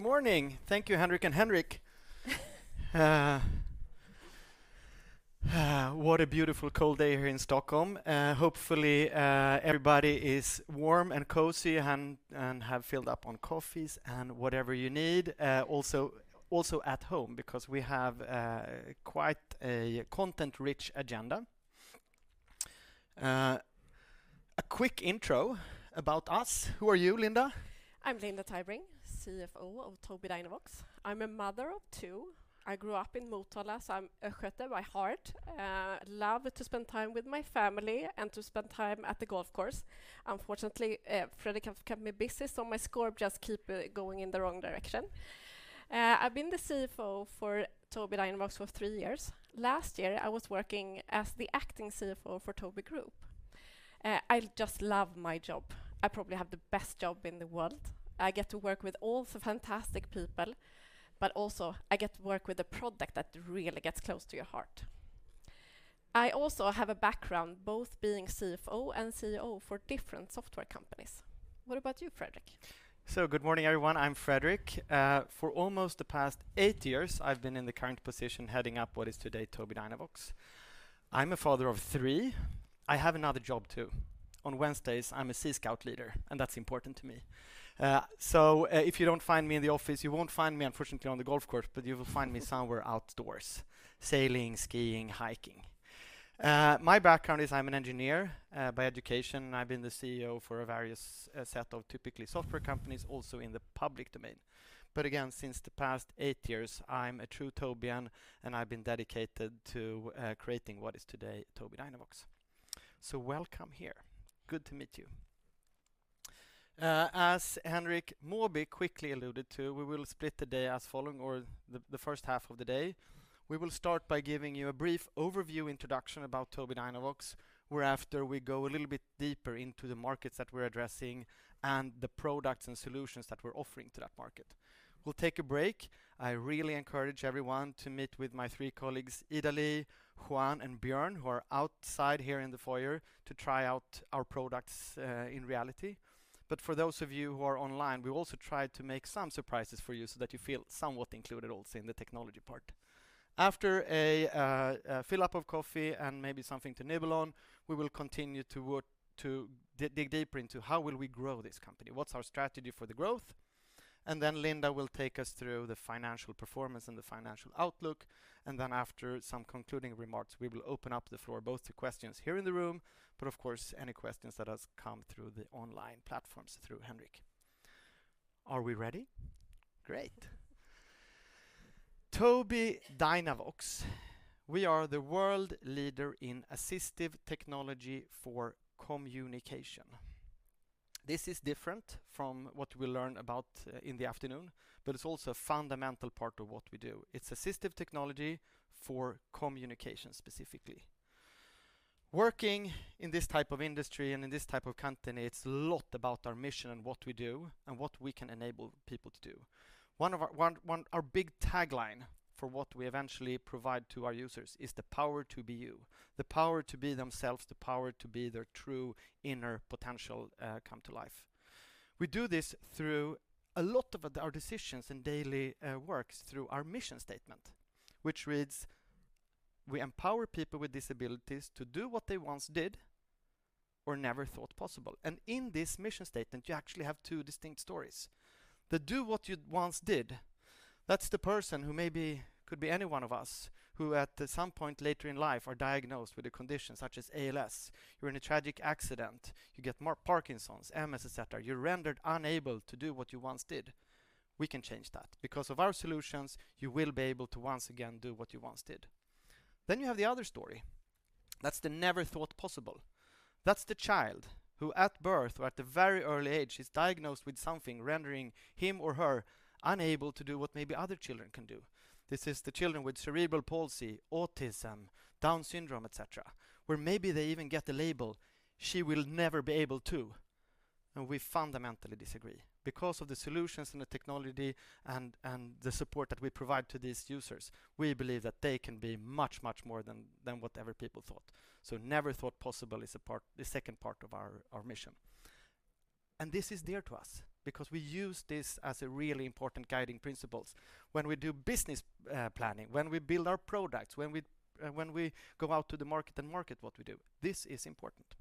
Good morning. Thank you, Henrik and Henrik. What a beautiful cold day here in Stockholm. Hopefully, everybody is warm and cozy and have filled up on coffees and whatever you need, also at home because we have quite a content rich agenda. A quick intro about us. Who are you, Linda? I'm Linda Tybring, CFO of Tobii Dynavox. I'm a mother of two. I grew up in Motala, so I'm a Östergötlander by heart. Love to spend time with my family and to spend time at the golf course. Unfortunately, Fredrik have kept me busy, so my score just keep going in the wrong direction. I've been the CFO for Tobii Dynavox for three years. Last year, I was working as the acting CFO for Tobii Group. I just love my job. I probably have the best job in the world. I get to work with all the fantastic people, but also I get to work with a product that really gets close to your heart. I also have a background both being CFO and CEO for different software companies. What about you, Fredrik? Good morning, everyone. I'm Fredrik. For almost the past eight years, I've been in the current position heading up what is today Tobii Dynavox. I'm a father of three. I have another job too. On Wednesdays, I'm a Sea Scout leader, and that's important to me. If you don't find me in the office, you won't find me, unfortunately, on the golf course, but you will find me somewhere outdoors, sailing, skiing, hiking. My background is I'm an engineer by education, and I've been the CEO for a various set of typically software companies, also in the public domain. Again, since the past eight years, I'm a true Tobii-an, and I've been dedicated to creating what is today Tobii Dynavox. Welcome here. Good to meet you. As Henrik Mawby quickly alluded to, we will split the day as follows, the first half of the day. We will start by giving you a brief overview introduction about Tobii Dynavox, whereafter we go a little bit deeper into the markets that we're addressing and the products and solutions that we're offering to that market. We'll take a break. I really encourage everyone to meet with my three colleagues, Idaly, Juan, and Björn, who are outside here in the foyer to try out our products in reality. For those of you who are online, we also try to make some surprises for you so that you feel somewhat included also in the technology part. After a fill-up of coffee and maybe something to nibble on, we will continue to work to dig deeper into how will we grow this company, what's our strategy for the growth. Then Linda will take us through the financial performance and the financial outlook. Then after some concluding remarks, we will open up the floor both to questions here in the room, but of course, any questions that has come through the online platforms through Henrik. Are we ready? Great. Tobii Dynavox, we are the world leader in assistive technology for communication. This is different from what we'll learn about in the afternoon, but it's also a fundamental part of what we do. It's assistive technology for communication, specifically. Working in this type of industry and in this type of company, it's a lot about our mission and what we do and what we can enable people to do. Our big tagline for what we eventually provide to our users is the power to be you, the power to be themselves, the power to be their true inner potential come to life. We do this through a lot of our decisions in daily works through our mission statement, which reads, "We empower people with disabilities to do what they once did or never thought possible." In this mission statement, you actually have two distinct stories. The do what you once did, that's the person who maybe could be any one of us, who at some point later in life are diagnosed with a condition such as ALS, you're in a tragic accident, you get Parkinson's, MS, et cetera. You're rendered unable to do what you once did. We can change that. Because of our solutions, you will be able to once again do what you once did. Then you have the other story. That's the never thought possible. That's the child who at birth or at a very early age is diagnosed with something rendering him or her unable to do what maybe other children can do. This is the children with cerebral palsy, autism, Down syndrome, et cetera, where maybe they even get the label, she will never be able to. We fundamentally disagree. Because of the solutions and the technology and the support that we provide to these users, we believe that they can be much more than whatever people thought. Never thought possible is a part, the second part of our mission. This is dear to us because we use this as a really important guiding principles when we do business, planning, when we build our products, when we go out to the market and market what we do. This is important.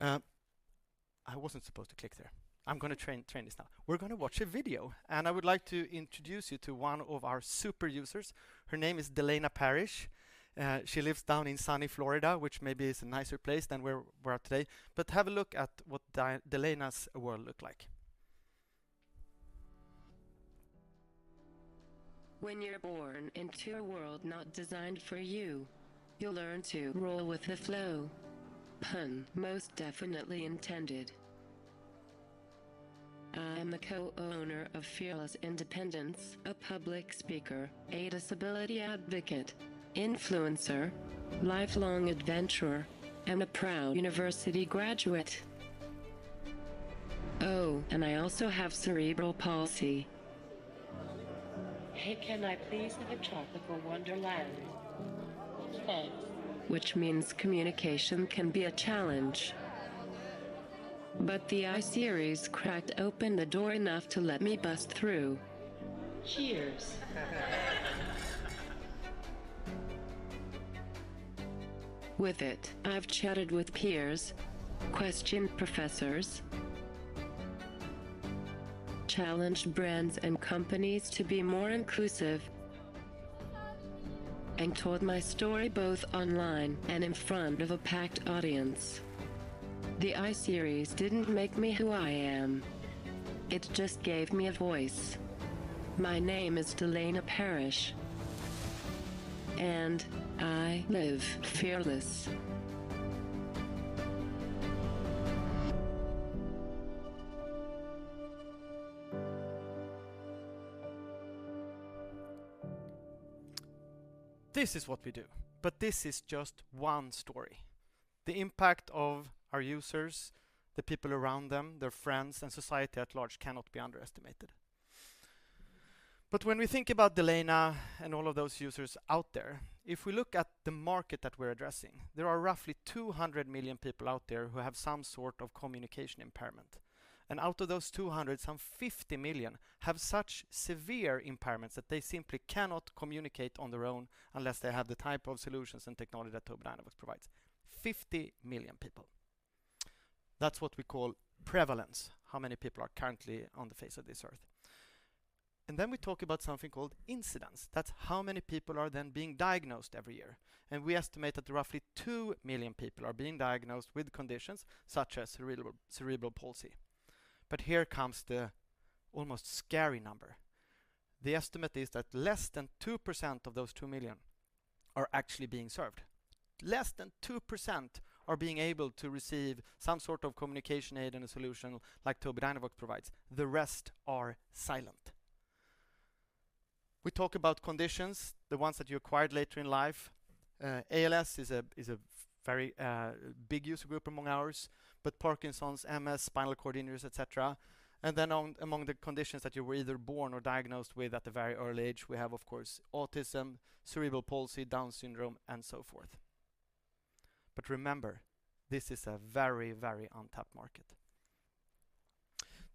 I wasn't supposed to click there. I'm gonna train this now. We're gonna watch a video, and I would like to introduce you to one of our super users. Her name is Delaina Parrish. She lives down in sunny Florida, which maybe is a nicer place than where we're at today. Have a look at what Delaina's world look like. When you're born into a world not designed for you learn to roll with the flow. Pun most definitely intended. I'm the co-owner of Fearless Independence, a public speaker, a disability advocate, influencer, lifelong adventurer, and a proud university graduate. Oh, and I also have cerebral palsy. Hey, can I please have a tropical wonderland? Thanks. Which means communication can be a challenge. But the I-Series cracked open the door enough to let me bust through. Cheers. With it, I've chatted with peers, questioned professors, challenged brands and companies to be more inclusive, and told my story both online and in front of a packed audience. The I-Series didn't make me who I am. It just gave me a voice. My name is Delaina Parrish, and I live fearless. This is what we do, but this is just one story. The impact of our users, the people around them, their friends, and society at large cannot be underestimated. When we think about Delaina and all of those users out there, if we look at the market that we're addressing, there are roughly 200 million people out there who have some sort of communication impairment. Out of those 200, some 50 million have such severe impairments that they simply cannot communicate on their own unless they have the type of solutions and technology that Tobii Dynavox provides. 50 million people. That's what we call prevalence, how many people are currently on the face of this earth. Then we talk about something called incidence. That's how many people are then being diagnosed every year. We estimate that roughly two million people are being diagnosed with conditions such as cerebral palsy. Here comes the almost scary number. The estimate is that less than 2% of those two million are actually being served. Less than 2% are being able to receive some sort of communication aid and a solution like Tobii Dynavox provides. The rest are silent. We talk about conditions, the ones that you acquired later in life. ALS is a very big user group among ours, but Parkinson's, MS, spinal cord injuries, et cetera. Among the conditions that you were either born or diagnosed with at a very early age, we have, of course, autism, cerebral palsy, Down syndrome, and so forth. Remember, this is a very, very untapped market.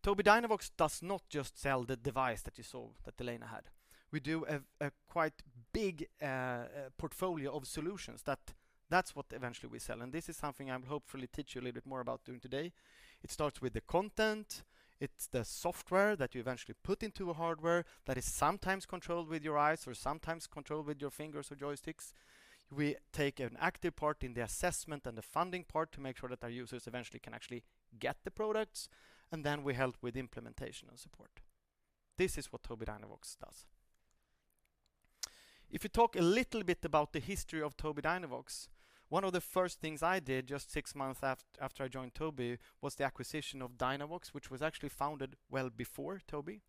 Tobii Dynavox does not just sell the device that you saw that Delaina had. We do a quite big portfolio of solutions that that's what eventually we sell, and this is something I will hopefully teach you a little bit more about during today. It starts with the content. It's the software that you eventually put into a hardware that is sometimes controlled with your eyes or sometimes controlled with your fingers or joysticks. We take an active part in the assessment and the funding part to make sure that our users eventually can actually get the products, and then we help with implementation and support. This is what Tobii Dynavox does. If you talk a little bit about the history of Tobii Dynavox, one of the first things I did just six months after I joined Tobii was the acquisition of DynaVox, which was actually founded well before Tobii.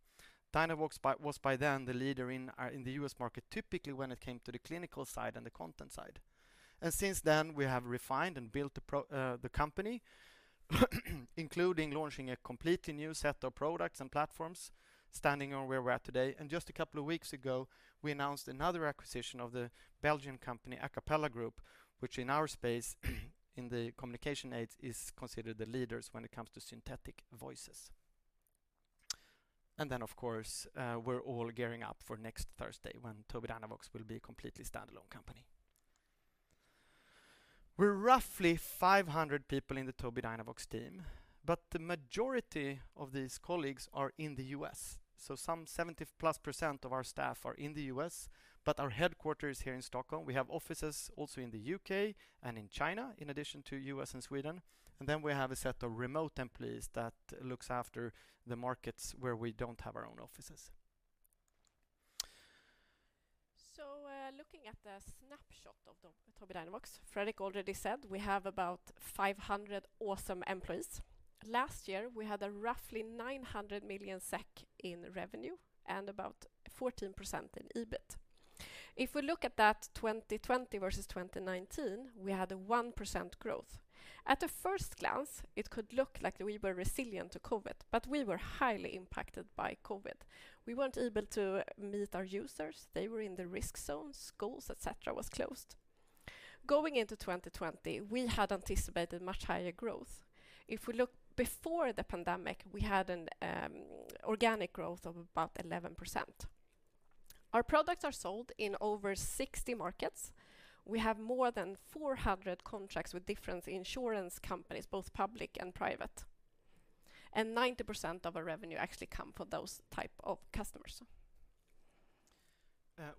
DynaVox, by then, was the leader in the U.S. market, typically when it came to the clinical side and the content side. Since then, we have refined and built the company, including launching a completely new set of products and platforms, standing on where we're at today. Just a couple of weeks ago, we announced another acquisition of the Belgian company, Acapela Group, which in our space, in the communication aids, is considered the leaders when it comes to synthetic voices. Then, of course, we're all gearing up for next Thursday when Tobii Dynavox will be a completely standalone company. We're roughly 500 people in the Tobii Dynavox team, but the majority of these colleagues are in the U.S. Some 70 plus percent of our staff are in the U.S., but our headquarters is here in Stockholm. We have offices also in the U.K. and in China, in addition to U.S. and Sweden. We have a set of remote employees that looks after the markets where we don't have our own offices. Looking at the snapshot of Tobii Dynavox, Fredrik already said we have about 500 awesome employees. Last year, we had roughly 900 million SEK in revenue and about 14% in EBIT. If we look at that 2020 versus 2019, we had 1% growth. At a first glance, it could look like we were resilient to COVID, but we were highly impacted by COVID. We weren't able to meet our users. They were in the risk zone. Schools, et cetera, was closed. Going into 2020, we had anticipated much higher growth. If we look before the pandemic, we had an organic growth of about 11%. Our products are sold in over 60 markets. We have more than 400 contracts with different insurance companies, both public and private, and 90% of our revenue actually come from those type of customers.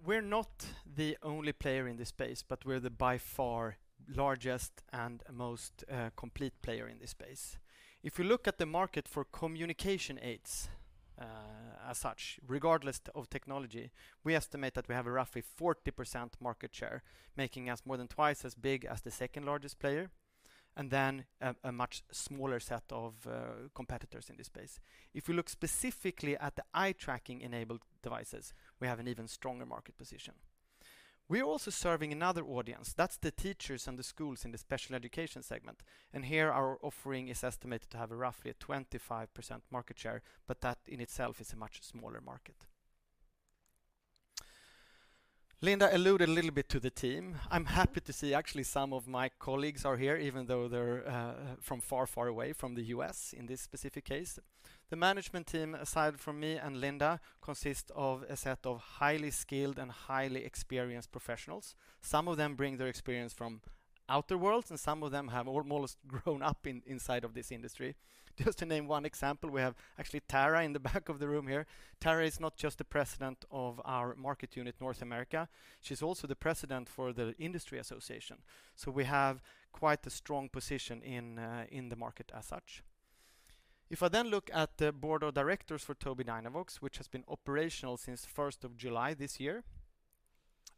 We're not the only player in this space, but we're the by far largest and most complete player in this space. If you look at the market for communication aids as such, regardless of technology, we estimate that we have a roughly 40% market share, making us more than twice as big as the second largest player, and then a much smaller set of competitors in this space. If you look specifically at the eye tracking enabled devices, we have an even stronger market position. We are also serving another audience. That's the teachers and the schools in the special education segment, and here our offering is estimated to have a roughly 25% market share, but that in itself is a much smaller market. Linda alluded a little bit to the team. I'm happy to see actually some of my colleagues are here, even though they're from far, far away from the U.S. in this specific case. The management team, aside from me and Linda, consists of a set of highly skilled and highly experienced professionals. Some of them bring their experience from outer worlds, and some of them have almost grown up inside of this industry. Just to name one example, we have actually Tara in the back of the room here. Tara is not just the President of our market unit, North America. She's also the President for the industry association, so we have quite a strong position in the market as such. If I look at the board of directors for Tobii Dynavox, which has been operational since first of July this year,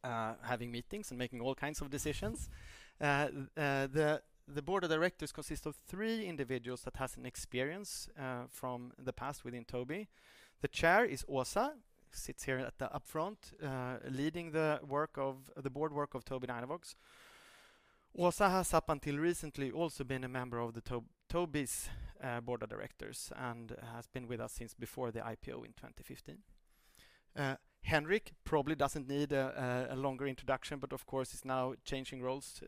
having meetings and making all kinds of decisions, the board of directors consists of three individuals that has an experience from the past within Tobii. The chair is Åsa, sits here at the up front, leading the work of the board of Tobii Dynavox. Åsa has up until recently also been a member of the Tobii's board of directors and has been with us since before the IPO in 2015. Henrik probably doesn't need a longer introduction, but of course, is now changing roles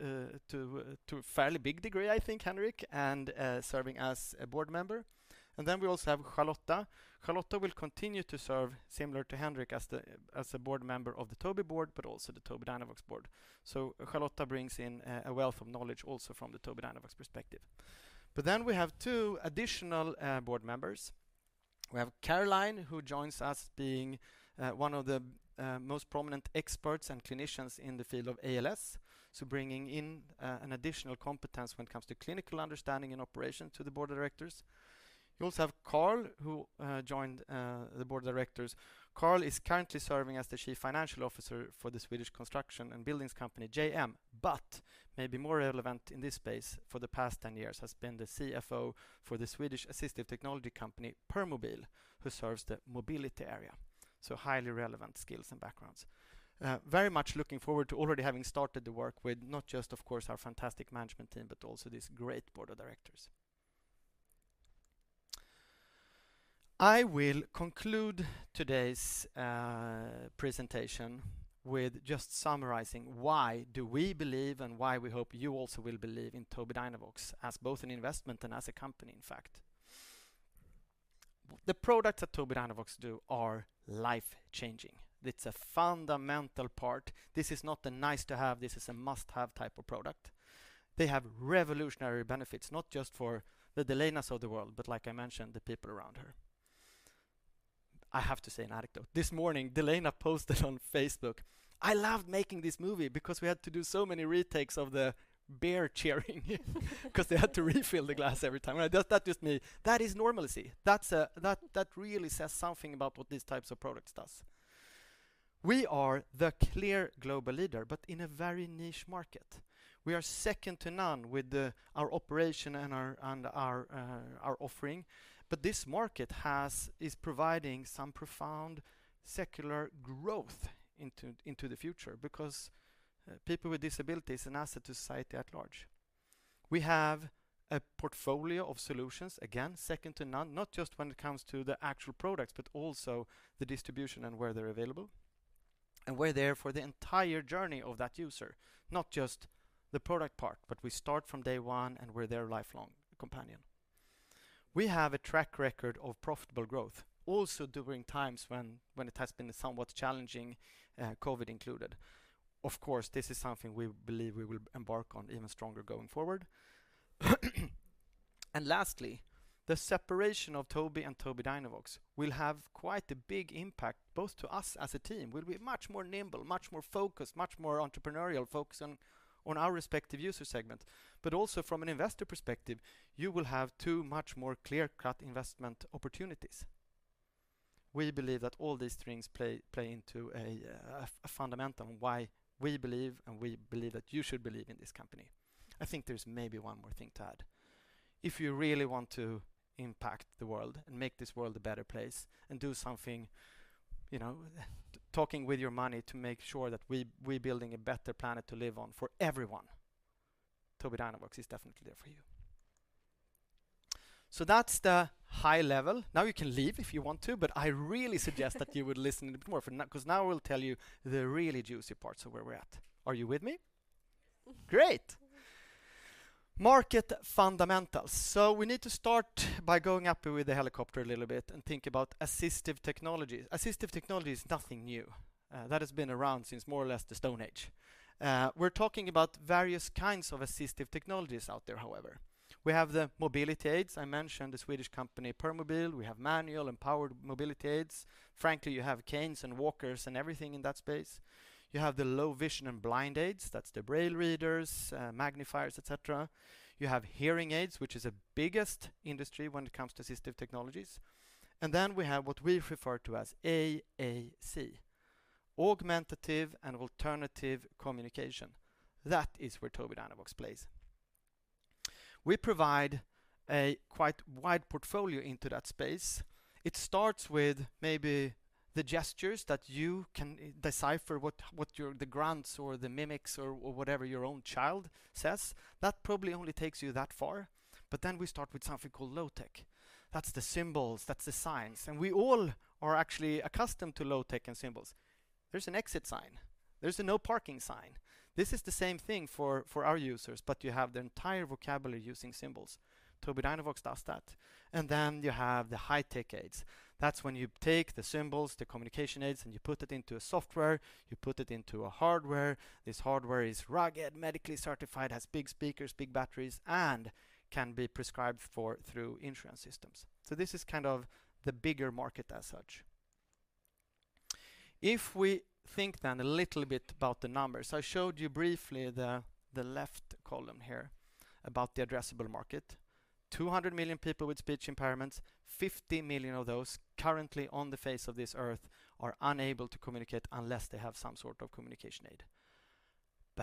to a fairly big degree, I think, Henrik, and serving as a board member. We also have Charlotta. Charlotta will continue to serve similar to Henrik as a board member of the Tobii board, but also the Tobii Dynavox board. Charlotta brings in a wealth of knowledge also from the Tobii Dynavox perspective. We have two additional board members. We have Caroline, who joins us being one of the most prominent experts and clinicians in the field of ALS, so bringing in an additional competence when it comes to clinical understanding and operation to the board of directors. You also have Carl, who joined the board of directors. Carl is currently serving as the Chief Financial Officer for the Swedish construction and buildings company JM, but maybe more relevant in this space for the past 10 years, has been the CFO for the Swedish assistive technology company, Permobil, who serves the mobility area, so highly relevant skills and backgrounds. Very much looking forward to already having started the work with not just, of course, our fantastic management team, but also this great board of directors. I will conclude today's presentation with just summarizing why do we believe and why we hope you also will believe in Tobii Dynavox as both an investment and as a company, in fact. The products that Tobii Dynavox do are life-changing. It's a fundamental part. This is not a nice to have, this is a must-have type of product. They have revolutionary benefits, not just for the Delainas of the world, but like I mentioned, the people around her. I have to say an anecdote. This morning, Delaina posted on Facebook, "I loved making this movie because we had to do so many retakes of the beer cheering," because they had to refill the glass every time. That, that's just me. That is normalcy. That's that really says something about what these types of products does. We are the clear global leader, but in a very niche market. We are second to none with our operation and our offering. But this market is providing some profound secular growth into the future because people with disabilities an asset to society at large. We have a portfolio of solutions, again, second to none, not just when it comes to the actual products, but also the distribution and where they're available. We're there for the entire journey of that user, not just the product part, but we start from day one, and we're their lifelong companion. We have a track record of profitable growth, also during times when it has been somewhat challenging, COVID included. Of course, this is something we believe we will embark on even stronger going forward. Lastly, the separation of Tobii and Tobii Dynavox will have quite a big impact, both to us as a team. We'll be much more nimble, much more focused, much more entrepreneurial, focused on our respective user segment. Also from an investor perspective, you will have two much more clear-cut investment opportunities. We believe that all these things play into a fundamental why we believe, and we believe that you should believe in this company. I think there's maybe one more thing to add. If you really want to impact the world and make this world a better place and do something, you know, talking with your money to make sure that we're building a better planet to live on for everyone, Tobii Dynavox is definitely there for you. That's the high level. Now you can leave if you want to, but I really suggest that you would listen a bit more for now, because now I will tell you the really juicy parts of where we're at. Are you with me? Great. Market fundamentals. We need to start by going up with the helicopter a little bit and think about assistive technologies. Assistive technology is nothing new. That has been around since more or less the Stone Age. We're talking about various kinds of assistive technologies out there, however. We have the mobility aids. I mentioned the Swedish company, Permobil. We have manual and powered mobility aids. Frankly, you have canes and walkers and everything in that space. You have the low vision and blind aids. That's the Braille readers, magnifiers, et cetera. You have hearing aids, which is the biggest industry when it comes to assistive technologies. We have what we refer to as AAC, Augmentative and Alternative Communication. That is where Tobii Dynavox plays. We provide a quite wide portfolio into that space. It starts with maybe the gestures that you can decipher the grunts or the mimics or whatever your own child says. That probably only takes you that far. We start with something called low tech. That's the symbols, that's the signs, and we all are actually accustomed to low-tech and symbols. There's an exit sign. There's a no parking sign. This is the same thing for our users, but you have the entire vocabulary using symbols. Tobii Dynavox does that. You have the high tech aids. That's when you take the symbols, the communication aids, and you put it into a software, you put it into a hardware. This hardware is rugged, medically certified, has big speakers, big batteries, and can be prescribed for through insurance systems. This is kind of the bigger market as such. If we think then a little bit about the numbers, I showed you briefly the left column here about the addressable market. 200 million people with speech impairments, 50 million of those currently on the face of this earth are unable to communicate unless they have some sort of communication aid.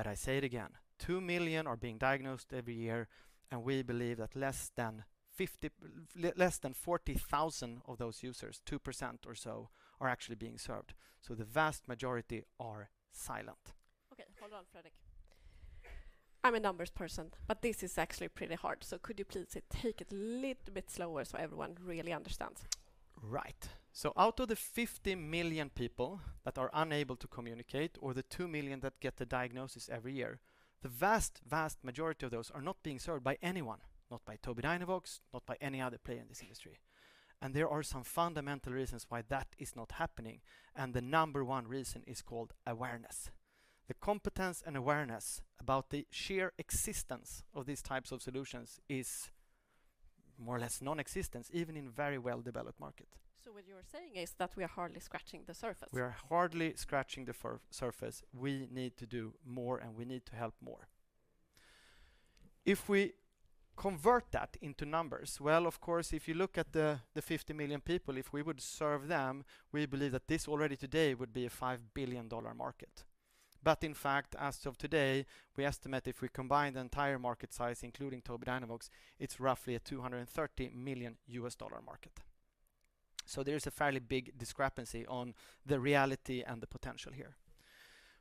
I say it again, 2 million are being diagnosed every year, and we believe that less than 40,000 of those users, 2% or so, are actually being served, so the vast majority are silent. Okay. Hold on, Fredrik. I'm a numbers person, but this is actually pretty hard, so could you please take it a little bit slower so everyone really understands? Right. Out of the 50 million people that are unable to communicate or the two million that get the diagnosis every year, the vast majority of those are not being served by anyone, not by Tobii Dynavox, not by any other player in this industry. There are some fundamental reasons why that is not happening, and the number one reason is called awareness. The competence and awareness about the sheer existence of these types of solutions is more or less nonexistent, even in very well-developed markets. What you're saying is that we are hardly scratching the surface. We are hardly scratching the surface. We need to do more, and we need to help more. If we convert that into numbers, well, of course, if you look at the 50 million people, if we would serve them, we believe that this already today would be a $5 billion market. In fact, as of today, we estimate if we combine the entire market size, including Tobii Dynavox, it's roughly a $230 million market. There is a fairly big discrepancy on the reality and the potential here.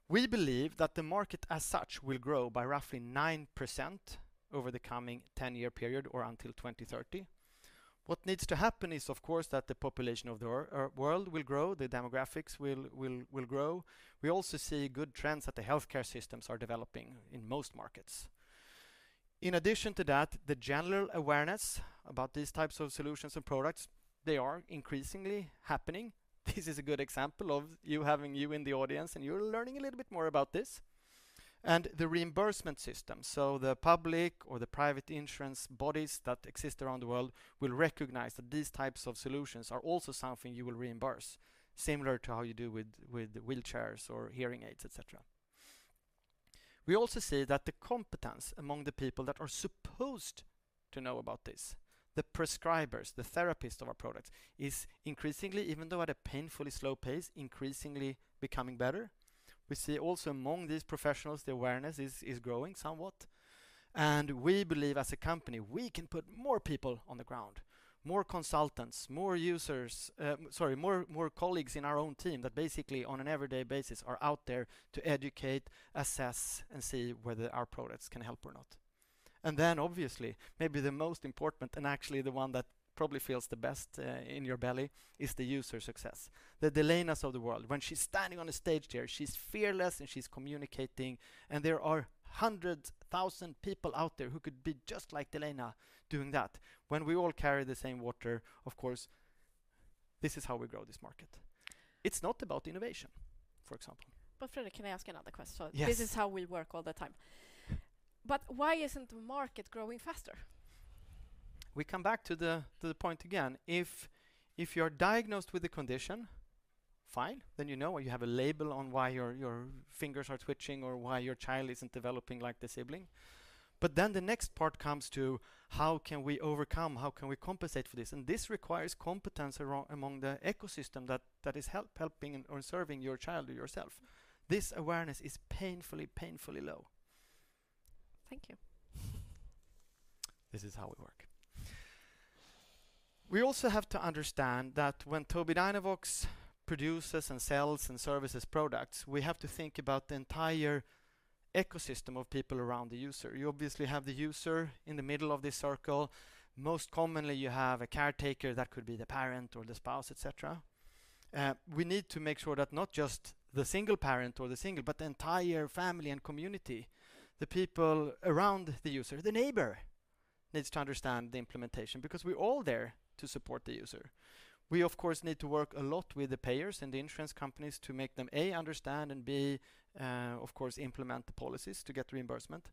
We believe that the market, as such, will grow by roughly 9% over the coming 10-year period or until 2030. What needs to happen is, of course, that the population of the world will grow, the demographics will grow. We also see good trends that the healthcare systems are developing in most markets. In addition to that, the general awareness about these types of solutions and products, they are increasingly happening. This is a good example of you having you in the audience, and you're learning a little bit more about this. The reimbursement system, so the public or the private insurance bodies that exist around the world will recognize that these types of solutions are also something you will reimburse, similar to how you do with wheelchairs or hearing aids, et cetera. We also see that the competence among the people that are supposed to know about this, the prescribers, the therapists of our products, is increasingly, even though at a painfully slow pace, increasingly becoming better. We see also among these professionals, the awareness is growing somewhat. We believe as a company, we can put more people on the ground, more consultants, more users, sorry, more colleagues in our own team that basically on an everyday basis are out there to educate, assess, and see whether our products can help or not. Then obviously, maybe the most important, and actually the one that probably feels the best, in your belly, is the user success. The Delainas of the world. When she's standing on a stage there, she's fearless, and she's communicating, and there are 100,000 people out there who could be just like Delaina doing that. When we all carry the same water, of course, this is how we grow this market. It's not about innovation, for example. Fredrik, can I ask another question? Yes. This is how we work all the time. Why isn't the market growing faster? We come back to the point again. If you're diagnosed with a condition, fine, then you know or you have a label on why your fingers are twitching or why your child isn't developing like the sibling. The next part comes to how can we overcome, how can we compensate for this? This requires competence among the ecosystem that is helping or serving your child or yourself. This awareness is painfully low. Thank you. This is how we work. We also have to understand that when Tobii Dynavox produces and sells and services products, we have to think about the entire ecosystem of people around the user. You obviously have the user in the middle of this circle. Most commonly, you have a caretaker, that could be the parent or the spouse, et cetera. We need to make sure that not just the single parent, but the entire family and community, the people around the user, the neighbor needs to understand the implementation because we're all there to support the user. We, of course, need to work a lot with the payers and the insurance companies to make them, A, understand, and B, of course, implement the policies to get reimbursement.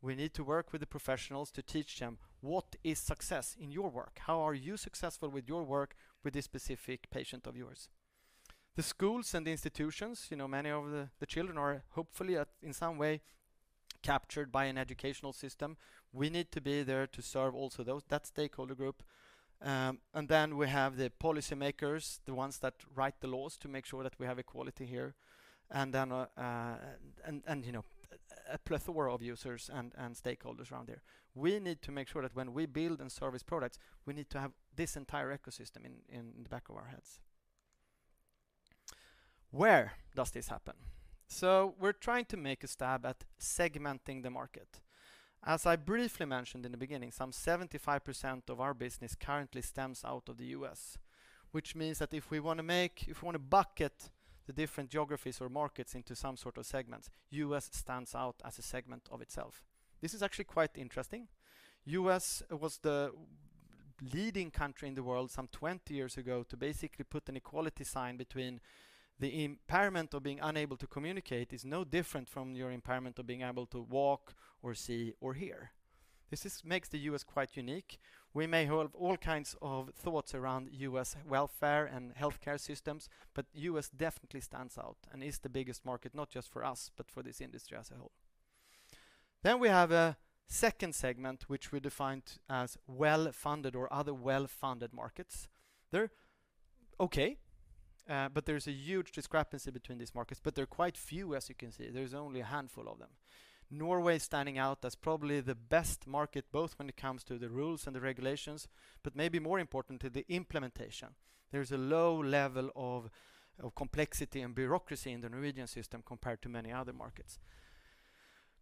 We need to work with the professionals to teach them what is success in your work. How are you successful with your work with this specific patient of yours? The schools and the institutions, you know, many of the children are hopefully in some way captured by an educational system. We need to be there to serve also that stakeholder group. We have the policymakers, the ones that write the laws to make sure that we have equality here. A plethora of users and stakeholders around there. We need to make sure that when we build and service products, we need to have this entire ecosystem in the back of our heads. Where does this happen? We're trying to make a stab at segmenting the market. As I briefly mentioned in the beginning, 75% of our business currently stems out of the U.S., which means that if we wanna bucket the different geographies or markets into some sort of segments, U.S. stands out as a segment of itself. This is actually quite interesting. U.S. was the leading country in the world 20 years ago to basically put an equality sign between the impairment of being unable to communicate is no different from your impairment of being able to walk or see or hear. This makes the U.S. quite unique. We may have all kinds of thoughts around U.S. welfare and healthcare systems, but U.S. definitely stands out and is the biggest market, not just for us, but for this industry as a whole. We have a second segment, which we defined as well-funded or other well-funded markets. They're okay, but there's a huge discrepancy between these markets, but they're quite few, as you can see. There's only a handful of them, Norway standing out as probably the best market, both when it comes to the rules and the regulations, but maybe more importantly, the implementation. There's a low level of complexity and bureaucracy in the Norwegian system compared to many other markets.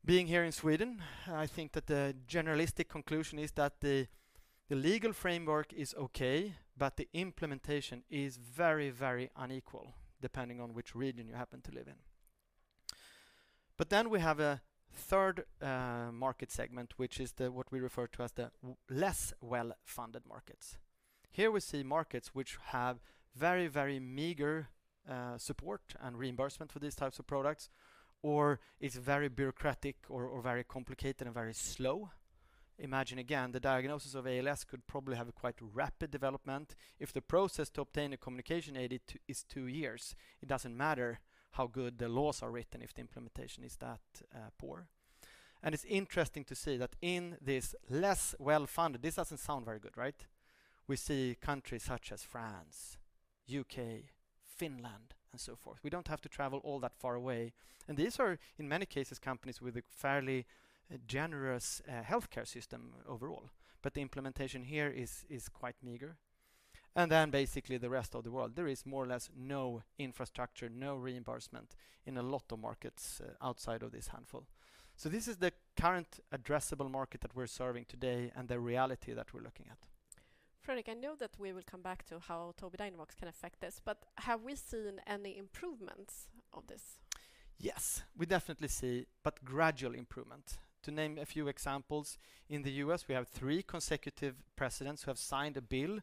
Being here in Sweden, I think that the general conclusion is that the legal framework is okay, but the implementation is very, very unequal depending on which region you happen to live in. We have a third market segment, which is what we refer to as the less well-funded markets. Here we see markets which have very, very meager support and reimbursement for these types of products, or it's very bureaucratic or very complicated and very slow. Imagine again, the diagnosis of ALS could probably have a quite rapid development. If the process to obtain a communication aid is two years, it doesn't matter how good the laws are written if the implementation is that poor. It's interesting to see that in this less well-funded, this doesn't sound very good, right? We see countries such as France, U.K., Finland, and so forth. We don't have to travel all that far away. These are, in many cases, countries with a fairly generous healthcare system overall, but the implementation here is quite meager. Basically the rest of the world, there is more or less no infrastructure, no reimbursement in a lot of markets outside of this handful. This is the current addressable market that we're serving today and the reality that we're looking at. Fredrik, I know that we will come back to how Tobii Dynavox can affect this, but have we seen any improvements of this? Yes, we definitely see but gradual improvement. To name a few examples, in the U.S., we have three consecutive presidents who have signed a bill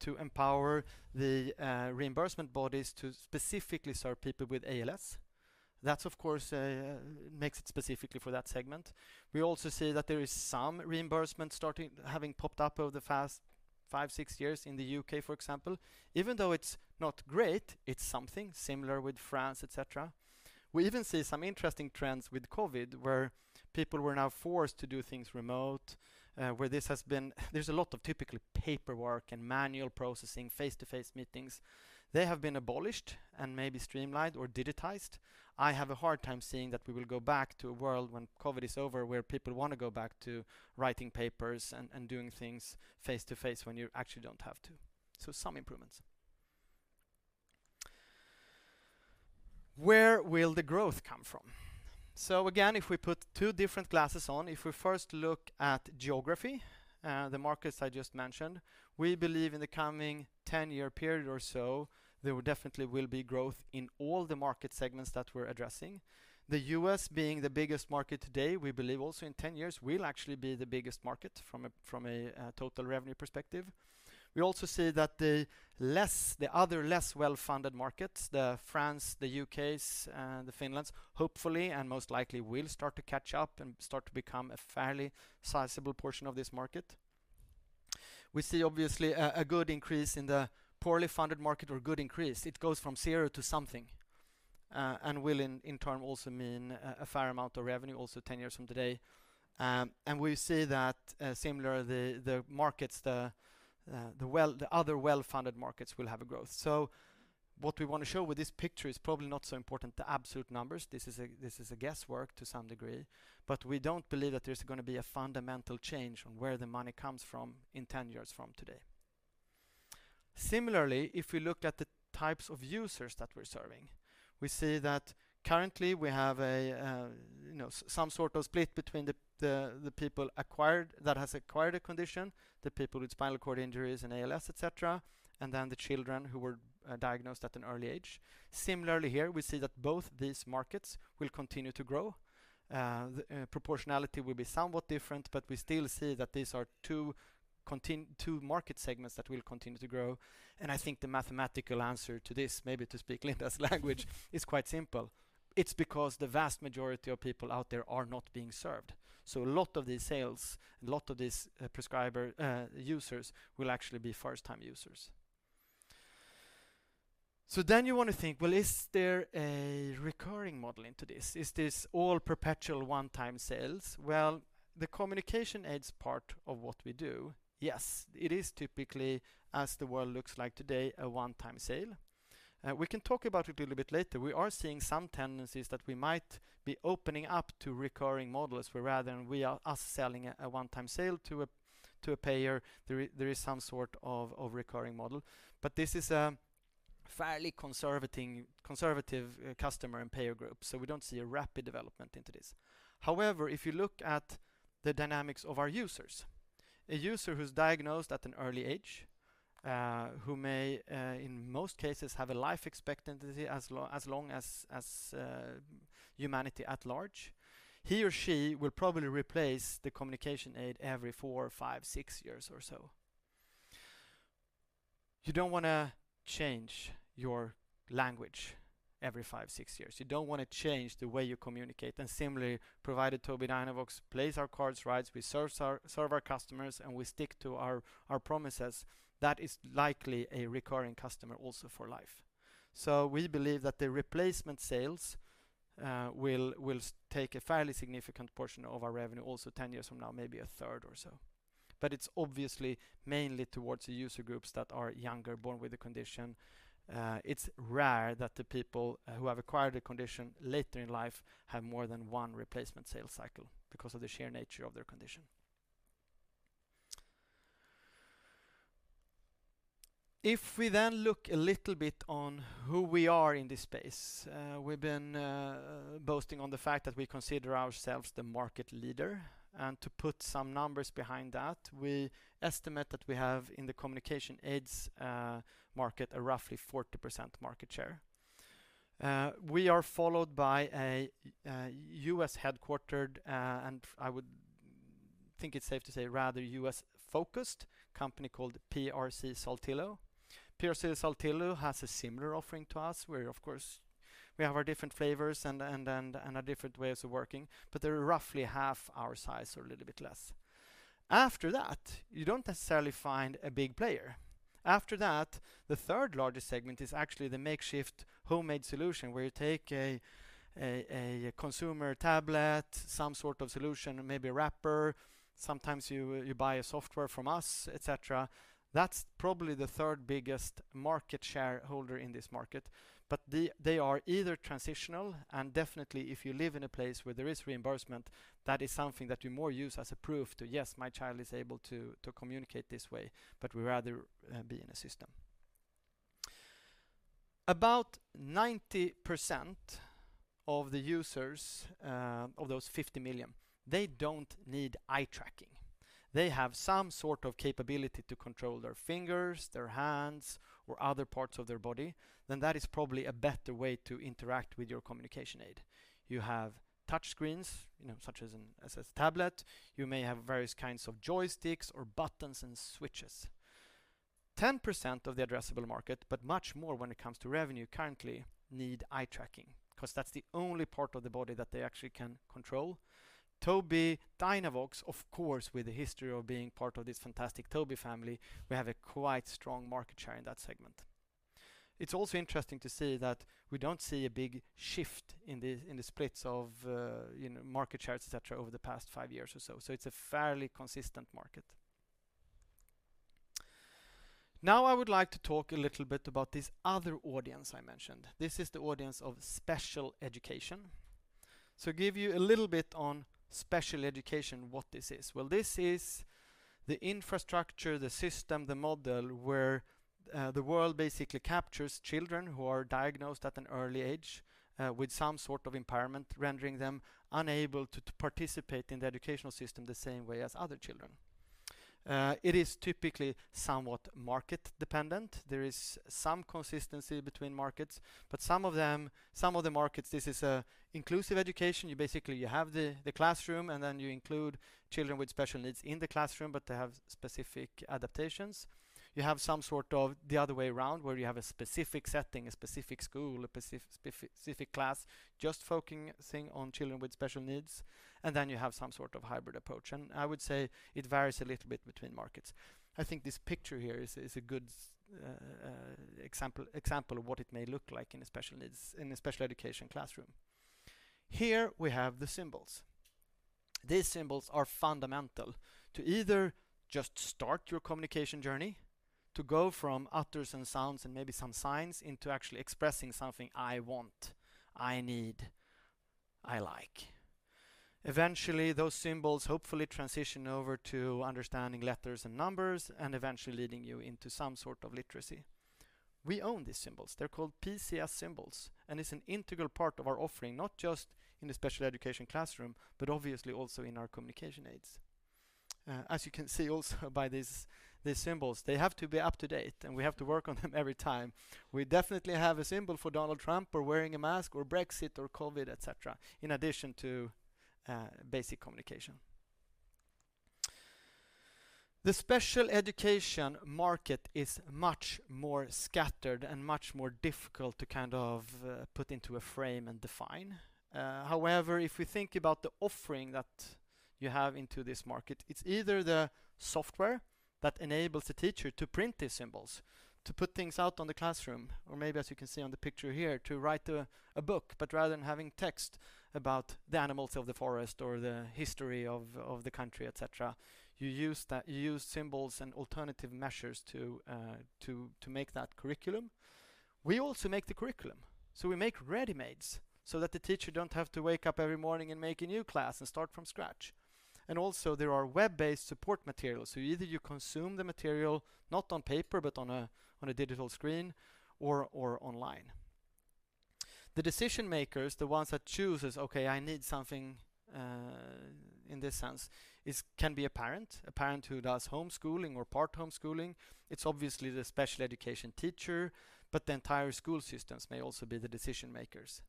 to empower the reimbursement bodies to specifically serve people with ALS. That, of course, makes it specifically for that segment. We also see that there is some reimbursement having popped up over the past five six years in the U.K., for example. Even though it's not great, it's something similar with France, et cetera. We even see some interesting trends with COVID, where people were now forced to do things remotely, where there has been a lot of typical paperwork and manual processing, face-to-face meetings. They have been abolished and maybe streamlined or digitized. I have a hard time seeing that we will go back to a world when COVID is over, where people wanna go back to writing papers and doing things face-to-face when you actually don't have to. Some improvements. Where will the growth come from? Again, if we put two different glasses on, if we first look at geography, the markets I just mentioned, we believe in the coming 10-year period or so, there definitely will be growth in all the market segments that we're addressing. The U.S. being the biggest market today, we believe also in 10 years will actually be the biggest market from a total revenue perspective. We also see that the less... The other less well-funded markets, France, the U.K., and Finland, hopefully and most likely will start to catch up and start to become a fairly sizable portion of this market. We see obviously a good increase in the poorly funded market. It goes from zero to something, and will in turn also mean a fair amount of revenue also ten years from today. We see that the other well-funded markets will have a growth. What we wanna show with this picture is probably not so important, the absolute numbers. This is guesswork to some degree, but we don't believe that there's gonna be a fundamental change on where the money comes from in ten years from today. Similarly, if we look at the types of users that we're serving, we see that currently we have some sort of split between the people who have acquired a condition, the people with spinal cord injuries and ALS, et cetera, and then the children who were diagnosed at an early age. Similarly here, we see that both these markets will continue to grow. The proportionality will be somewhat different, but we still see that these are two market segments that will continue to grow. I think the mathematical answer to this, maybe to speak Linda's language, is quite simple. It's because the vast majority of people out there are not being served. A lot of these sales, prescriber users will actually be first-time users. You wanna think, well, is there a recurring model into this? Is this all perpetual one-time sales? Well, the communication aids part of what we do, yes, it is typically, as the world looks like today, a one-time sale. We can talk about it a little bit later. We are seeing some tendencies that we might be opening up to recurring models, where rather than us selling a one-time sale to a payer, there is some sort of recurring model. This is a fairly conservative customer and payer group, so we don't see a rapid development into this. However, if you look at the dynamics of our users, a user who's diagnosed at an early age, who may, in most cases, have a life expectancy as long as humanity at large, he or she will probably replace the communication aid every four, five, six years or so. You don't wanna change your language every five, six years. You don't wanna change the way you communicate. Similarly, provided Tobii Dynavox plays our cards right, we serve our customers, and we stick to our promises, that is likely a recurring customer also for life. We believe that the replacement sales will take a fairly significant portion of our revenue also 10 years from now, maybe a third or so. It's obviously mainly towards the user groups that are younger, born with the condition. It's rare that the people who have acquired the condition later in life have more than one replacement sales cycle because of the sheer nature of their condition. If we then look a little bit on who we are in this space, we've been boasting on the fact that we consider ourselves the market leader. To put some numbers behind that, we estimate that we have, in the communication aids market, a roughly 40% market share. We are followed by a U.S.-headquartered and I would think it's safe to say rather U.S.-focused company called PRC-Saltillo. PRC-Saltillo has a similar offering to us. We're of course we have our different flavors and our different ways of working, but they're roughly half our size or a little bit less. After that, you don't necessarily find a big player. After that, the third largest segment is actually the makeshift homemade solution, where you take a consumer tablet, some sort of solution, maybe a wrapper. Sometimes you buy a software from us, et cetera. That's probably the third biggest market share in this market. They are either transitional and definitely if you live in a place where there is reimbursement, that is something that you more use as a proof to, yes, my child is able to communicate this way, but we rather be in a system. About 90% of the users of those 50 million, they don't need eye tracking. They have some sort of capability to control their fingers, their hands, or other parts of their body, then that is probably a better way to interact with your communication aid. You have touch screens, you know, such as in a tablet, you may have various kinds of joysticks or buttons and switches. 10% of the addressable market, but much more when it comes to revenue currently need eye tracking, 'cause that's the only part of the body that they actually can control. Tobii Dynavox, of course, with a history of being part of this fantastic Tobii family, we have a quite strong market share in that segment. It's also interesting to see that we don't see a big shift in the splits of, you know, market shares, et cetera, over the past five years or so. It's a fairly consistent market. Now I would like to talk a little bit about this other audience I mentioned. This is the audience of special education. Give you a little bit on special education, what this is. Well, this is the infrastructure, the system, the model, where the world basically captures children who are diagnosed at an early age with some sort of impairment, rendering them unable to participate in the educational system the same way as other children. It is typically somewhat market dependent. There is some consistency between markets, but some of them, some of the markets, this is inclusive education. You basically have the classroom, and then you include children with special needs in the classroom, but they have specific adaptations. You have some sort of the other way around, where you have a specific setting, a specific school, a specific class just focusing on children with special needs, and then you have some sort of hybrid approach. I would say it varies a little bit between markets. I think this picture here is a good example of what it may look like in a special education classroom. Here we have the symbols. These symbols are fundamental to either just start your communication journey, to go from utters and sounds and maybe some signs into actually expressing something I want, I need, I like. Eventually, those symbols hopefully transition over to understanding letters and numbers, and eventually leading you into some sort of literacy. We own these symbols. They're called PCS symbols, and it's an integral part of our offering, not just in the special education classroom, but obviously also in our communication aids. As you can see also by these symbols, they have to be up to date, and we have to work on them every time. We definitely have a symbol for Donald Trump or wearing a mask or Brexit or COVID, et cetera, in addition to basic communication. The special education market is much more scattered and much more difficult to put into a frame and define. However, if we think about the offering that you have into this market, it's either the software that enables the teacher to print these symbols, to put things out in the classroom, or maybe, as you can see on the picture here, to write a book. Rather than having text about the animals of the forest or the history of the country, et cetera, you use symbols and alternative measures to make that curriculum. We also make the curriculum, so we make readymades so that the teacher don't have to wake up every morning and make a new class and start from scratch. There are web-based support materials. Either you consume the material not on paper, but on a digital screen or online. The decision-makers, the ones that chooses, okay, I need something in this sense, is can be a parent, a parent who does homeschooling or part homeschooling. It's obviously the special education teacher, but the entire school systems may also be the decision-makers.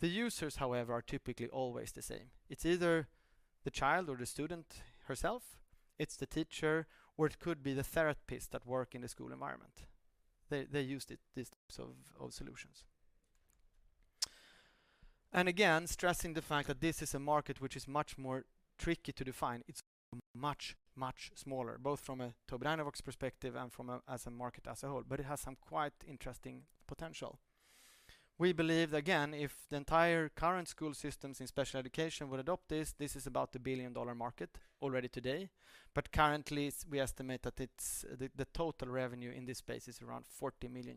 The users, however, are typically always the same. It's either the child or the student herself, it's the teacher, or it could be the therapist that work in the school environment. They used it, these types of solutions. Again, stressing the fact that this is a market which is much more tricky to define. It's much, much smaller, both from a Tobii Dynavox perspective and from a market as a whole, but it has some quite interesting potential. We believe, again, if the entire current school systems in special education would adopt this is about a billion-dollar market already today. Currently, we estimate that the total revenue in this space is around $40 million.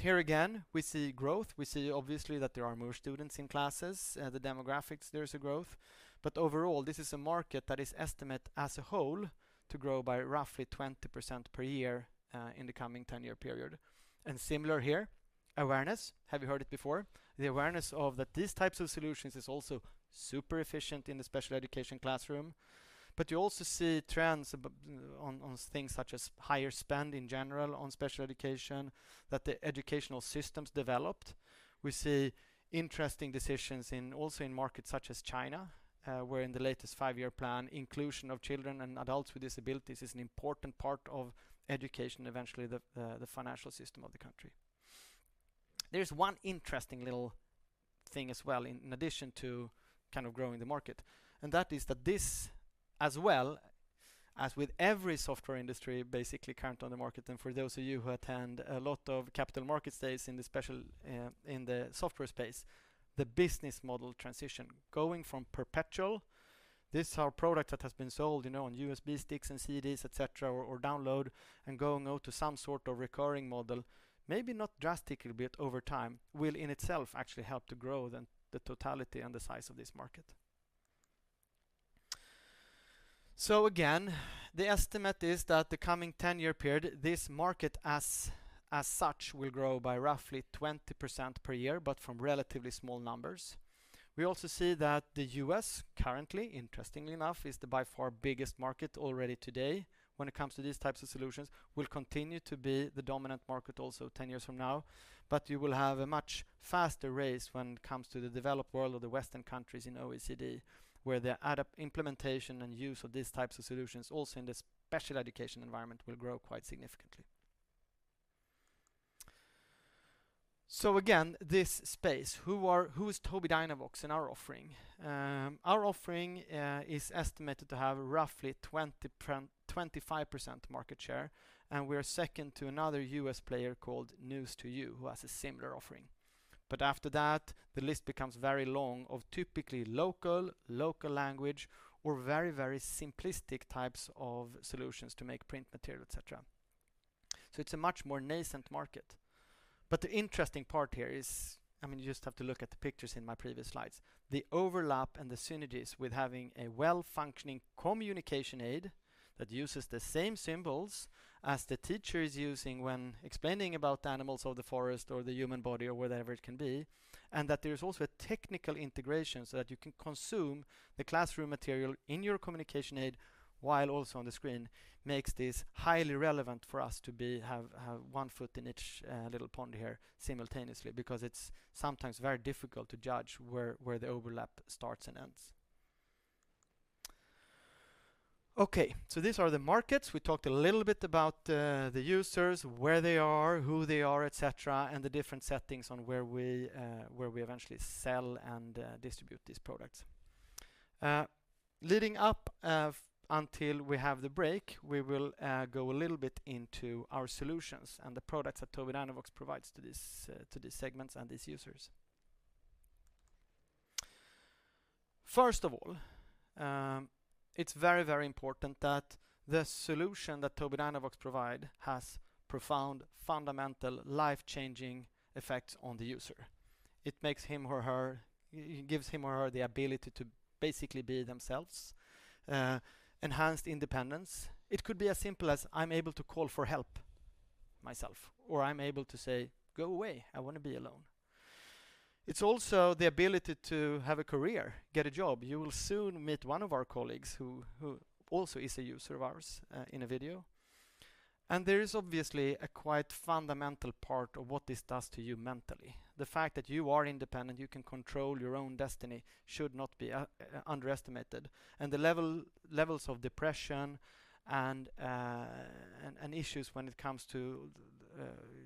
Here again, we see growth. We see obviously that there are more students in classes, the demographics, there's a growth. Overall, this is a market that is estimated as a whole to grow by roughly 20% per year in the coming 10-year period. Similar here, awareness. Have you heard it before? The awareness of that these types of solutions is also super efficient in the special education classroom. You also see trends on things such as higher spend in general on special education, that the educational systems developed. We see interesting decisions also in markets such as China, where in the latest 5-year plan, inclusion of children and adults with disabilities is an important part of education, eventually the financial system of the country. There's one interesting little thing as well in addition to kind of growing the market, and that is that this, as well as with every software industry, basically current on the market, and for those of you who attend a lot of capital markets days in the special, in the software space, the business model transition, going from perpetual, this is our product that has been sold, you know, on USB sticks and CDs, et cetera, or download and going out to some sort of recurring model, maybe not drastically, but over time, will in itself actually help to grow then the totality and the size of this market. Again, the estimate is that the coming 10-year period, this market as such, will grow by roughly 20% per year, but from relatively small numbers. We also see that the U.S. currently, interestingly enough, is by far the biggest market already today when it comes to these types of solutions. It will continue to be the dominant market also 10 years from now. You will have a much faster pace when it comes to the developed world or the Western countries in OECD, where the implementation and use of these types of solutions also in the special education environment will grow quite significantly. Again, this space, who's Tobii Dynavox and our offering? Our offering is estimated to have roughly 25% market share, and we are second to another U.S. player called News-2-You, who has a similar offering. After that, the list becomes very long of typically local language or very simplistic types of solutions to make print material, et cetera. It's a much more nascent market. The interesting part here is, I mean, you just have to look at the pictures in my previous slides. The overlap and the synergies with having a well-functioning communication aid that uses the same symbols as the teacher is using when explaining about the animals or the forest or the human body or whatever it can be, and that there is also a technical integration so that you can consume the classroom material in your communication aid while also on the screen, makes this highly relevant for us to be, have one foot in each little pond here simultaneously, because it's sometimes very difficult to judge where the overlap starts and ends. Okay, these are the markets. We talked a little bit about the users, where they are, who they are, et cetera, and the different settings on where we where we eventually sell and distribute these products. Leading up until we have the break, we will go a little bit into our solutions and the products that Tobii Dynavox provides to these to these segments and these users. First of all, it's very, very important that the solution that Tobii Dynavox provide has profound, fundamental, life-changing effects on the user. It makes him or her, it gives him or her the ability to basically be themselves, enhanced independence. It could be as simple as I'm able to call for help myself, or I'm able to say, "Go away, I wanna be alone." It's also the ability to have a career, get a job. You will soon meet one of our colleagues who also is a user of ours in a video. There is obviously a quite fundamental part of what this does to you mentally. The fact that you are independent, you can control your own destiny should not be underestimated. The levels of depression and issues when it comes to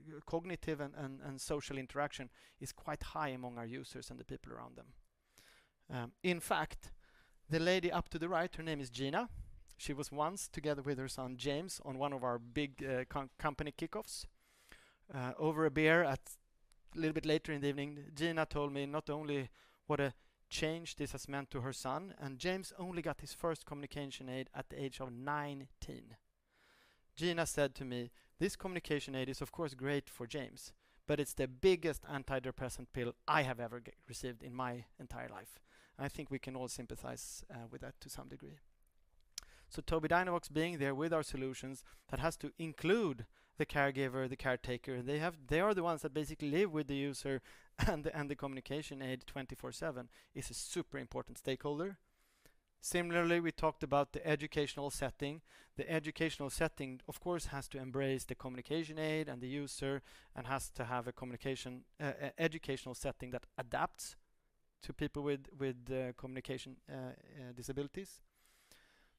your cognitive and social interaction is quite high among our users and the people around them. In fact, the lady up to the right, her name is Gina. She was once together with her son, James, on one of our big company kickoffs. Over a beer at... little bit later in the evening, Gina told me not only what a change this has meant to her son, and James only got his first communication aid at the age of 19. Gina said to me, "This communication aid is of course great for James, but it's the biggest antidepressant pill I have ever received in my entire life." I think we can all sympathize with that to some degree. Tobii Dynavox being there with our solutions, that has to include the caregiver, the caretaker. They are the ones that basically live with the user and the communication aid 24/7, is a super important stakeholder. Similarly, we talked about the educational setting. The educational setting, of course, has to embrace the communication aid and the user and has to have a communication educational setting that adapts to people with communication disabilities.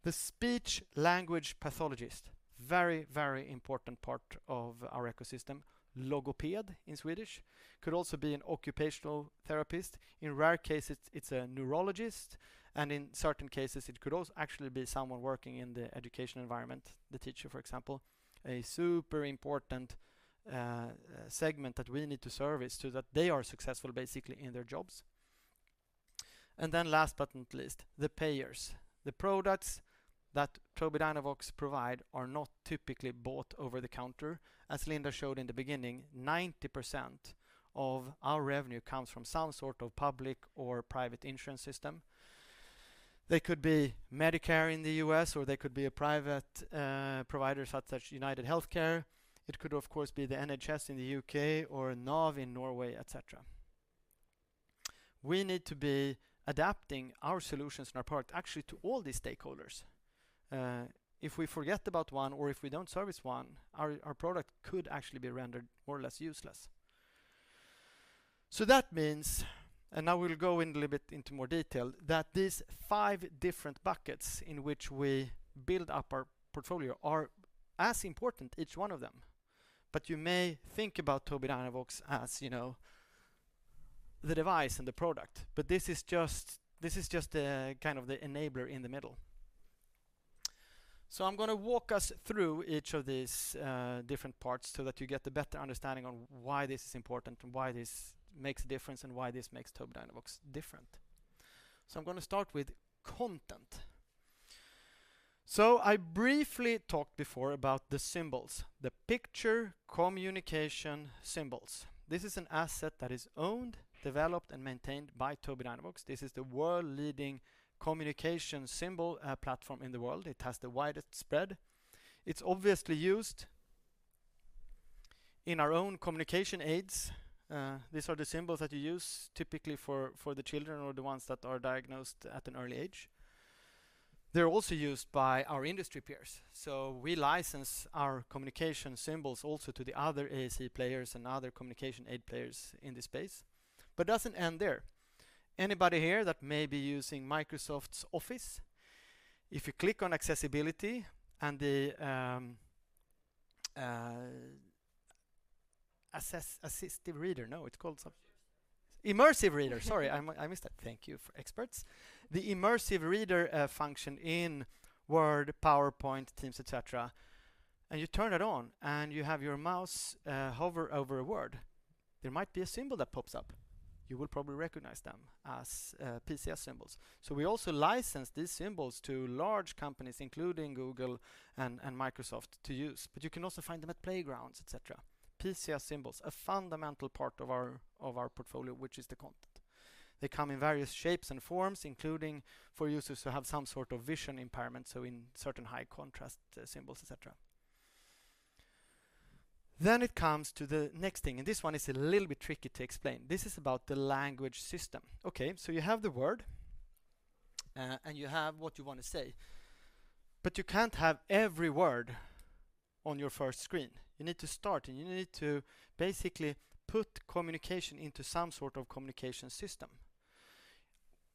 The speech language pathologist, very important part of our ecosystem, logoped in Swedish, could also be an occupational therapist. In rare cases, it's a neurologist, and in certain cases it could also actually be someone working in the education environment, the teacher, for example. A super important segment that we need to service so that they are successful basically in their jobs. Then last but not least, the payers. The products that Tobii Dynavox provide are not typically bought over the counter. As Linda showed in the beginning, 90% of our revenue comes from some sort of public or private insurance system. They could be Medicare in the U.S. or they could be a private provider such as UnitedHealthcare. It could, of course, be the NHS in the U.K. or NAV in Norway, et cetera. We need to be adapting our solutions on our part actually to all these stakeholders. If we forget about one or if we don't service one, our product could actually be rendered more or less useless. That means, and now we'll go in a little bit into more detail, that these five different buckets in which we build up our portfolio are as important, each one of them. You may think about Tobii Dynavox as, you know, the device and the product, but this is just, this is just the kind of the enabler in the middle. I'm gonna walk us through each of these, different parts so that you get a better understanding on why this is important and why this makes a difference and why this makes Tobii Dynavox different. I'm gonna start with content. I briefly talked before about the symbols, the picture communication symbols. This is an asset that is owned, developed, and maintained by Tobii Dynavox. This is the world-leading communication symbol platform in the world. It has the widest spread. It's obviously used in our own communication aids. These are the symbols that you use typically for the children or the ones that are diagnosed at an early age. They're also used by our industry peers, so we license our communication symbols also to the other AAC players and other communication aid players in this space, but doesn't end there. Anybody here that may be using Microsoft Office, if you click on Accessibility and the assistive reader. No, it's called some- Immersive Reader. Immersive Reader. Sorry, I missed that. Thank you for experts. The Immersive Reader function in Word, PowerPoint, Teams, et cetera, and you turn it on and you have your mouse hover over a word. There might be a symbol that pops up. You will probably recognize them as PCS symbols. So we also license these symbols to large companies, including Google and Microsoft to use. But you can also find them at playgrounds, et cetera. PCS symbols, a fundamental part of our portfolio, which is the content. They come in various shapes and forms, including for users who have some sort of vision impairment, so in certain high contrast symbols, et cetera. It comes to the next thing, and this one is a little bit tricky to explain. This is about the language system. Okay, you have the word, and you have what you wanna say, but you can't have every word on your first screen. You need to start, and you need to basically put communication into some sort of communication system.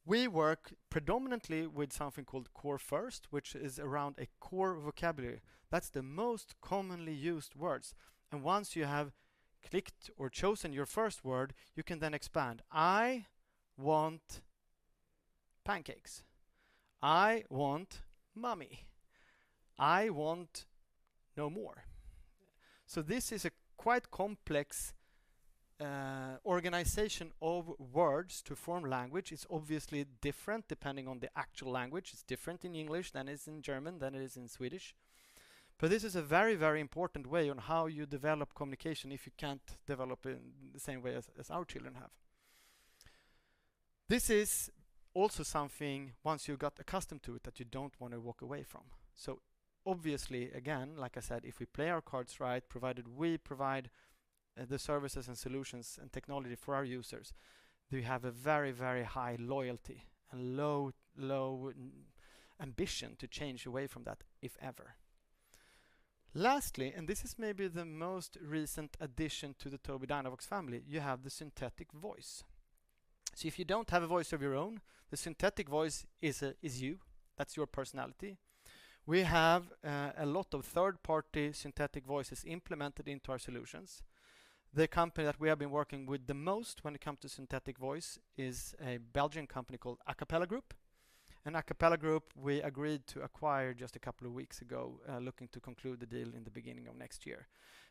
We work predominantly with something called Core First, which is around a core vocabulary. That's the most commonly used words. Once you have clicked or chosen your first word, you can then expand, "I want pancakes. I want mommy. I want no more." This is a quite complex organization of words to form language. It's obviously different depending on the actual language. It's different in English than it is in German than it is in Swedish. This is a very, very important way on how you develop communication if you can't develop in the same way as our children have. This is also something, once you got accustomed to it, that you don't wanna walk away from. Obviously, again, like I said, if we play our cards right, provided we provide the services and solutions and technology for our users, we have a very, very high loyalty and low, low ambition to change away from that, if ever. Lastly, and this is maybe the most recent addition to the Tobii Dynavox family, you have the synthetic voice. If you don't have a voice of your own, the synthetic voice is you. That's your personality. We have a lot of third-party synthetic voices implemented into our solutions. The company that we have been working with the most when it comes to synthetic voice is a Belgian company called Acapela Group. Acapela Group, we agreed to acquire just a couple of weeks ago, looking to conclude the deal in the beginning of next year.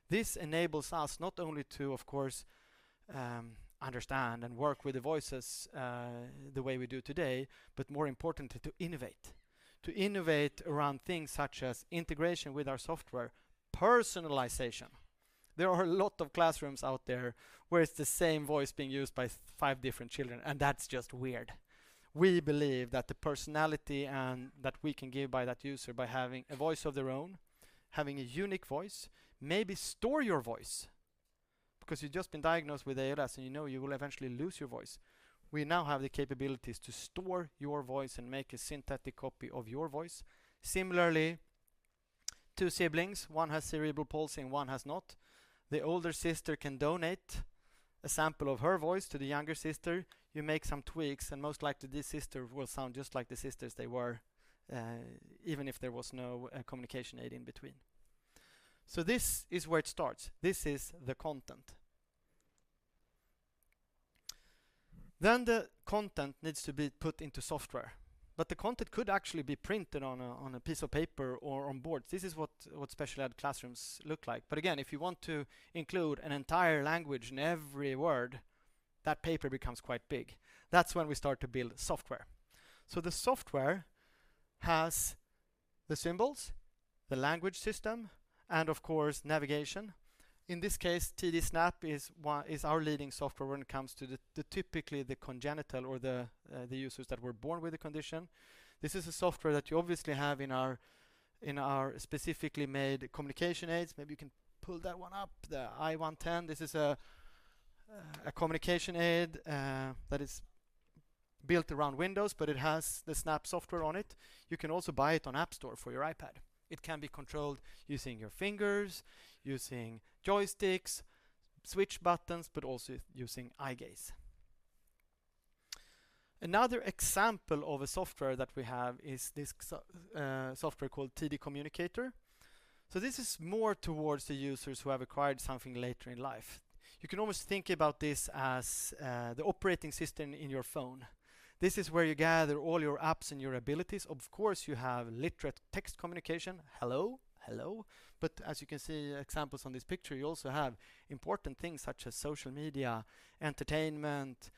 This enables us not only to, of course, understand and work with the voices, the way we do today, but more importantly to innovate. To innovate around things such as integration with our software, personalization. There are a lot of classrooms out there where it's the same voice being used by five different children, and that's just weird. We believe that the personality and that we can give by that user by having a voice of their own, having a unique voice, maybe store your voice because you've just been diagnosed with ALS, and you know you will eventually lose your voice. We now have the capabilities to store your voice and make a synthetic copy of your voice. Similarly, two siblings, one has cerebral palsy and one has not. The older sister can donate a sample of her voice to the younger sister. You make some tweaks, and most likely this sister will sound just like the sisters they were, even if there was no communication aid in between. This is where it starts. This is the content. The content needs to be put into software. The content could actually be printed on a piece of paper or on board. This is what special ed classrooms look like. Again, if you want to include an entire language in every word, that paper becomes quite big. That's when we start to build software. The software has the symbols, the language system, and of course, navigation. In this case, TD Snap is our leading software when it comes to the typically congenital or the users that were born with the condition. This is a software that you obviously have in our specifically made communication aids. Maybe you can pull that one up, the I-110. This is a communication aid that is built around Windows, but it has the Snap software on it. You can also buy it on App Store for your iPad. It can be controlled using your fingers, joysticks, switch buttons, but also using eye gaze. Another example of a software that we have is software called Communicator 5. This is more towards the users who have acquired something later in life. You can almost think about this as the operating system in your phone. This is where you gather all your apps and your abilities. Of course, you have literate text communication. Hello, hello. As you can see examples on this picture, you also have important things such as social media, entertainment,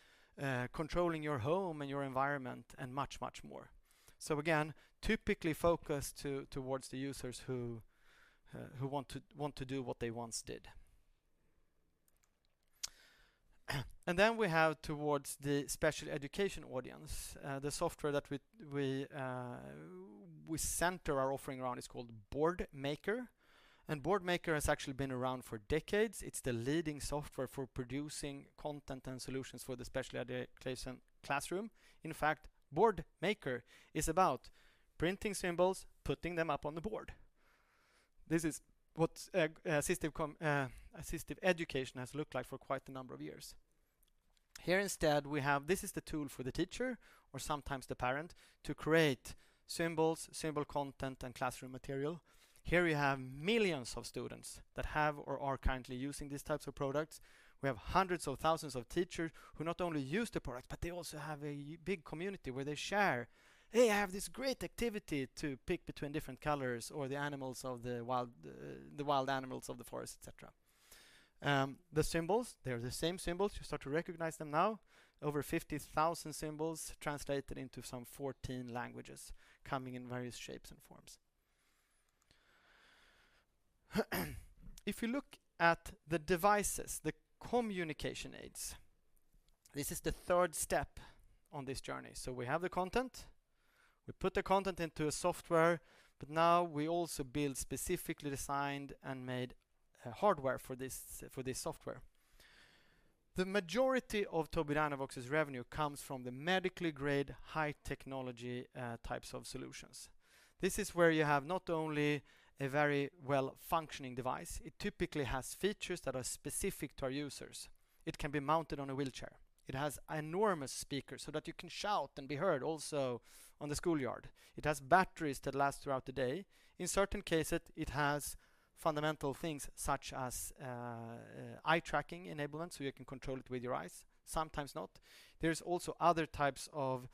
controlling your home and your environment, and much, much more. Again, typically focused towards the users who want to do what they once did. We have towards the special education audience, the software that we center our offering around is called Boardmaker, and Boardmaker has actually been around for decades. It's the leading software for producing content and solutions for the special education classroom. In fact, Boardmaker is about printing symbols, putting them up on the board. This is what assistive education has looked like for quite a number of years. Here instead, we have. This is the tool for the teacher, or sometimes the parent, to create symbols, symbol content, and classroom material. Here we have millions of students that have or are currently using these types of products. We have hundreds of thousands of teachers who not only use the product, but they also have a big community where they share, "Hey, I have this great activity to pick between different colors or the animals of the wild, the wild animals of the forest," et cetera. The symbols, they're the same symbols. You start to recognize them now. Over 50,000 symbols translated into some 14 languages, coming in various shapes and forms. If you look at the devices, the communication aids, this is the third step on this journey. We have the content, we put the content into a software, but now we also build specifically designed and made, hardware for this, for this software. The majority of Tobii Dynavox's revenue comes from the medical-grade high technology types of solutions. This is where you have not only a very well-functioning device, it typically has features that are specific to our users. It can be mounted on a wheelchair. It has enormous speakers so that you can shout and be heard also on the schoolyard. It has batteries that last throughout the day. In certain cases, it has fundamental things such as, eye-tracking enablement, so you can control it with your eyes, sometimes not. There's also other types of,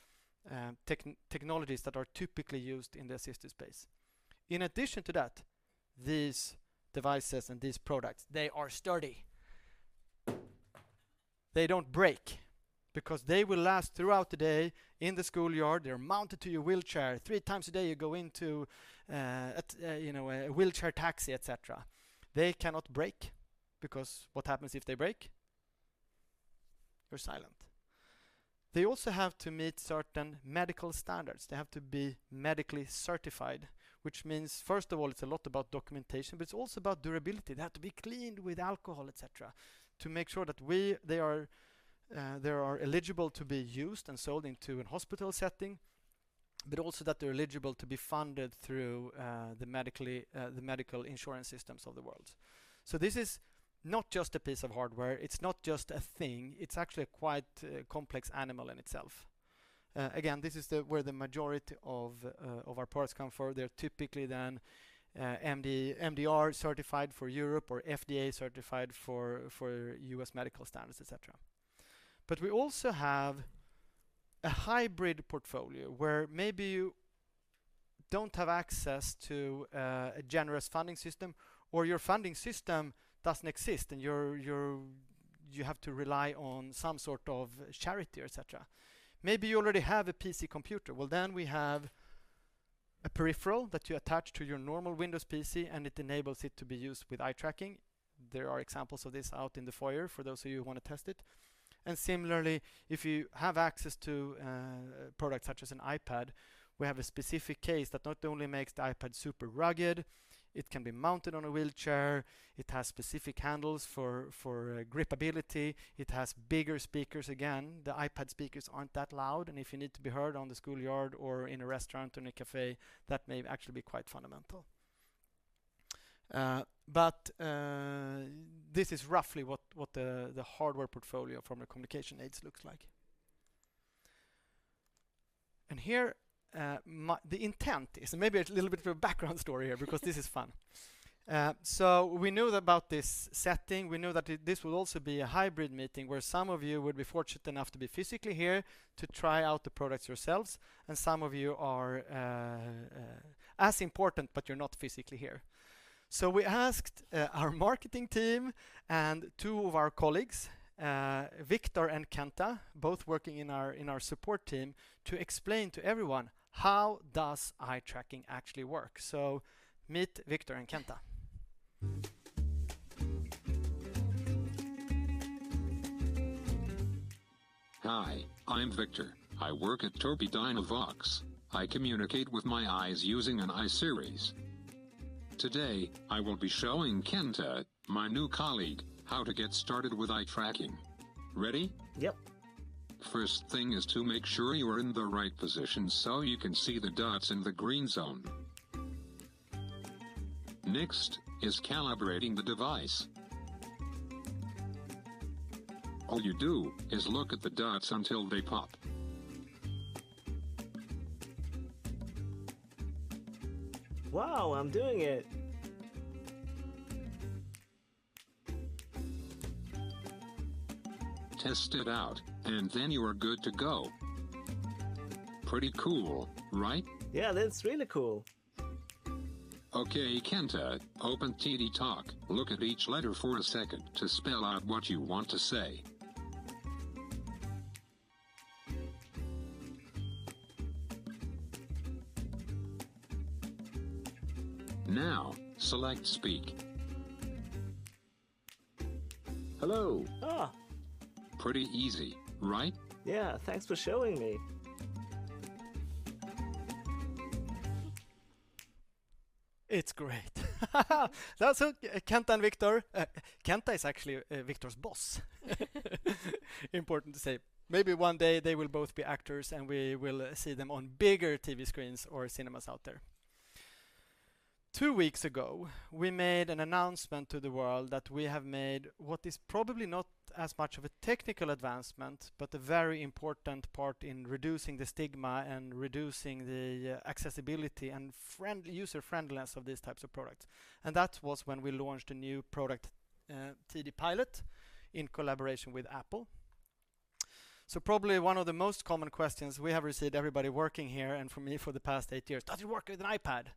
technologies that are typically used in the assistive space. In addition to that, these devices and these products, they are sturdy. They don't break because they will last throughout the day in the schoolyard. They're mounted to your wheelchair. Three times a day, you go into, you know, a wheelchair taxi, et cetera. They cannot break because what happens if they break? You're silent. They also have to meet certain medical standards. They have to be medically certified, which means, first of all, it's a lot about documentation, but it's also about durability. They have to be cleaned with alcohol, et cetera, to make sure that they are eligible to be used and sold into a hospital setting, but also that they're eligible to be funded through the medical insurance systems of the world. So this is not just a piece of hardware. It's not just a thing. It's actually a quite complex animal in itself. Again, this is where the majority of our products come from. They're typically then MD-MDR certified for Europe or FDA certified for U.S. medical standards, et cetera. But we also have a hybrid portfolio where maybe you don't have access to a generous funding system or your funding system doesn't exist and you have to rely on some sort of charity, et cetera. Maybe you already have a PC computer. Well, then we have a peripheral that you attach to your normal Windows PC, and it enables it to be used with eye tracking. There are examples of this out in the foyer for those of you who wanna test it. Similarly, if you have access to products such as an iPad, we have a specific case that not only makes the iPad super rugged, it can be mounted on a wheelchair, it has specific handles for grip ability, it has bigger speakers. Again, the iPad speakers aren't that loud, and if you need to be heard on the schoolyard or in a restaurant or in a cafe, that may actually be quite fundamental. But this is roughly what the hardware portfolio from the communication aids looks like. Here, the intent is, and maybe a little bit of a background story here because this is fun. We knew that about this setting. We knew that this will also be a hybrid meeting where some of you would be fortunate enough to be physically here to try out the products yourselves and some of you are as important, but you're not physically here. We asked our marketing team and two of our colleagues, Victor and Kenta, both working in our support team, to explain to everyone how eye tracking actually works. Meet Victor and Kenta. Hi, I'm Victor. I work at Tobii Dynavox. I communicate with my eyes using an I-Series. Today, I will be showing Kenta, my new colleague, how to get started with eye tracking. Ready? Yep. First thing is to make sure you are in the right position so you can see the dots in the green zone. Next is calibrating the device. All you do is look at the dots until they pop. Wow, I'm doing it. Test it out, and then you are good to go. Pretty cool, right? Yeah, that's really cool. Okay, Kenta, open TD Talk. Look at each letter for a second to spell out what you want to say. Now, select Speak. Hello. Ah. Pretty easy, right? Yeah. Thanks for showing me. It's great. That's it. Kenta and Victor. Kenta is actually Victor's boss. Important to say. Maybe one day they will both be actors, and we will see them on bigger TV screens or cinemas out there. Two weeks ago, we made an announcement to the world that we have made what is probably not as much of a technical advancement, but a very important part in reducing the stigma and the accessibility and user-friendliness of these types of products, and that was when we launched a new product, TD Pilot in collaboration with Apple. Probably one of the most common questions we have received, everybody working here and for me for the past eight years, "Does it work with an iPad?"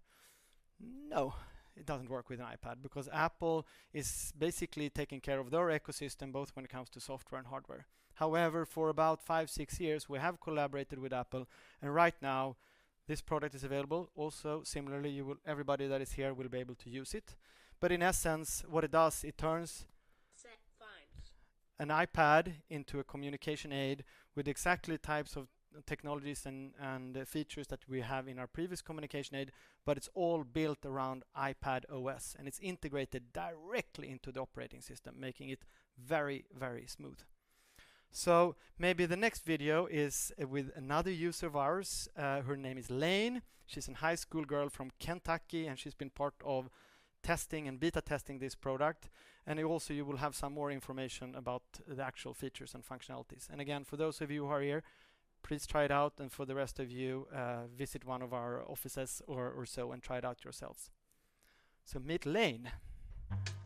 No, it doesn't work with an iPad because Apple is basically taking care of their ecosystem, both when it comes to software and hardware. However, for about five, six years, we have collaborated with Apple, and right now this product is available. Also, similarly, you will everybody that is here will be able to use it. In essence, what it does, it turns TD Snap. Turn an iPad into a communication aid with exactly the types of technologies and features that we have in our previous communication aid, but it's all built around iPadOS, and it's integrated directly into the operating system, making it very, very smooth. Maybe the next video is with another user of ours. Her name is Lainey. She's a high school girl from Kentucky, and she's been part of testing and beta testing this product. Also, you will have some more information about the actual features and functionalities. Again, for those of you who are here, please try it out, and for the rest of you, visit one of our offices or so and try it out yourselves. Meet Lainey. Let's go. Normalcy.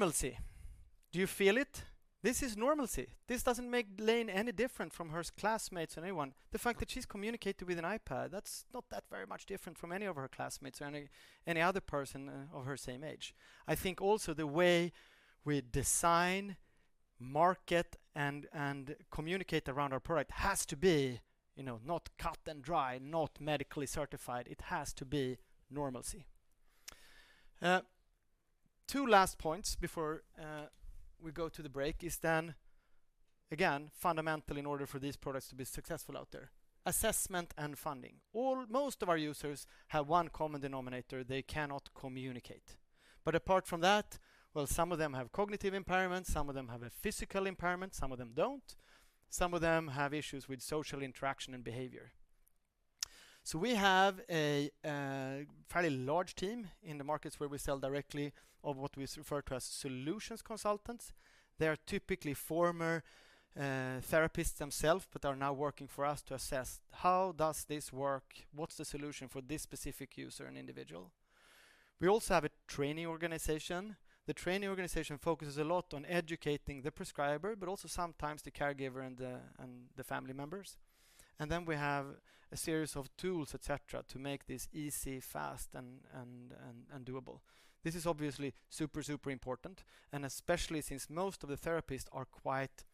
Do you feel it? This is normalcy. This doesn't make Lainey any different from her classmates or anyone. The fact that she's communicating with an iPad, that's not that very much different from any of her classmates or any other person of her same age. I think also the way we design, market and communicate around our product has to be, you know, not cut and dry, not medically certified. It has to be normalcy. Two last points before we go to the break is then, again, fundamental in order for these products to be successful out there, assessment and funding. Most of our users have one common denominator, they cannot communicate. But apart from that, well, some of them have cognitive impairment, some of them have a physical impairment, some of them don't. Some of them have issues with social interaction and behavior. We have a fairly large team in the markets where we sell directly of what we refer to as solutions consultants. They are typically former therapists themselves, but are now working for us to assess how does this work, what's the solution for this specific user and individual. We also have a training organization. The training organization focuses a lot on educating the prescriber, but also sometimes the caregiver and the family members. We have a series of tools, et cetera, to make this easy, fast, and doable. This is obviously super important, and especially since most of the therapists are quite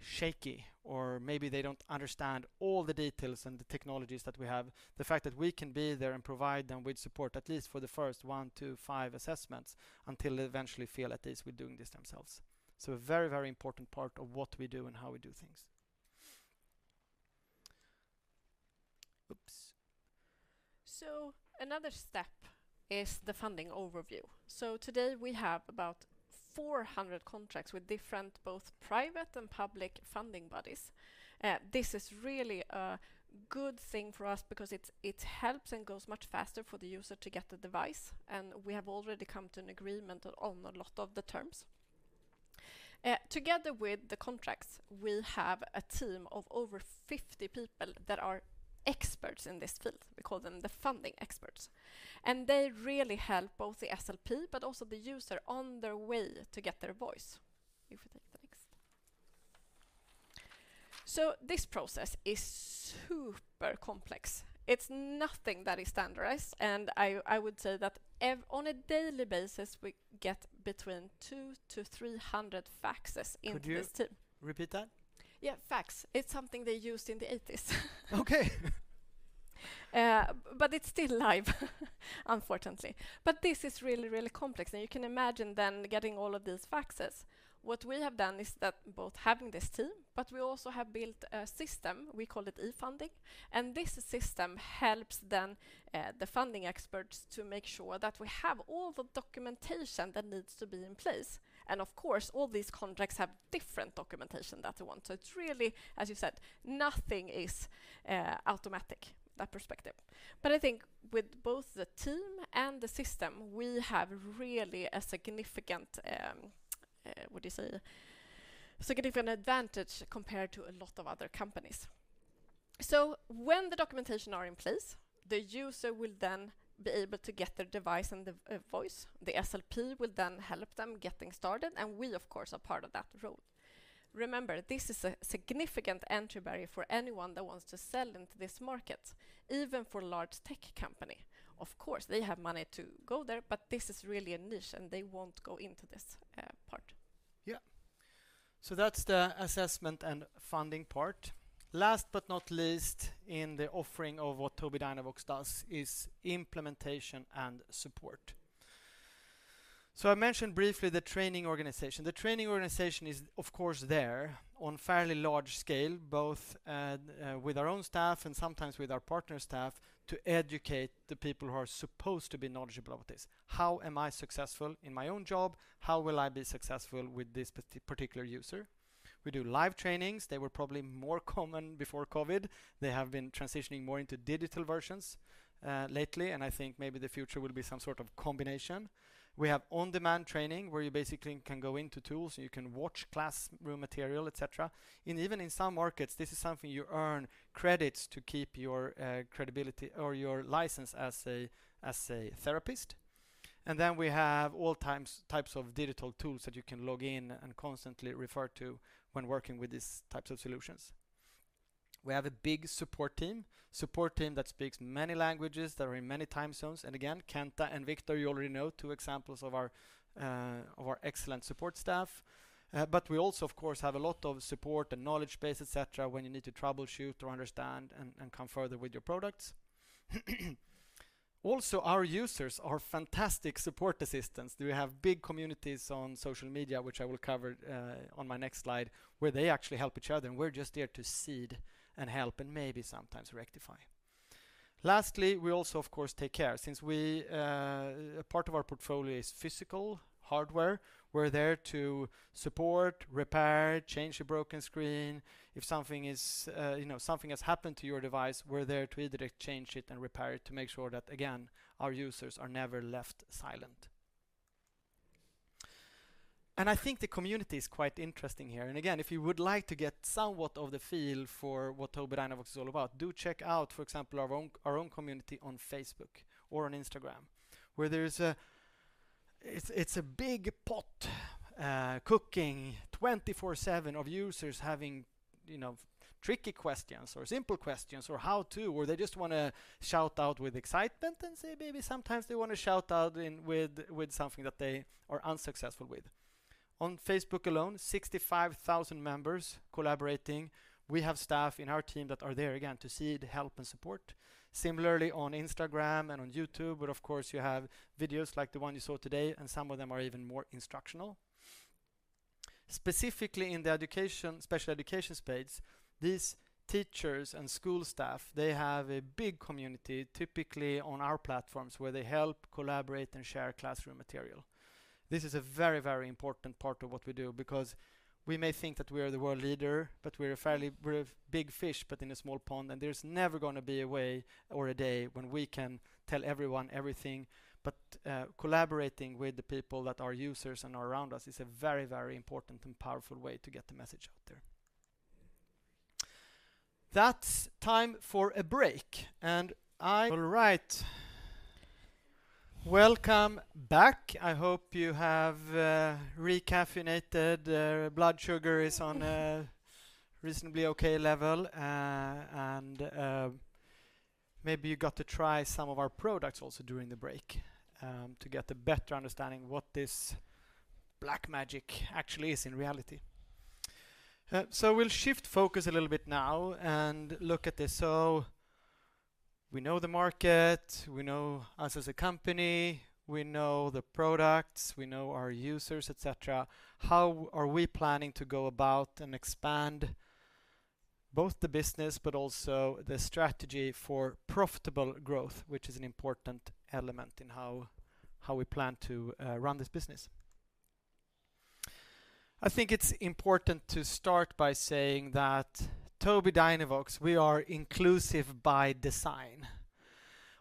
shaky, or maybe they don't understand all the details and the technologies that we have. The fact that we can be there and provide them with support, at least for the first one to five assessments, until they eventually feel at ease with doing this themselves. A very, very important part of what we do and how we do things. Another step is the funding overview. Today, we have about 400 contracts with different, both private and public funding bodies. This is really a good thing for us because it helps and goes much faster for the user to get the device, and we have already come to an agreement on a lot of the terms. Together with the contracts, we have a team of over 50 people that are experts in this field. We call them the funding experts, and they really help both the SLP but also the user on their way to get their voice. You can take the next. This process is super complex. It's nothing that is standardized, and I would say that on a daily basis, we get between 200-300 faxes into this team. Could you repeat that? Yeah, fax. It's something they used in the eighties. Okay. It's still live, unfortunately. This is really, really complex, and you can imagine then getting all of these faxes. What we have done is that both having this team, but we also have built a system, we call it eFunding, and this system helps then, the funding experts to make sure that we have all the documentation that needs to be in place. Of course, all these contracts have different documentation that they want. It's really, as you said, nothing is automatic, that perspective. I think with both the team and the system, we have really a significant, what do you say, significant advantage compared to a lot of other companies. When the documentation are in place, the user will then be able to get their device and the voice. The SLP will then help them getting started, and we, of course, are part of that road. Remember, this is a significant entry barrier for anyone that wants to sell into this market, even for a large tech company. Of course, they have money to go there, but this is really a niche, and they won't go into this part. Yeah. That's the assessment and funding part. Last but not least in the offering of what Tobii Dynavox does is implementation and support. I mentioned briefly the training organization. The training organization is of course there on fairly large scale, both, with our own staff and sometimes with our partner staff, to educate the people who are supposed to be knowledgeable about this. How am I successful in my own job? How will I be successful with this particular user? We do live trainings. They were probably more common before COVID. They have been transitioning more into digital versions, lately, and I think maybe the future will be some sort of combination. We have on-demand training, where you basically can go into tools, you can watch classroom material, et cetera. Even in some markets, this is something you earn credits to keep your credibility or your license as a therapist. We have types of digital tools that you can log in and constantly refer to when working with these types of solutions. We have a big support team that speaks many languages, that are in many time zones. Again, Kenta and Victor, you already know, two examples of our excellent support staff. But we also of course have a lot of support and knowledge base, et cetera, when you need to troubleshoot or understand and come further with your products. Also, our users are fantastic support assistants. We have big communities on social media, which I will cover on my next slide, where they actually help each other, and we're just there to seed and help and maybe sometimes rectify. Lastly, we also of course take care. Since we have a part of our portfolio is physical hardware, we're there to support, repair, change a broken screen. If something is you know, something has happened to your device, we're there to either change it and repair it to make sure that, again, our users are never left silent. I think the community is quite interesting here. Again, if you would like to get somewhat of the feel for what Tobii Dynavox is all about, do check out, for example, our own, our own community on Facebook or on Instagram, where there is a... It's a big pot cooking 24/7 of users having, you know, tricky questions or simple questions or how to, or they just wanna shout out with excitement and say maybe sometimes they wanna shout out in with something that they are unsuccessful with. On Facebook alone, 65,000 members collaborating. We have staff in our team that are there again to seed, help, and support. Similarly on Instagram and on YouTube, but of course you have videos like the one you saw today, and some of them are even more instructional. Specifically in the education, special education space, these teachers and school staff, they have a big community, typically on our platforms, where they help collaborate and share classroom material. This is a very, very important part of what we do because we may think that we are the world leader, but we're a big fish, but in a small pond, and there's never gonna be a way or a day when we can tell everyone everything. Collaborating with the people that are users and are around us is a very, very important and powerful way to get the message out there. It's time for a break. All right. Welcome back. I hope you have re-caffeinated, blood sugar is on a reasonably okay level, and maybe you got to try some of our products also during the break to get a better understanding what this black magic actually is in reality. We'll shift focus a little bit now and look at this. We know the market, we know us as a company, we know the products, we know our users, et cetera. How are we planning to go about and expand both the business but also the strategy for profitable growth, which is an important element in how we plan to run this business? I think it's important to start by saying that Tobii Dynavox, we are inclusive by design.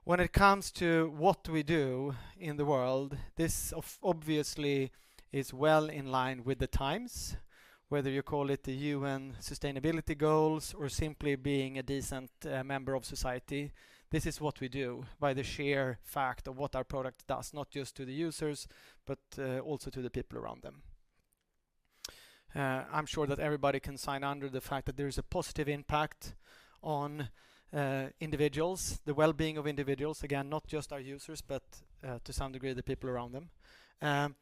When it comes to what we do in the world, this obviously is well in line with the times, whether you call it the UN sustainability goals or simply being a decent member of society, this is what we do by the sheer fact of what our product does, not just to the users, but also to the people around them. I'm sure that everybody can sign under the fact that there is a positive impact on individuals, the well-being of individuals, again, not just our users, but to some degree, the people around them.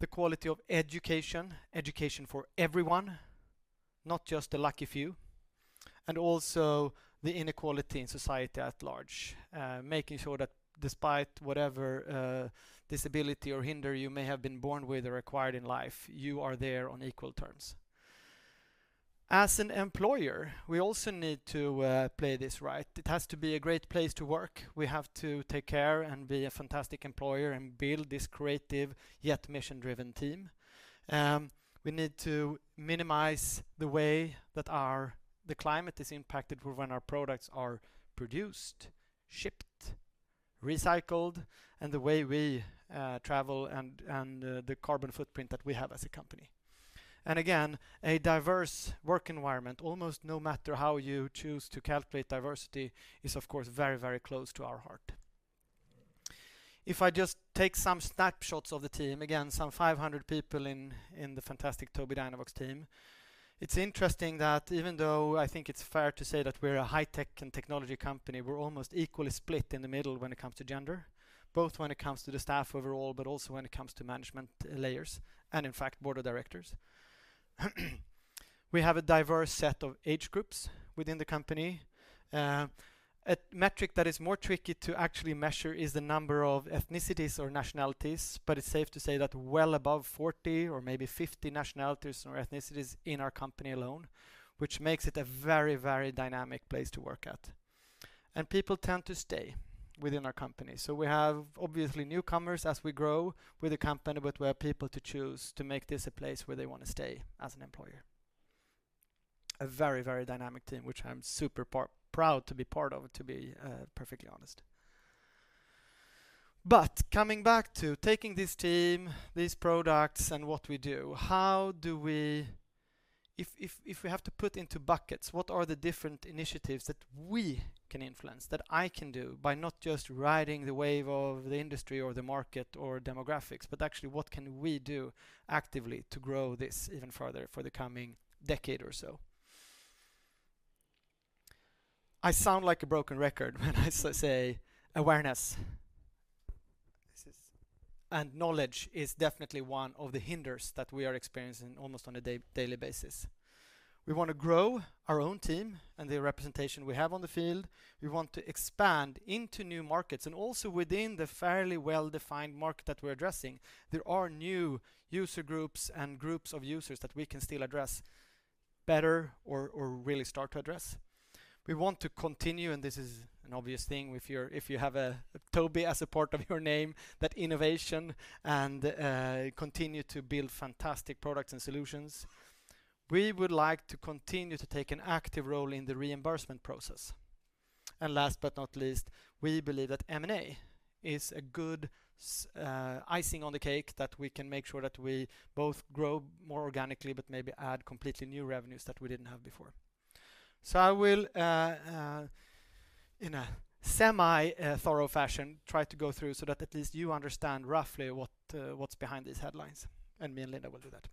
The quality of education for everyone, not just the lucky few, and also the inequality in society at large, making sure that despite whatever disability or hindrance you may have been born with or acquired in life, you are there on equal terms. As an employer, we also need to play this right. It has to be a great place to work. We have to take care and be a fantastic employer and build this creative yet mission-driven team. We need to minimize the way that the climate is impacted when our products are produced, shipped, recycled, and the way we travel and the carbon footprint that we have as a company. Again, a diverse work environment, almost no matter how you choose to calculate diversity, is of course very, very close to our heart. If I just take some snapshots of the team, again, some 500 people in the fantastic Tobii Dynavox team, it's interesting that even though I think it's fair to say that we're a high tech and technology company, we're almost equally split in the middle when it comes to gender, both when it comes to the staff overall, but also when it comes to management layers, and in fact, board of directors. We have a diverse set of age groups within the company. A metric that is more tricky to actually measure is the number of ethnicities or nationalities, but it's safe to say that well above 40 or maybe 50 nationalities or ethnicities in our company alone, which makes it a very, very dynamic place to work at. People tend to stay within our company. We have obviously newcomers as we grow with the company, but we have people to choose to make this a place where they wanna stay as an employer. A very, very dynamic team, which I'm super proud to be part of, to be perfectly honest. Coming back to taking this team, these products, and what we do, how do we If we have to put into buckets, what are the different initiatives that we can influence, that I can do by not just riding the wave of the industry or the market or demographics, but actually, what can we do actively to grow this even further for the coming decade or so? I sound like a broken record when I say awareness. This is and knowledge is definitely one of the hindrances that we are experiencing almost on a daily basis. We wanna grow our own team and the representation we have on the field. We want to expand into new markets and also within the fairly well-defined market that we're addressing. There are new user groups and groups of users that we can still address better or really start to address. We want to continue, and this is an obvious thing if you're, if you have a Tobii as a part of your name, that innovation and continue to build fantastic products and solutions. We would like to continue to take an active role in the reimbursement process. Last but not least, we believe that M&A is a good icing on the cake that we can make sure that we both grow more organically, but maybe add completely new revenues that we didn't have before. I will in a semi thorough fashion try to go through so that at least you understand roughly what's behind these headlines, and me and Linda will do that.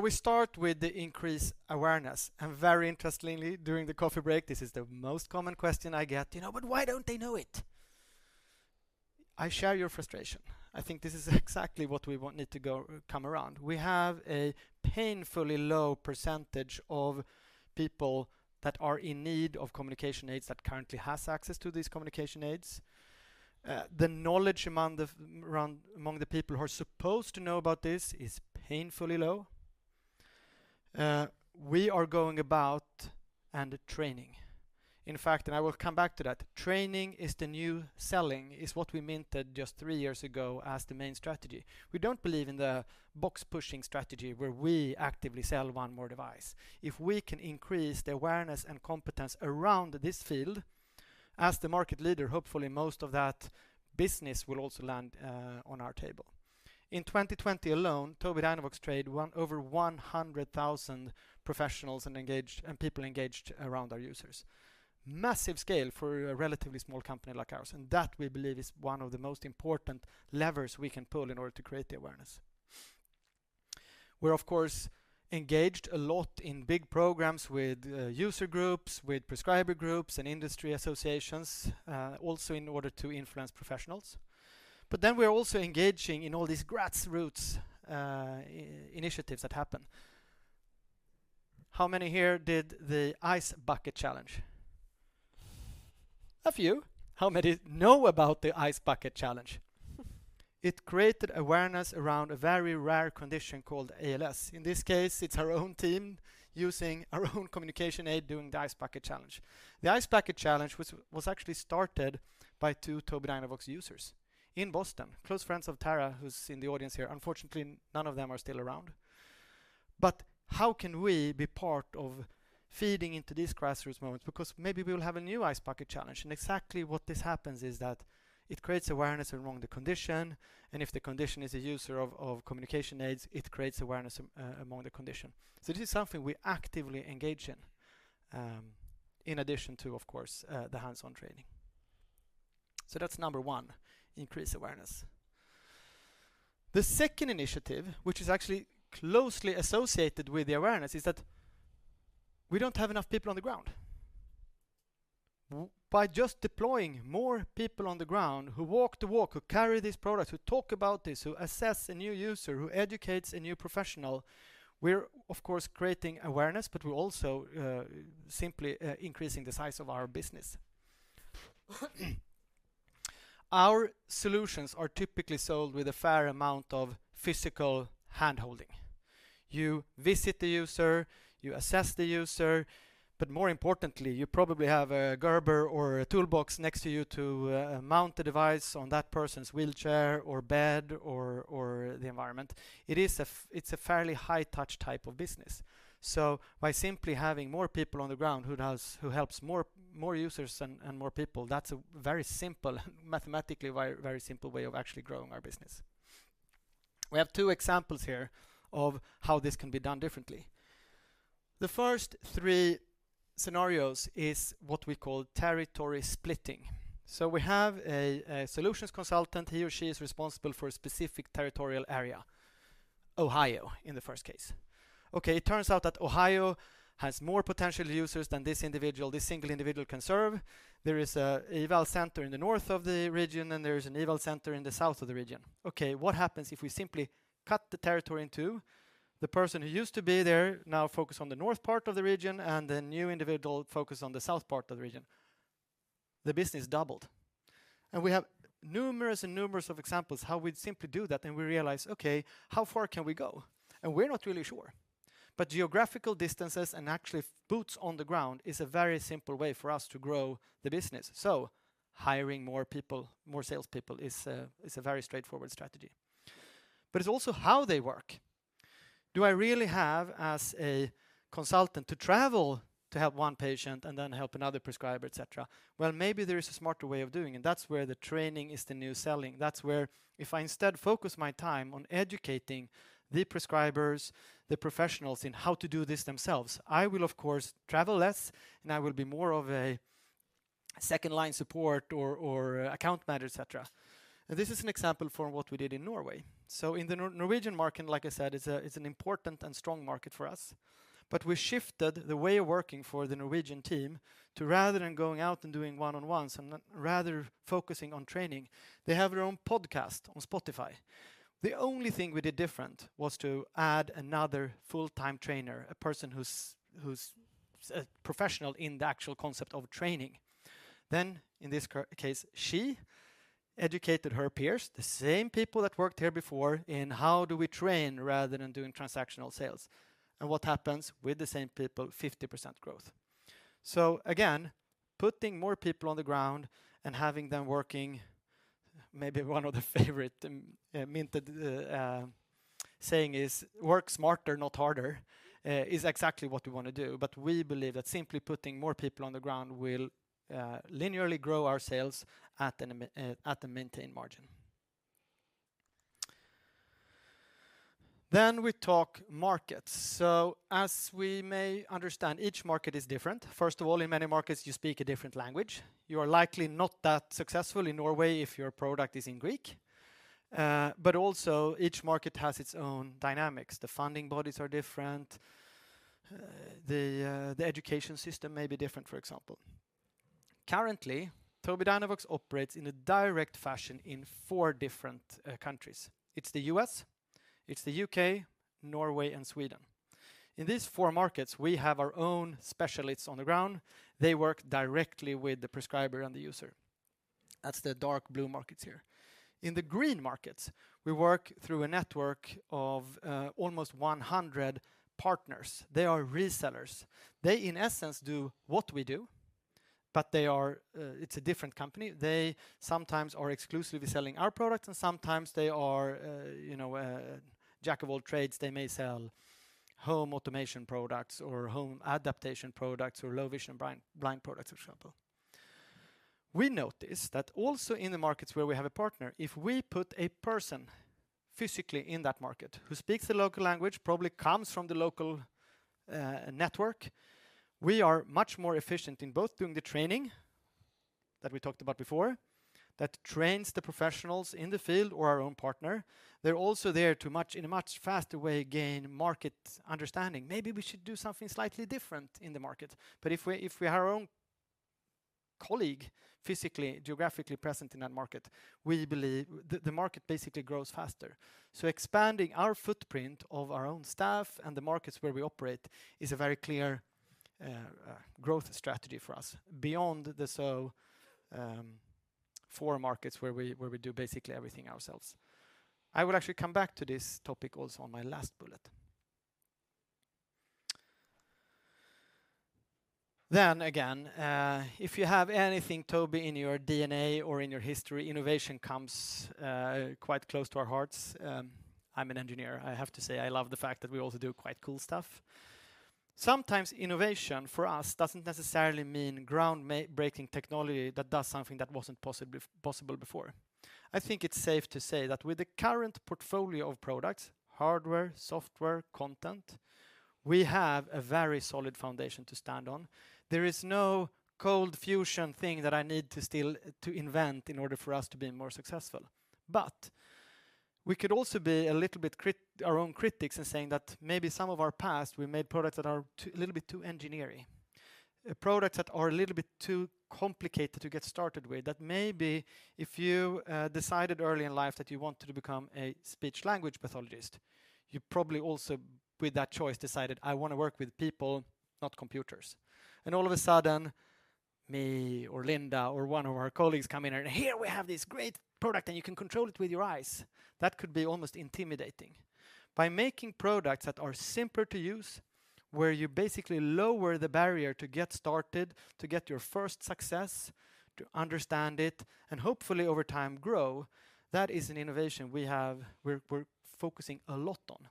We start with the increasing awareness. Very interestingly, during the coffee break, this is the most common question I get, "You know, but why don't they know it?" I share your frustration. I think this is exactly what we need to come around. We have a painfully low percentage of people that are in need of communication aids that currently has access to these communication aids. The knowledge among the people who are supposed to know about this is painfully low. We are going about and training. In fact, I will come back to that, training is the new selling, what we minted just three years ago as the main strategy. We don't believe in the box pushing strategy where we actively sell one more device. If we can increase the awareness and competence around this field, as the market leader, hopefully most of that business will also land on our table. In 2020 alone, Tobii Dynavox trained over 100,000 professionals and engaged people around our users. Massive scale for a relatively small company like ours, and that we believe is one of the most important levers we can pull in order to create the awareness. We're, of course, engaged a lot in big programs with user groups, with prescriber groups and industry associations, also in order to influence professionals. We're also engaging in all these grassroots initiatives that happen. How many here did the Ice Bucket Challenge? A few. How many know about the Ice Bucket Challenge? It created awareness around a very rare condition called ALS. In this case, it's our own team using our own communication aid doing the Ice Bucket Challenge. The Ice Bucket Challenge was actually started by two Tobii Dynavox users in Boston, close friends of Tara, who's in the audience here. Unfortunately, none of them are still around. How can we be part of feeding into these grassroots moments? Because maybe we'll have a new Ice Bucket Challenge, and exactly what this happens is that it creates awareness around the condition, and if the condition is a user of communication aids, it creates awareness among the condition. This is something we actively engage in addition to, of course, the hands-on training. That's number one, increase awareness. The second initiative, which is actually closely associated with the awareness, is that we don't have enough people on the ground. By just deploying more people on the ground who walk the walk, who carry these products, who talk about this, who assess a new user, who educates a new professional, we're of course creating awareness, but we're also simply increasing the size of our business. Our solutions are typically sold with a fair amount of physical hand-holding. You visit the user, you assess the user, but more importantly, you probably have a Gerber or a toolbox next to you to mount the device on that person's wheelchair or bed or the environment. It is a fairly high touch type of business. By simply having more people on the ground who helps more users and more people, that's a very simple, mathematically very simple way of actually growing our business. We have two examples here of how this can be done differently. The first three scenarios is what we call territory splitting. So we have a solutions consultant. He or she is responsible for a specific territorial area, Ohio, in the first case. Okay, it turns out that Ohio has more potential users than this individual, this single individual can serve. There is a eval center in the north of the region, and there's an eval center in the south of the region. Okay, what happens if we simply cut the territory in two? The person who used to be there now focus on the north part of the region, and the new individual focus on the south part of the region. The business doubled. We have numerous examples how we'd simply do that, and we realize, okay, how far can we go? We're not really sure. Geographical distances and actually boots on the ground is a very simple way for us to grow the business. Hiring more people, more salespeople is a very straightforward strategy. It's also how they work. Do I really have, as a consultant, to travel to help one patient and then help another prescriber, et cetera? Well, maybe there is a smarter way of doing it. That's where the training is the new selling. That's where if I instead focus my time on educating the prescribers, the professionals in how to do this themselves, I will of course travel less, and I will be more of a second-line support or account manager, et cetera. This is an example from what we did in Norway. In the Norwegian market, like I said, is an important and strong market for us. We shifted the way of working for the Norwegian team to rather than going out and doing one-on-ones and then rather focusing on training, they have their own podcast on Spotify. The only thing we did different was to add another full-time trainer, a person who's a professional in the actual concept of training. In this case, she educated her peers, the same people that worked here before, in how do we train rather than doing transactional sales. What happens with the same people, 50% growth. Again, putting more people on the ground and having them working, maybe one of my favorite sayings is, "Work smarter, not harder," is exactly what we wanna do. We believe that simply putting more people on the ground will linearly grow our sales at the maintained margin. We talk markets. As we may understand, each market is different. First of all, in many markets, you speak a different language. You are likely not that successful in Norway if your product is in Greek. But also each market has its own dynamics. The funding bodies are different. The education system may be different, for example. Currently, Tobii Dynavox operates in a direct fashion in four different countries. It's the U.S., it's the U.K., Norway, and Sweden. In these four markets, we have our own specialists on the ground. They work directly with the prescriber and the user. That's the dark blue markets here. In the green markets, we work through a network of almost 100 partners. They are resellers. They, in essence, do what we do, but they are, it's a different company. They sometimes are exclusively selling our products, and sometimes they are, you know, a jack of all trades. They may sell home automation products or home adaptation products or low vision blind products, for example. We notice that also in the markets where we have a partner, if we put a person physically in that market who speaks the local language, probably comes from the local network, we are much more efficient in both doing the training that we talked about before, that trains the professionals in the field or our own partner. They're also there in a much faster way to gain market understanding. Maybe we should do something slightly different in the market. If we have our own colleague physically, geographically present in that market, we believe the market basically grows faster. Expanding our footprint of our own staff and the markets where we operate is a very clear growth strategy for us beyond the four markets where we do basically everything ourselves. I will actually come back to this topic also on my last bullet. If you have anything Tobii in your DNA or in your history, innovation comes quite close to our hearts. I'm an engineer. I have to say I love the fact that we also do quite cool stuff. Sometimes innovation for us doesn't necessarily mean groundbreaking technology that does something that wasn't possible before. I think it's safe to say that with the current portfolio of products, hardware, software, content, we have a very solid foundation to stand on. There is no cold fusion thing that I need to still to invent in order for us to be more successful. We could also be a little bit critical, our own critics in saying that maybe some of our past, we made products that are a little bit too engineer-y, products that are a little bit too complicated to get started with. That maybe if you decided early in life that you wanted to become a speech-language pathologist, you probably also with that choice decided, I wanna work with people, not computers. All of a sudden, me or Linda or one of our colleagues come in and, "Here we have this great product, and you can control it with your eyes." That could be almost intimidating. By making products that are simpler to use, where you basically lower the barrier to get started, to get your first success, to understand it, and hopefully over time grow, that is an innovation we're focusing a lot on.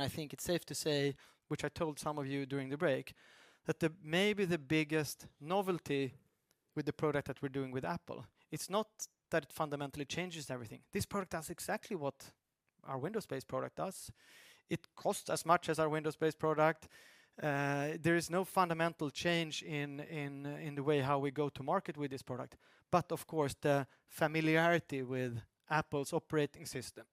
I think it's safe to say, which I told some of you during the break, that maybe the biggest novelty with the product that we're doing with Apple, it's not that it fundamentally changes everything. This product does exactly what our Windows-based product does. It costs as much as our Windows-based product. There is no fundamental change in the way how we go to market with this product. Of course, the familiarity with Apple's operating system,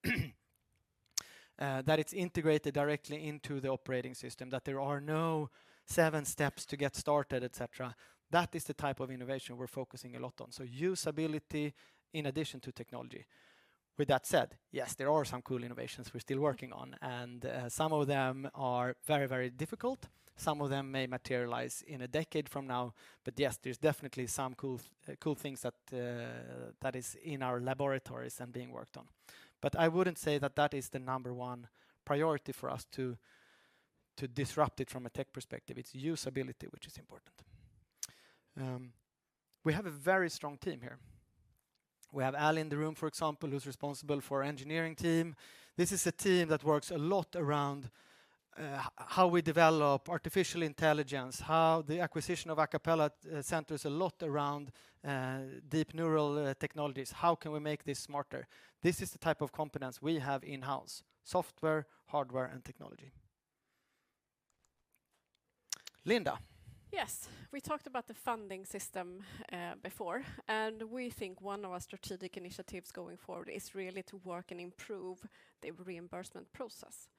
that it's integrated directly into the operating system, that there are no seven steps to get started, et cetera, that is the type of innovation we're focusing a lot on. Usability in addition to technology. With that said, yes, there are some cool innovations we're still working on, and some of them are very difficult. Some of them may materialize in a decade from now. Yes, there's definitely some cool things that is in our laboratories and being worked on. I wouldn't say that is the number one priority for us to disrupt it from a tech perspective. It's usability which is important. We have a very strong team here. We have Al in the room, for example, who's responsible for engineering team. This is a team that works a lot around how we develop artificial intelligence, how the acquisition of Acapela centers a lot around deep neural technologies. How can we make this smarter? This is the type of competence we have in-house, software, hardware, and technology. Linda. Yes. We talked about the funding system before, and we think one of our strategic initiatives going forward is really to work and improve the reimbursement process.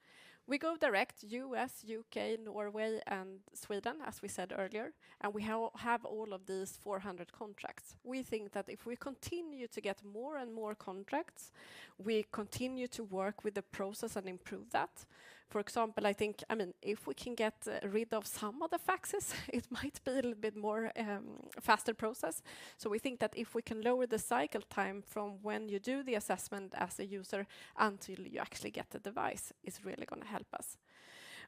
We go direct U.S., U.K., Norway, and Sweden, as we said earlier, and we have all of these 400 contracts. We think that if we continue to get more and more contracts, we continue to work with the process and improve that. For example, I think, I mean, if we can get rid of some of the faxes, it might be a little bit more faster process. We think that if we can lower the cycle time from when you do the assessment as a user until you actually get the device, it's really gonna help us.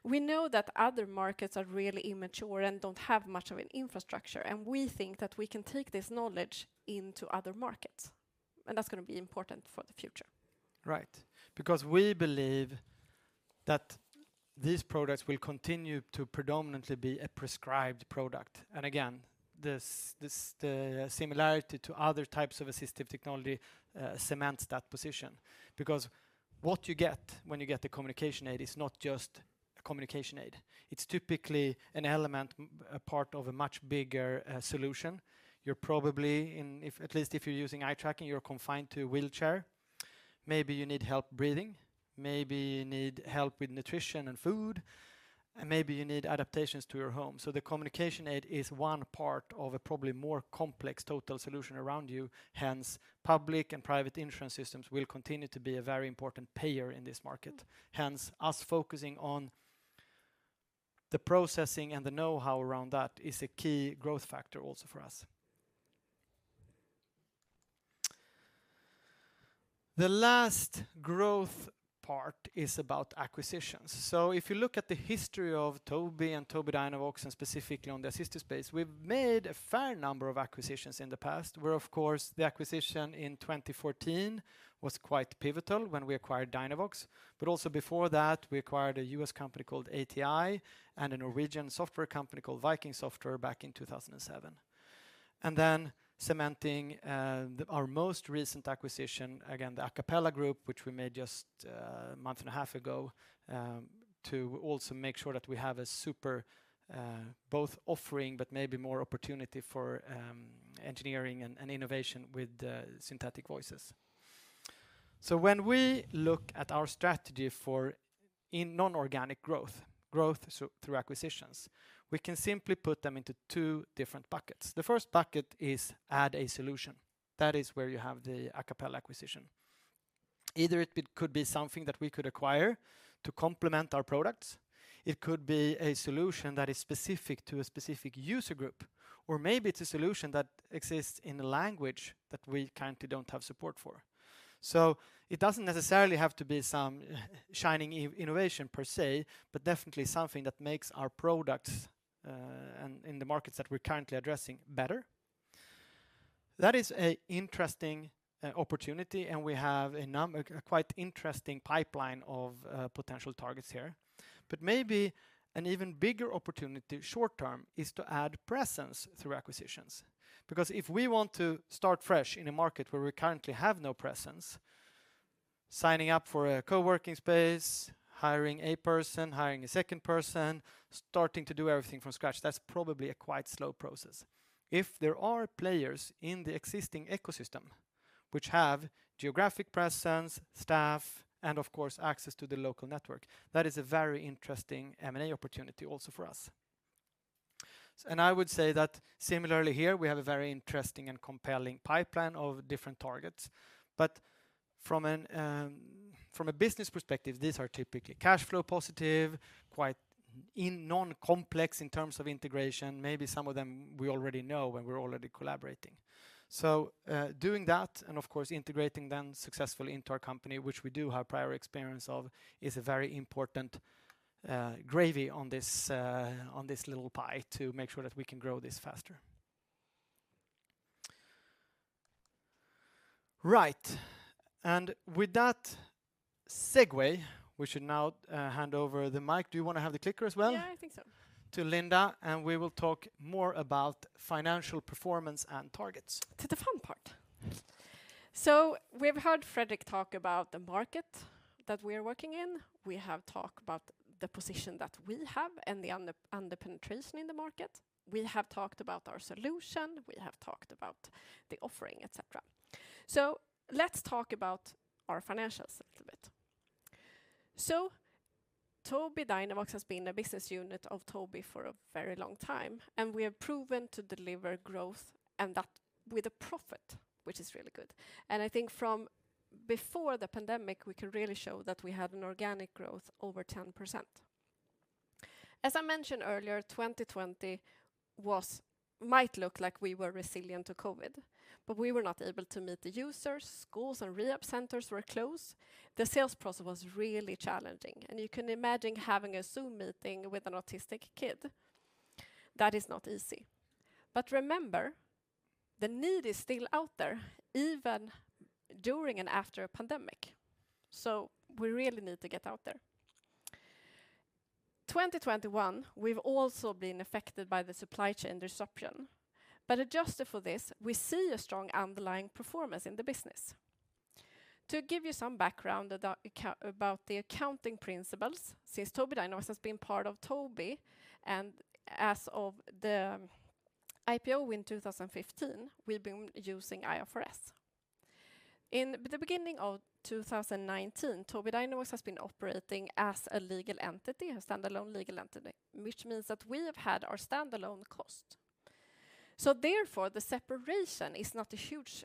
We know that other markets are really immature and don't have much of an infrastructure, and we think that we can take this knowledge into other markets, and that's gonna be important for the future. Right. Because we believe that these products will continue to predominantly be a prescribed product. Again, the similarity to other types of assistive technology cements that position because what you get when you get the communication aid is not just a communication aid. It's typically an element, a part of a much bigger solution. You're probably, if you're using eye tracking, you're confined to a wheelchair. Maybe you need help breathing, maybe you need help with nutrition and food, and maybe you need adaptations to your home. The communication aid is one part of a probably more complex total solution around you. Hence, public and private insurance systems will continue to be a very important payer in this market. Hence, us focusing on the processing and the know-how around that is a key growth factor also for us. The last growth part is about acquisitions. If you look at the history of Tobii and Tobii Dynavox, and specifically on the assistive space, we've made a fair number of acquisitions in the past, where, of course, the acquisition in 2014 was quite pivotal when we acquired DynaVox. Also before that, we acquired a U.S. company called ATI and a Norwegian software company called Viking Software back in 2007. Then cementing our most recent acquisition, again, the Acapela Group, which we made just a month and a half ago, to also make sure that we have a superb offering but maybe more opportunity for engineering and innovation with synthetic voices. When we look at our strategy for inorganic growth through acquisitions, we can simply put them into two different buckets. The first bucket is add a solution. That is where you have the Acapela acquisition. Either it could be something that we could acquire to complement our products. It could be a solution that is specific to a specific user group, or maybe it's a solution that exists in a language that we currently don't have support for. It doesn't necessarily have to be some shining innovation per se, but definitely something that makes our products in the markets that we're currently addressing better. That is an interesting opportunity, and we have quite an interesting pipeline of potential targets here. Maybe an even bigger opportunity short term is to add presence through acquisitions. Because if we want to start fresh in a market where we currently have no presence, signing up for a co-working space, hiring a person, hiring a second person, starting to do everything from scratch, that's probably a quite slow process. If there are players in the existing ecosystem which have geographic presence, staff, and of course, access to the local network, that is a very interesting M&A opportunity also for us. I would say that similarly here, we have a very interesting and compelling pipeline of different targets. From a business perspective, these are typically cash flow positive, quite non-complex in terms of integration, maybe some of them we already know and we're already collaborating. Doing that and of course, integrating them successfully into our company, which we do have prior experience of, is a very important gravy on this little pie to make sure that we can grow this faster. Right. With that segue, we should now hand over the mic. Do you wanna have the clicker as well? Yeah, I think so. To Linda, and we will talk more about financial performance and targets. To the fun part. We've heard Fredrik talk about the market that we are working in. We have talked about the position that we have and the under-penetration in the market. We have talked about our solution, we have talked about the offering, et cetera. Let's talk about our financials a little bit. Tobii Dynavox has been a business unit of Tobii for a very long time, and we have proven to deliver growth and that with a profit, which is really good. I think from before the pandemic, we could really show that we had an organic growth over 10%. As I mentioned earlier, 2020 might look like we were resilient to COVID, but we were not able to meet the users. Schools and rehab centers were closed. The sales process was really challenging. You can imagine having a Zoom meeting with an autistic kid. That is not easy. Remember, the need is still out there, even during and after a pandemic. We really need to get out there. 2021, we've also been affected by the supply chain disruption. Adjusted for this, we see a strong underlying performance in the business. To give you some background about the accounting principles, since Tobii Dynavox has been part of Tobii, and as of the IPO in 2015, we've been using IFRS. In the beginning of 2019, Tobii Dynavox has been operating as a legal entity, a standalone legal entity, which means that we have had our standalone cost. Therefore, the separation is not a huge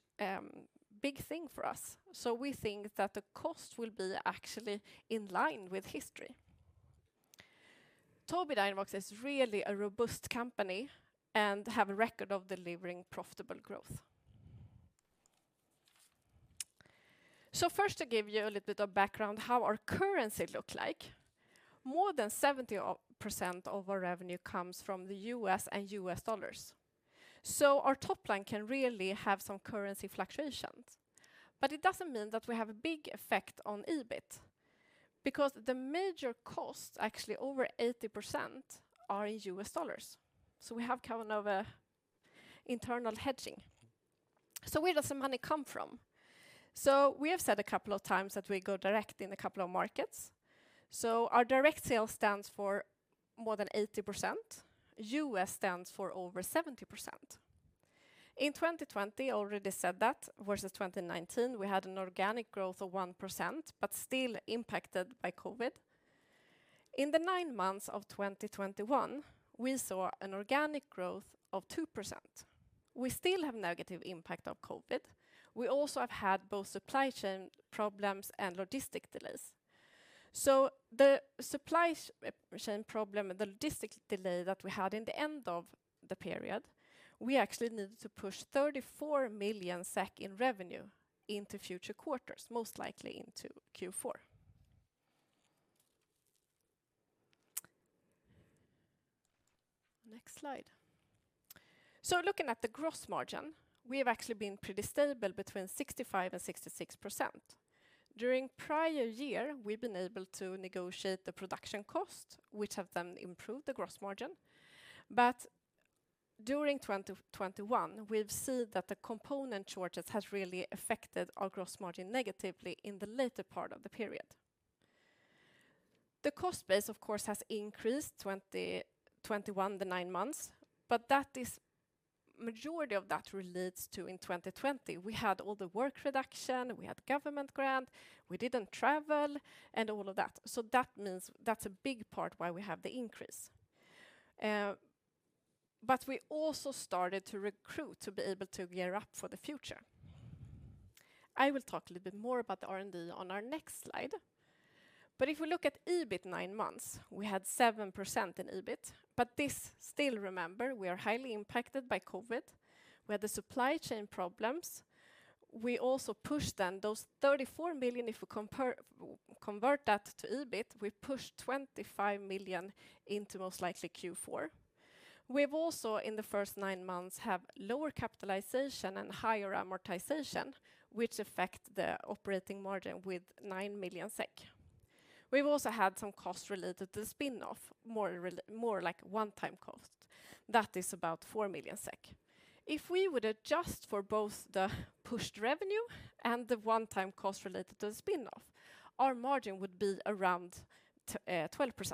big thing for us. We think that the cost will be actually in line with history. Tobii Dynavox is really a robust company and have a record of delivering profitable growth. First, to give you a little bit of background how our currency look like. More than 70% of our revenue comes from the U.S. and U.S. dollars. Our top line can really have some currency fluctuations, but it doesn't mean that we have a big effect on EBIT, because the major costs, actually over 80%, are in U.S. dollars. We have kind of a internal hedging. Where does the money come from? We have said a couple of times that we go direct in a couple of markets. Our direct sales stands for more than 80%. U.S. stands for over 70%. In 2020, already said that, versus 2019, we had an organic growth of 1%, but still impacted by COVID. In the nine months of 2021, we saw an organic growth of 2%. We still have negative impact of COVID. We also have had both supply chain problems and logistic delays. The supply chain problem and the logistic delay that we had in the end of the period, we actually needed to push 34 million SEK in revenue into future quarters, most likely into Q4. Next slide. Looking at the gross margin, we have actually been pretty stable between 65%-66%. During prior year, we've been able to negotiate the production cost, which have then improved the gross margin. But during 2021, we've seen that the component shortages has really affected our gross margin negatively in the later part of the period. The cost base, of course, has increased in 2021, the nine months, but majority of that relates to in 2020, we had all the workforce reduction, we had government grant, we didn't travel, and all of that. That means that's a big part why we have the increase. We also started to recruit to be able to gear up for the future. I will talk a little bit more about the R&D on our next slide. If we look at EBIT 9 months, we had 7% in EBIT. This still, remember, we are highly impacted by COVID. We had the supply chain problems. We also pushed then those 34 million, if we convert that to EBIT, we pushed 25 million into most likely Q4. We've also, in the first nine months, have lower capitalization and higher amortization, which affect the operating margin with 9 million SEK. We've also had some costs related to spin-off, more like one-time cost. That is about 4 million SEK. If we would adjust for both the pushed revenue and the one-time cost related to the spin-off, our margin would be around 12%.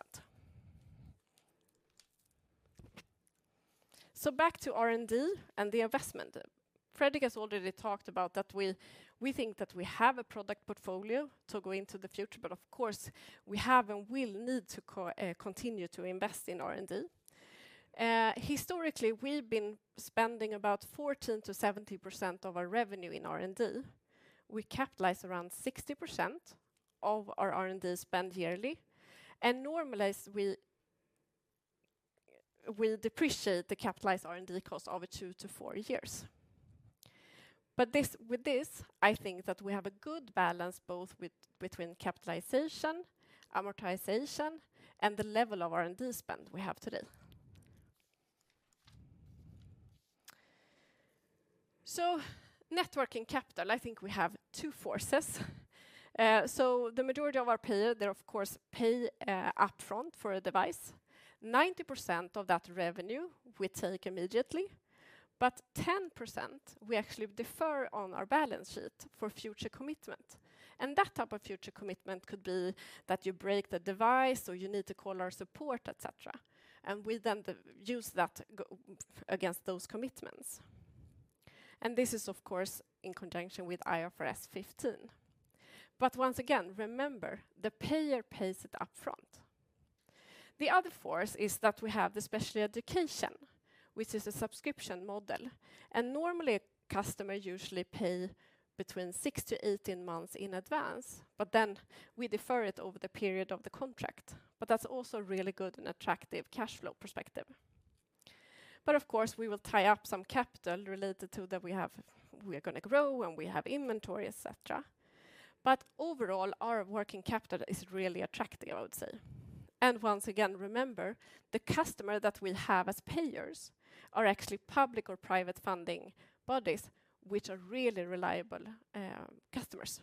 Back to R&D and the investment. Fredrik has already talked about that we think that we have a product portfolio to go into the future, but of course, we have and will need to continue to invest in R&D. Historically, we've been spending about 14%-70% of our revenue in R&D. We capitalize around 60% of our R&D spend yearly, and normalize, we depreciate the capitalized R&D cost over two to four years. With this, I think that we have a good balance both between capitalization, amortization, and the level of R&D spend we have today. Net working capital, I think we have two forces. The majority of our payers, they, of course, pay upfront for a device. 90% of that revenue we take immediately, but 10% we actually defer on our balance sheet for future commitment. That type of future commitment could be that you break the device or you need to call our support, etc. We then use that against those commitments. This is, of course, in conjunction with IFRS 15. Once again, remember, the payer pays it upfront. The other force is that we have the special education, which is a subscription model. Normally, customers usually pay between six to18 months in advance, but then we defer it over the period of the contract. That's also really good and attractive from a cash flow perspective. Of course, we will tie up some capital related to that we are gonna grow and we have inventory, et cetera. Overall, our working capital is really attractive, I would say. Once again, remember, the customers that we have as payers are actually public or private funding bodies, which are really reliable customers.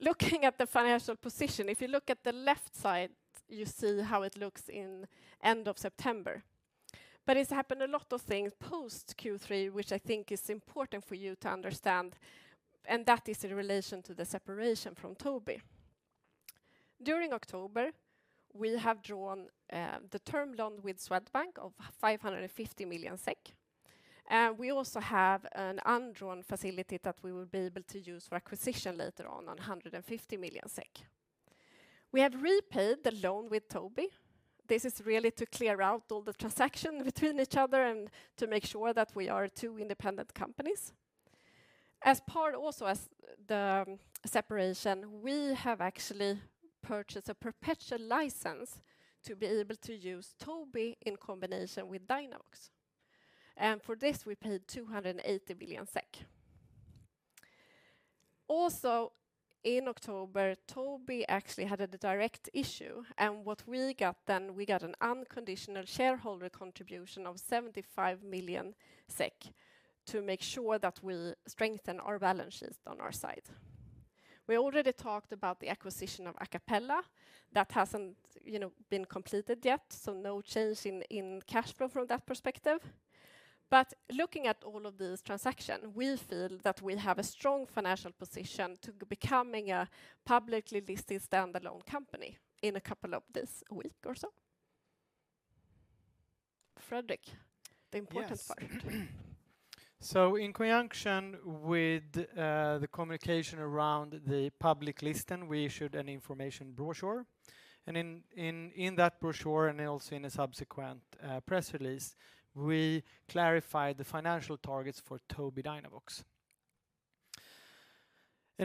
Looking at the financial position, if you look at the left side, you see how it looks at the end of September. A lot has happened post Q3, which I think is important for you to understand, and that is in relation to the separation from Tobii. During October, we have drawn the term loan with Swedbank of 550 million SEK. We also have an undrawn facility that we will be able to use for acquisition later on a 150 million SEK. We have repaid the loan with Tobii. This is really to clear out all the transaction between each other and to make sure that we are two independent companies. As part also as the separation, we have actually purchased a perpetual license to be able to use Tobii in combination with Dynavox. For this, we paid 280 million SEK. Also in October, Tobii actually had a directed issue and what we got then, an unconditional shareholder contribution of 75 million SEK to make sure that we strengthen our balance sheet on our side. We already talked about the acquisition of Acapela that hasn't, you know, been completed yet, so no change in cash flow from that perspective. Looking at all of these transactions, we feel that we have a strong financial position to becoming a publicly listed standalone company in a couple of weeks or so. Fredrik, the important part. Yes. In conjunction with the communication around the public listing, we issued an information brochure, and in that brochure and also in a subsequent press release, we clarified the financial targets for Tobii Dynavox.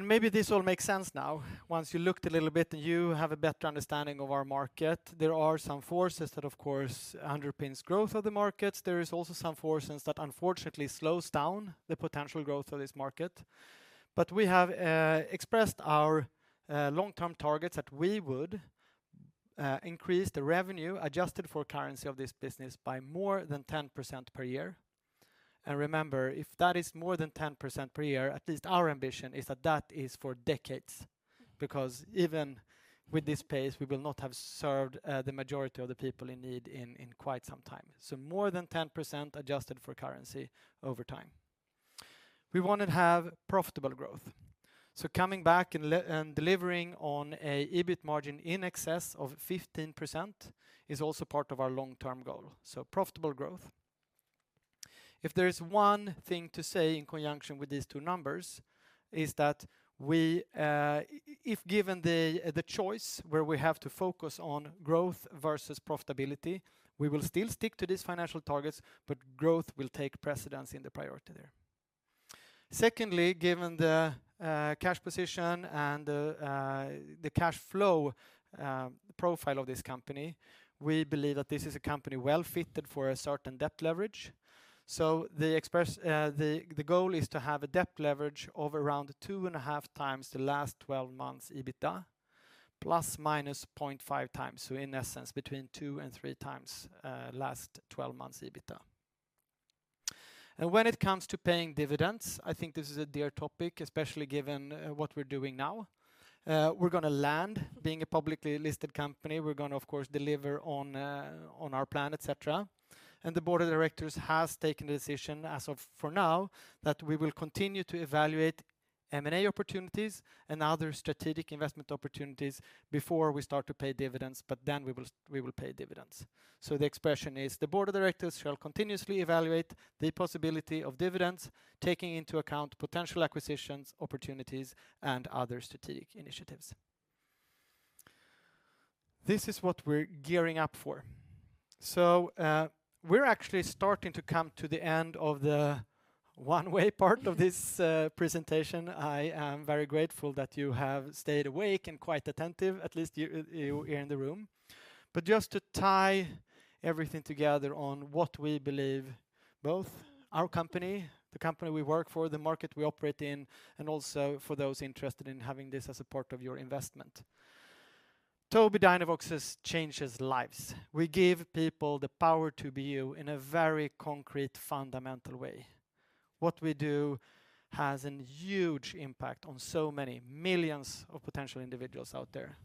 Maybe this will make sense now once you looked a little bit and you have a better understanding of our market. There are some forces that of course underpins growth of the markets. There is also some forces that unfortunately slows down the potential growth of this market. We have expressed our long-term targets that we would increase the revenue adjusted for currency of this business by more than 10% per year. Remember, if that is more than 10% per year, at least our ambition is that that is for decades. Because even with this pace, we will not have served the majority of the people in need in quite some time. More than 10% adjusted for currency over time. We want to have profitable growth. Coming back and delivering on an EBIT margin in excess of 15% is also part of our long-term goal, so profitable growth. If there is one thing to say in conjunction with these two numbers is that we, if given the choice where we have to focus on growth versus profitability, we will still stick to these financial targets, but growth will take precedence in the priority there. Secondly, given the cash position and the cash flow profile of this company, we believe that this is a company well-fitted for a certain debt leverage. The goal is to have a debt leverage of around 2.5x the last 12 months EBITDA, ±0.5x, so in essence between 2x and 3x last 12 months EBITDA. When it comes to paying dividends, I think this is a dear topic, especially given what we're doing now. We're gonna land being a publicly listed company. We're gonna, of course, deliver on our plan, etc. The board of directors has taken the decision as of for now that we will continue to evaluate M&A opportunities and other strategic investment opportunities before we start to pay dividends, but then we will pay dividends. The expression is, "The board of directors shall continuously evaluate the possibility of dividends, taking into account potential acquisitions, opportunities, and other strategic initiatives." This is what we're gearing up for. We're actually starting to come to the end of the one-way part of this presentation. I am very grateful that you have stayed awake and quite attentive, at least you here in the room. Just to tie everything together on what we believe, both our company, the company we work for, the market we operate in, and also for those interested in having this as a part of your investment. Tobii Dynavox changes lives. We give people the power to be you in a very concrete, fundamental way. What we do has a huge impact on so many millions of potential individuals out there,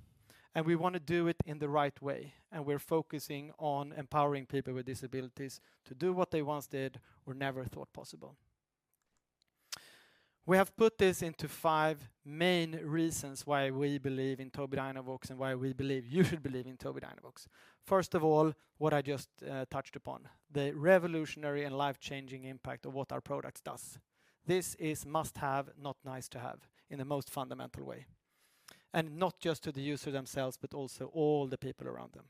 and we wanna do it in the right way, and we're focusing on empowering people with disabilities to do what they once did or never thought possible. We have put this into five main reasons why we believe in Tobii Dynavox and why we believe you should believe in Tobii Dynavox. First of all, what I just touched upon, the revolutionary and life-changing impact of what our products does. This is must-have, not nice to have in the most fundamental way, and not just to the user themselves, but also all the people around them.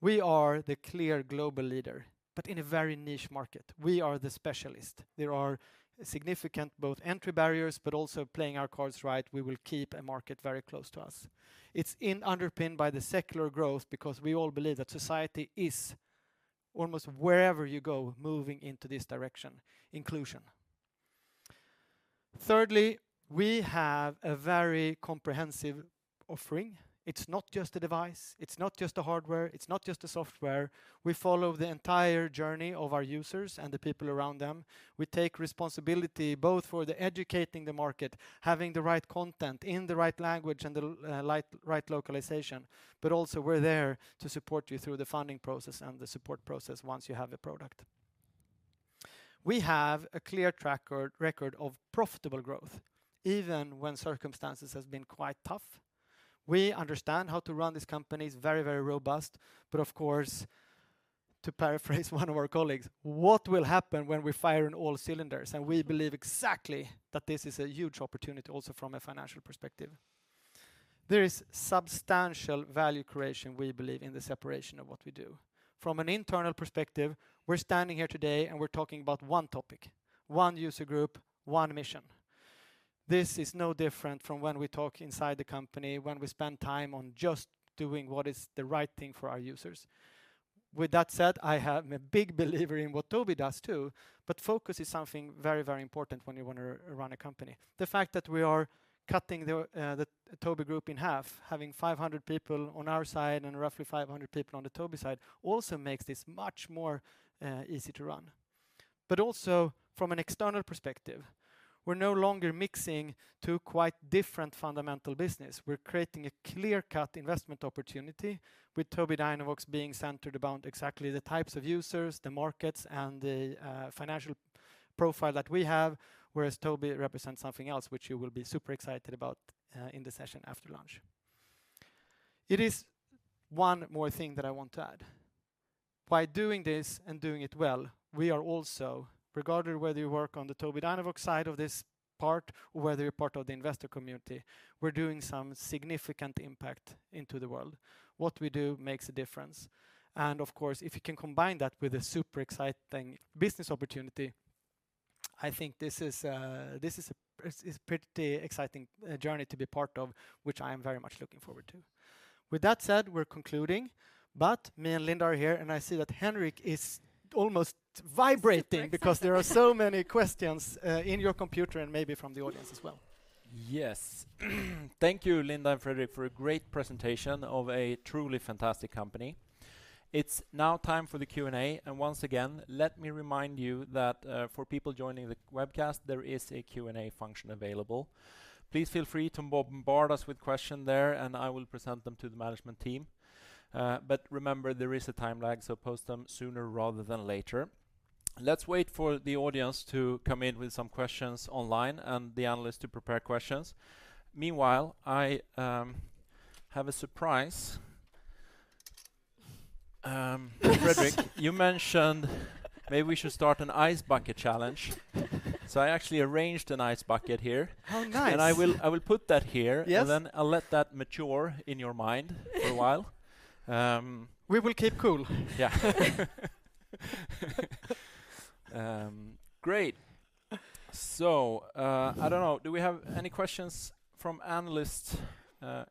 We are the clear global leader, but in a very niche market. We are the specialist. There are significant both entry barriers, but also playing our cards right, we will keep a market very close to us. It's underpinned by the secular growth because we all believe that society is almost wherever you go, moving into this direction, inclusion. Thirdly, we have a very comprehensive offering. It's not just a device, it's not just a hardware, it's not just a software. We follow the entire journey of our users and the people around them. We take responsibility both for educating the market, having the right content in the right language and the right localization, but also we're there to support you through the funding process and the support process once you have a product. We have a clear track record of profitable growth, even when circumstances has been quite tough. We understand how to run this company. It's very, very robust. Of course, to paraphrase one of our colleagues, what will happen when we fire on all cylinders? We believe exactly that this is a huge opportunity also from a financial perspective. There is substantial value creation, we believe, in the separation of what we do. From an internal perspective, we're standing here today and we're talking about one topic, one user group, one mission. This is no different from when we talk inside the company, when we spend time on just doing what is the right thing for our users. With that said, I am a big believer in what Tobii does too, but focus is something very, very important when you wanna run a company. The fact that we are cutting the Tobii Group in half, having 500 people on our side and roughly 500 people on the Tobii side, also makes this much more easy to run. Also from an external perspective, we're no longer mixing two quite different fundamental business. We're creating a clear-cut investment opportunity with Tobii Dynavox being centered about exactly the types of users, the markets, and the financial profile that we have, whereas Tobii represents something else, which you will be super excited about in the session after lunch. It is one more thing that I want to add. By doing this and doing it well, we are also, regardless whether you work on the Tobii Dynavox side of this part or whether you're part of the investor community, we're doing some significant impact into the world. What we do makes a difference. Of course, if you can combine that with a super exciting business opportunity, I think this is a pretty exciting journey to be part of, which I am very much looking forward to. With that said, we're concluding, but me and Linda are here, and I see that Henrik is almost vibrating because there are so many questions in your computer and maybe from the audience as well. Yes. Thank you, Linda and Fredrik, for a great presentation of a truly fantastic company. It's now time for the Q&A. Once again, let me remind you that, for people joining the webcast, there is a Q&A function available. Please feel free to bombard us with question there, and I will present them to the management team. But remember, there is a time lag, so post them sooner rather than later. Let's wait for the audience to come in with some questions online and the analysts to prepare questions. Meanwhile, I have a surprise. Fredrik, you mentioned maybe we should start an Ice Bucket Challenge, so I actually arranged an ice bucket here. How nice. I will put that here. Yes. I'll let that mature in your mind for a while. We will keep cool. Yeah. Great. I don't know, do we have any questions from analysts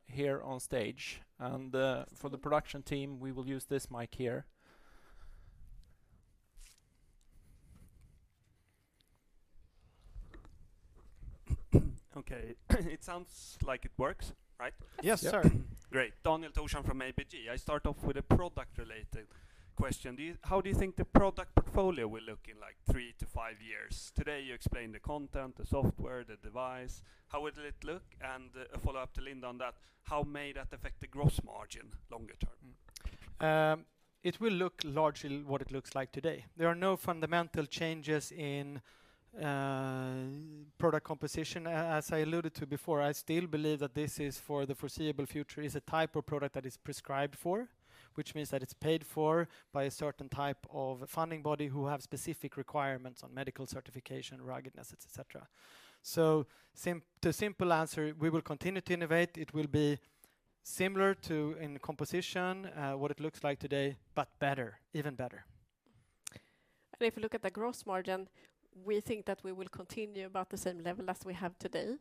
here on stage? And for the production team, we will use this mic here. Okay. It sounds like it works, right? Yes, sir. Great. Daniel Thorsson from ABG. I start off with a product-related question. How do you think the product portfolio will look in, like, three to five years? Today, you explained the content, the software, the device. How will it look? A follow-up to Linda on that, how may that affect the gross margin longer term? It will look largely what it looks like today. There are no fundamental changes in product composition. As I alluded to before, I still believe that this is, for the foreseeable future, a type of product that is prescribed for, which means that it's paid for by a certain type of funding body who have specific requirements on medical certification, ruggedness, et cetera. The simple answer, we will continue to innovate. It will be similar to, in composition, what it looks like today, but better, even better. If you look at the gross margin, we think that we will continue about the same level as we have today.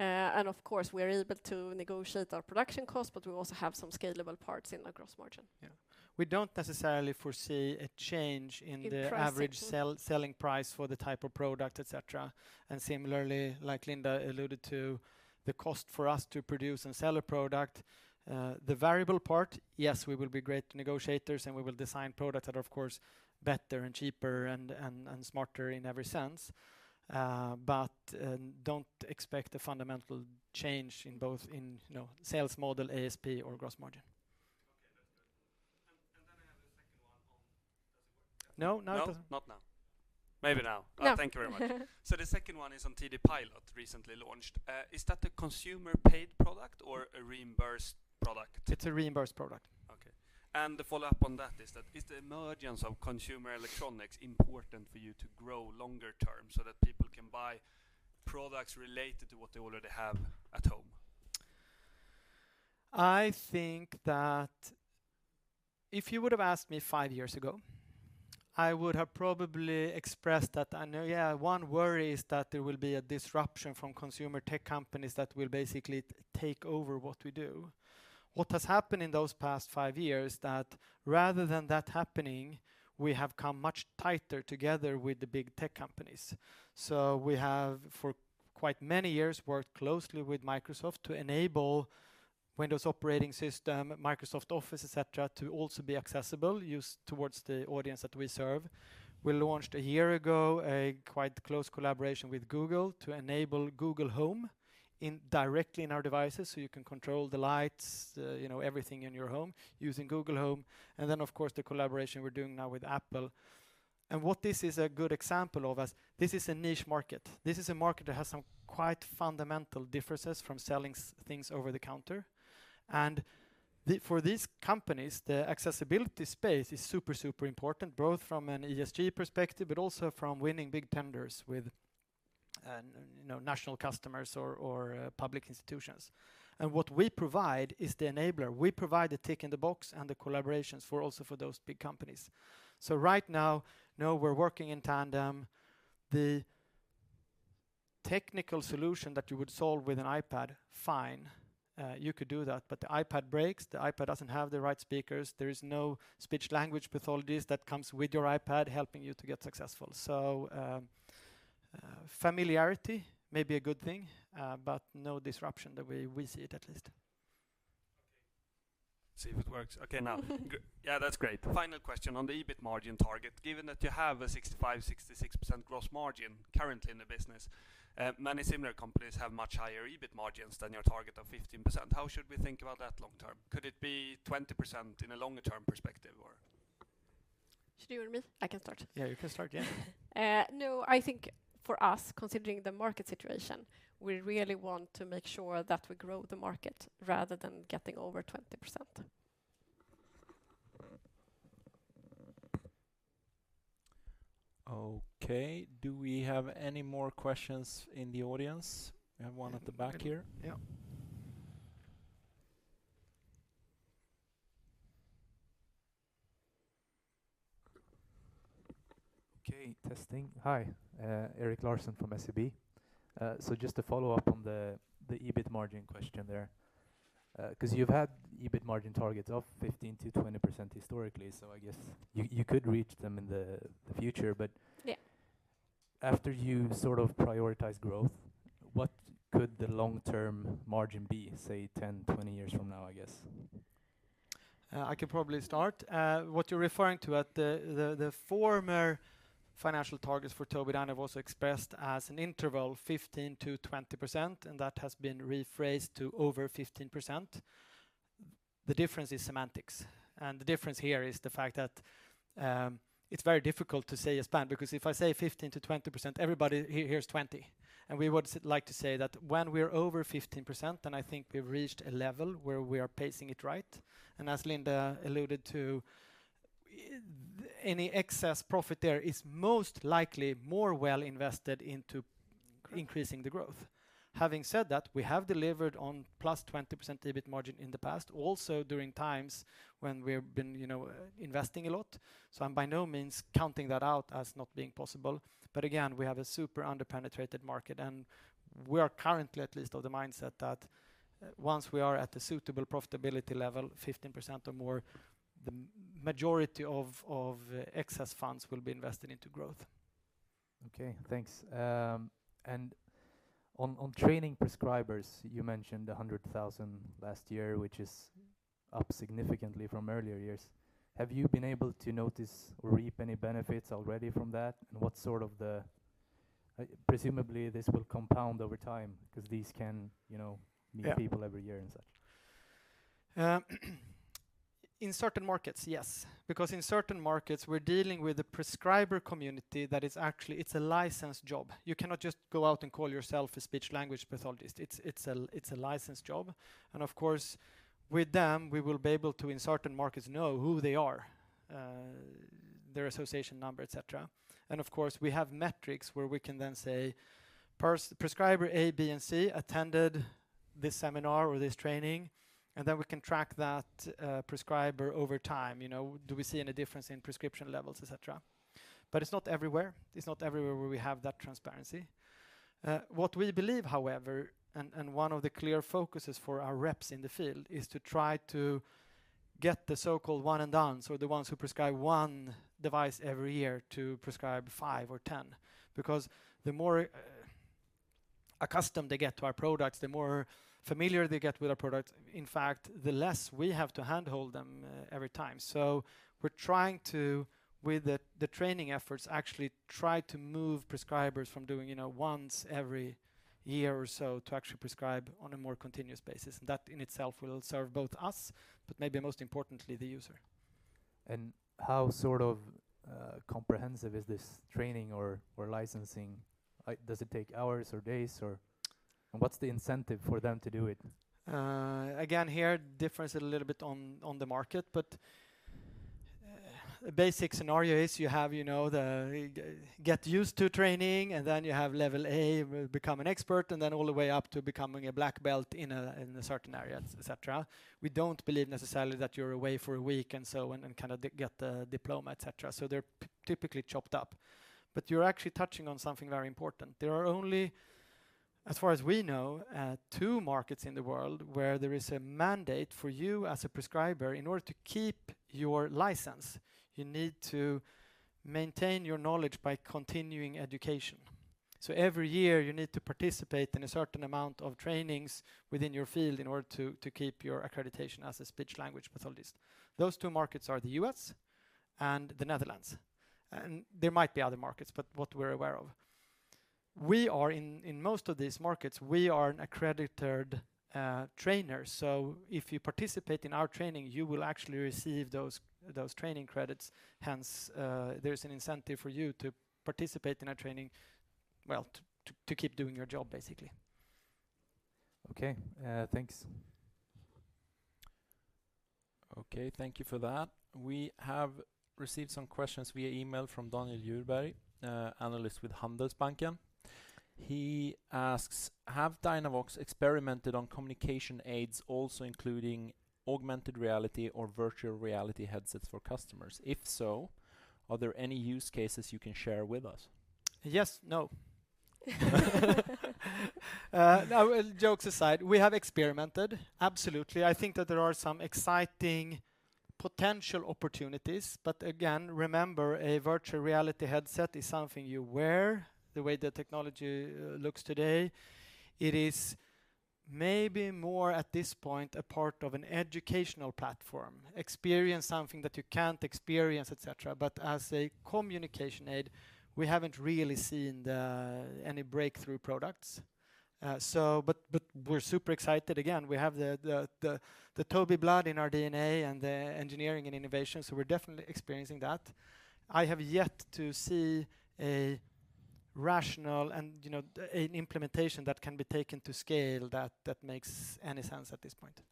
Of course, we are able to negotiate our production cost, but we also have some scalable parts in the gross margin. Yeah. We don't necessarily foresee a change in the In price, no. average selling price for the type of product, et cetera. Similarly, like Linda alluded to, the cost for us to produce and sell a product, the variable part, yes, we will be great negotiators, and we will design products that are, of course, better and cheaper and smarter in every sense. But, don't expect a fundamental change in both in, you know, sales model, ASP or gross margin. No. Now it doesn't. No, not now. Maybe now. Yeah. Thank you very much. The second one is on TD Pilot, recently launched. Is that a consumer-paid product or a reimbursed product? It's a reimbursed product. Okay. The follow-up on that is that, is the emergence of consumer electronics important for you to grow longer term so that people can buy products related to what they already have at home? I think that if you would've asked me five years ago, I would have probably expressed that I know, yeah, one worry is that there will be a disruption from consumer tech companies that will basically take over what we do. What has happened in those past five years that rather than that happening, we have come much tighter together with the big tech companies. We have, for quite many years, worked closely with Microsoft to enable Windows operating system, Microsoft Office, et cetera, to also be accessible, used towards the audience that we serve. We launched a year ago a quite close collaboration with Google to enable Google Home directly in our devices, so you can control the lights, you know, everything in your home using Google Home. Of course, the collaboration we're doing now with Apple. What this is a good example of is this is a niche market. This is a market that has some quite fundamental differences from selling things over the counter. For these companies, the accessibility space is super important, both from an ESG perspective, but also from winning big tenders with, you know, national customers or public institutions. What we provide is the enabler. We provide the tick in the box and the collaborations for those big companies. Right now we're working in tandem. The technical solution that you would solve with an iPad, fine. You could do that, but the iPad breaks, the iPad doesn't have the right speakers. There is no speech-language pathologist that comes with your iPad helping you to get successful. Familiarity may be a good thing, but no disruption the way we see it, at least. Okay. See if it works. Okay, now. G- Yeah, that's great. Final question on the EBIT margin target. Given that you have a 65%-66% gross margin currently in the business, many similar companies have much higher EBIT margins than your target of 15%. How should we think about that long term? Could it be 20% in a longer-term perspective, or? Should you or me? I can start. Yeah, you can start. Yeah. No, I think for us, considering the market situation, we really want to make sure that we grow the market rather than getting over 20%. Okay. Do we have any more questions in the audience? We have one at the back here. Yep. Okay. Testing. Hi, Erik Larsson from SEB. Just to follow up on the EBIT margin question there, 'cause you've had EBIT margin targets of 15%-20% historically, so I guess you could reach them in the future, but- Yeah after you sort of prioritize growth, what could the long-term margin be, say, 10, 20 years from now, I guess? I can probably start. What you're referring to is the former financial targets for Tobii Dynavox expressed as an interval 15%-20%, and that has been rephrased to over 15%. The difference is semantics, and the difference here is the fact that it's very difficult to say a span, because if I say 15%-20%, everybody hears 20. We would like to say that when we're over 15%, then I think we've reached a level where we are pacing it right. As Linda alluded to, any excess profit there is most likely more well invested into increasing the growth. Having said that, we have delivered on +20% EBIT margin in the past, also during times when we've been, you know, investing a lot. I'm by no means counting that out as not being possible. Again, we have a super under-penetrated market, and we are currently at least of the mindset that, once we are at the suitable profitability level, 15% or more, the majority of excess funds will be invested into growth. Okay. Thanks. On training prescribers, you mentioned 100,000 last year, which is up significantly from earlier years. Have you been able to notice or reap any benefits already from that? Presumably, this will compound over time 'cause these can, you know- Yeah meet people every year and such. In certain markets, yes. Because in certain markets, we're dealing with a prescriber community that is actually a licensed job. You cannot just go out and call yourself a speech-language pathologist. It's a licensed job. Of course, with them, we will be able to, in certain markets, know who they are, their association number, et cetera. Of course, we have metrics where we can then say, "prescriber A, B, and C attended this seminar or this training," and then we can track that prescriber over time. You know, do we see any difference in prescription levels, et cetera? It's not everywhere. It's not everywhere where we have that transparency. What we believe, however, and one of the clear focuses for our reps in the field is to try to get the so-called one and dones, or the ones who prescribe one device every year to prescribe five or 10. Because the more accustomed they get to our products, the more familiar they get with our products, in fact, the less we have to handhold them every time. We're trying to, with the training efforts, actually try to move prescribers from doing, you know, once every year or so to actually prescribe on a more continuous basis. That in itself will serve both us, but maybe most importantly, the user. How sort of comprehensive is this training or licensing? Does it take hours or days? What's the incentive for them to do it? Again, there's a little bit of difference on the market, but basic scenario is you have, you know, the get used to training, and then you have level A, become an expert, and then all the way up to becoming a black belt in a certain area, et cetera. We don't believe necessarily that you're away for a week and so, kinda get the diploma, et cetera. They're typically chopped up. You're actually touching on something very important. There are only, as far as we know, two markets in the world where there is a mandate for you as a prescriber, in order to keep your license, you need to maintain your knowledge by continuing education. Every year, you need to participate in a certain amount of trainings within your field in order to keep your accreditation as a speech-language pathologist. Those two markets are the U.S. and the Netherlands. There might be other markets, but what we're aware of. We are in most of these markets, we are an accredited trainer. If you participate in our training, you will actually receive those training credits. Hence, there's an incentive for you to participate in our training, well, to keep doing your job, basically. Okay. Thanks. Okay, thank you for that. We have received some questions via email from Daniel Djurberg, analyst with Handelsbanken. He asks, "Have DynaVox experimented on communication aids also including augmented reality or virtual reality headsets for customers? If so, are there any use cases you can share with us? Yes. No, well, jokes aside, we have experimented, absolutely. I think that there are some exciting potential opportunities, but again, remember, a virtual reality headset is something you wear. The way the technology looks today, it is maybe more at this point, a part of an educational platform. Experience something that you can't experience, et cetera, but as a communication aid, we haven't really seen any breakthrough products. We're super excited. Again, we have the Tobii blood in our DNA and the engineering and innovation, so we're definitely experiencing that. I have yet to see a rational and, you know, an implementation that can be taken to scale that makes any sense at this point.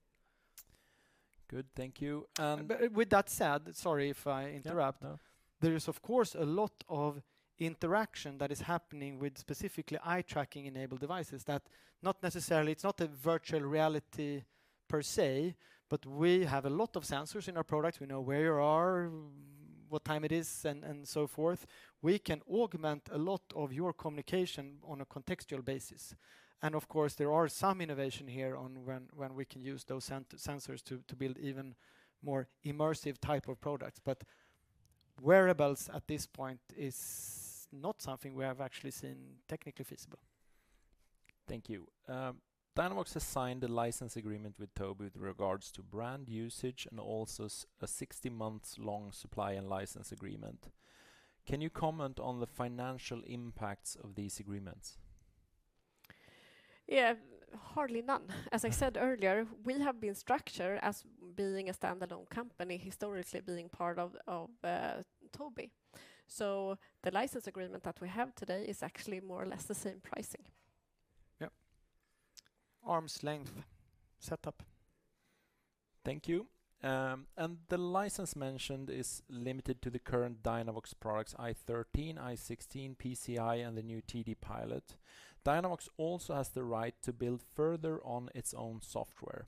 Good. Thank you. With that said, sorry if I interrupt. Yeah, no. There is of course a lot of interaction that is happening with specifically eye-tracking-enabled devices. It's not a virtual reality per se, but we have a lot of sensors in our products. We know where you are, what time it is, and so forth. We can augment a lot of your communication on a contextual basis, and of course, there are some innovation here on when we can use those sensors to build even more immersive type of products. Wearables at this point is not something we have actually seen technically feasible. Thank you. DynaVox has signed a license agreement with Tobii with regards to brand usage and also a 60-month long supply and license agreement. Can you comment on the financial impacts of these agreements? Yeah, hardly none. As I said earlier, we have been structured as being a standalone company, historically being part of Tobii. The license agreement that we have today is actually more or less the same pricing. Yep. Arm's length set up. Thank you. And the license mentioned is limited to the current DynaVox products, I-13, I-16, PCEye, and the new TD Pilot. DynaVox also has the right to build further on its own software.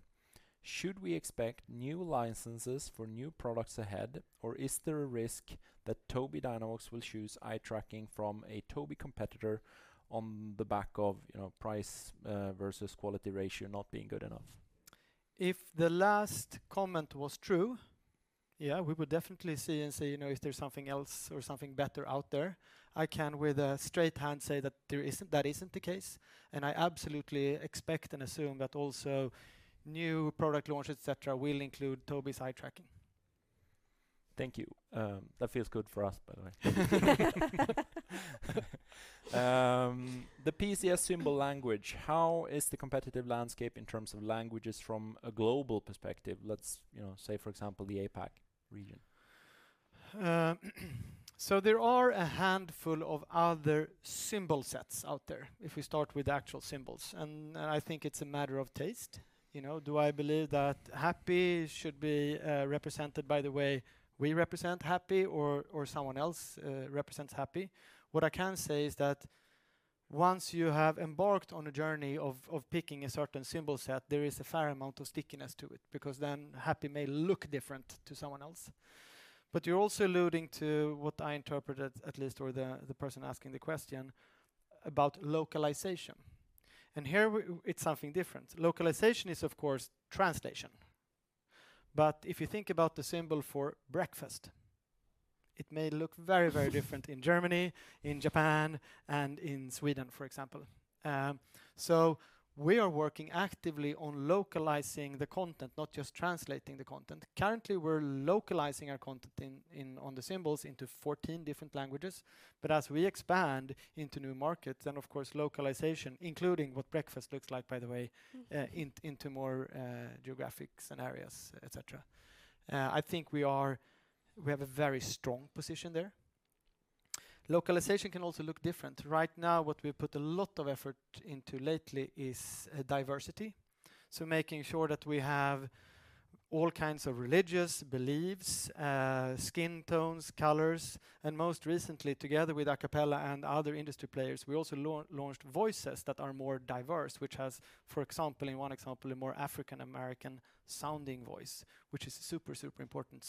Should we expect new licenses for new products ahead, or is there a risk that Tobii Dynavox will choose eye tracking from a Tobii competitor on the back of, you know, price versus quality ratio not being good enough? If the last comment was true, yeah, we would definitely see and say, you know, if there's something else or something better out there, I can, with a straight face say that there isn't, that isn't the case, and I absolutely expect and assume that also new product launches, et cetera, will include Tobii's eye tracking. Thank you. That feels good for us, by the way. The PCS symbols language, how is the competitive landscape in terms of languages from a global perspective? Let's, you know, say for example, the APAC region? There are a handful of other symbol sets out there, if we start with the actual symbols, and I think it's a matter of taste. You know, do I believe that happy should be represented by the way we represent happy or someone else represents happy? What I can say is that once you have embarked on a journey of picking a certain symbol set, there is a fair amount of stickiness to it, because then happy may look different to someone else. You're also alluding to what I interpret at least, or the person asking the question about localization, and here it's something different. Localization is, of course, translation, but if you think about the symbol for breakfast, it may look very different in Germany, in Japan, and in Sweden, for example. We are working actively on localizing the content, not just translating the content. Currently, we're localizing our content on the symbols into 14 different languages. As we expand into new markets, then of course, localization, including what breakfast looks like, by the way, into more geographic scenarios, et cetera. I think we have a very strong position there. Localization can also look different. Right now, what we put a lot of effort into lately is diversity, so making sure that we have all kinds of religious beliefs, skin tones, colors, and most recently, together with Acapela and other industry players, we also launched voices that are more diverse, which has, for example, in one example, a more African American sounding voice, which is super important.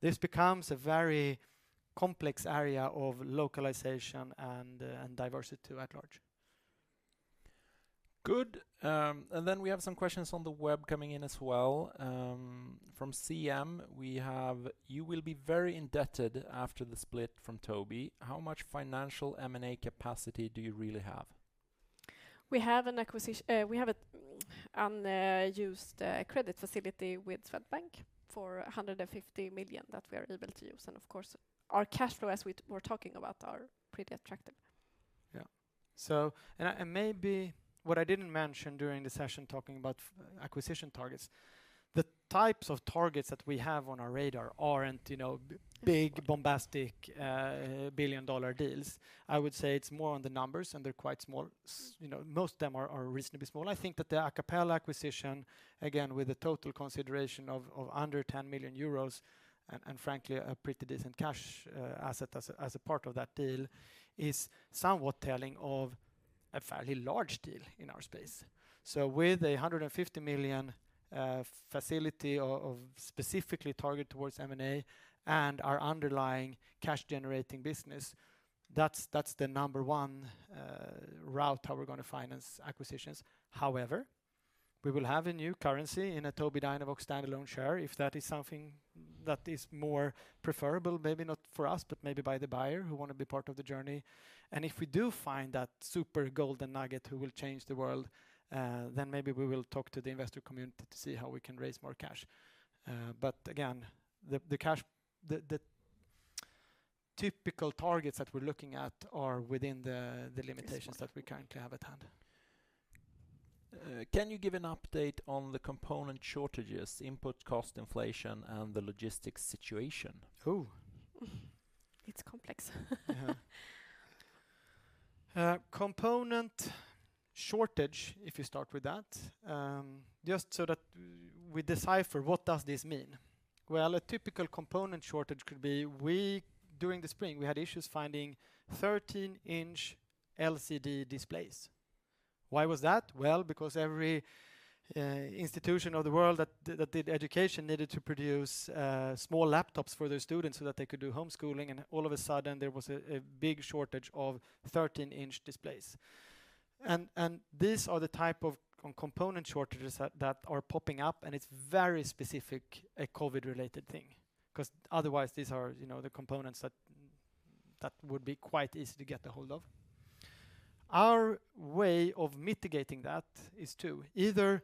This becomes a very complex area of localization and diversity at large. Good. We have some questions on the web coming in as well. From CM, we have, "You will be very indebted after the split from Tobii. How much financial M&A capacity do you really have?" We have an unused credit facility with Swedbank for 150 million that we are able to use, and of course, our cash flow, as we were talking about, are pretty attractive. Yeah. Maybe what I didn't mention during the session talking about acquisition targets, the types of targets that we have on our radar aren't, you know, big, bombastic, billion-dollar deals. I would say it's more on the numbers, and they're quite small. You know, most of them are reasonably small. I think that the Acapela acquisition, again, with the total consideration of under 10 million euros and frankly, a pretty decent cash asset as a part of that deal, is somewhat telling of a fairly large deal in our space. With 150 million facility of specifically targeted towards M&A and our underlying cash generating business, that's the number one route how we're gonna finance acquisitions. However, we will have a new currency in a Tobii Dynavox standalone share, if that is something that is more preferable, maybe not for us, but maybe by the buyer who wanna be part of the journey. If we do find that super golden nugget who will change the world, then maybe we will talk to the investor community to see how we can raise more cash. Again, the cash. The typical targets that we're looking at are within the limitations that we currently have at hand. Can you give an update on the component shortages, input cost inflation, and the logistics situation? Ooh. It's complex. Yeah. Component shortage, if you start with that, just so that we decipher what does this mean? Well, a typical component shortage could be we, during the spring, we had issues finding 13-inch LCD displays. Why was that? Well, because every institution of the world that did education needed to produce small laptops for their students so that they could do homeschooling, and all of a sudden there was a big shortage of 13-inch displays. These are the type of component shortages that are popping up, and it's very specific, a COVID-related thing, 'cause otherwise these are, you know, the components that would be quite easy to get a hold of. Our way of mitigating that is to either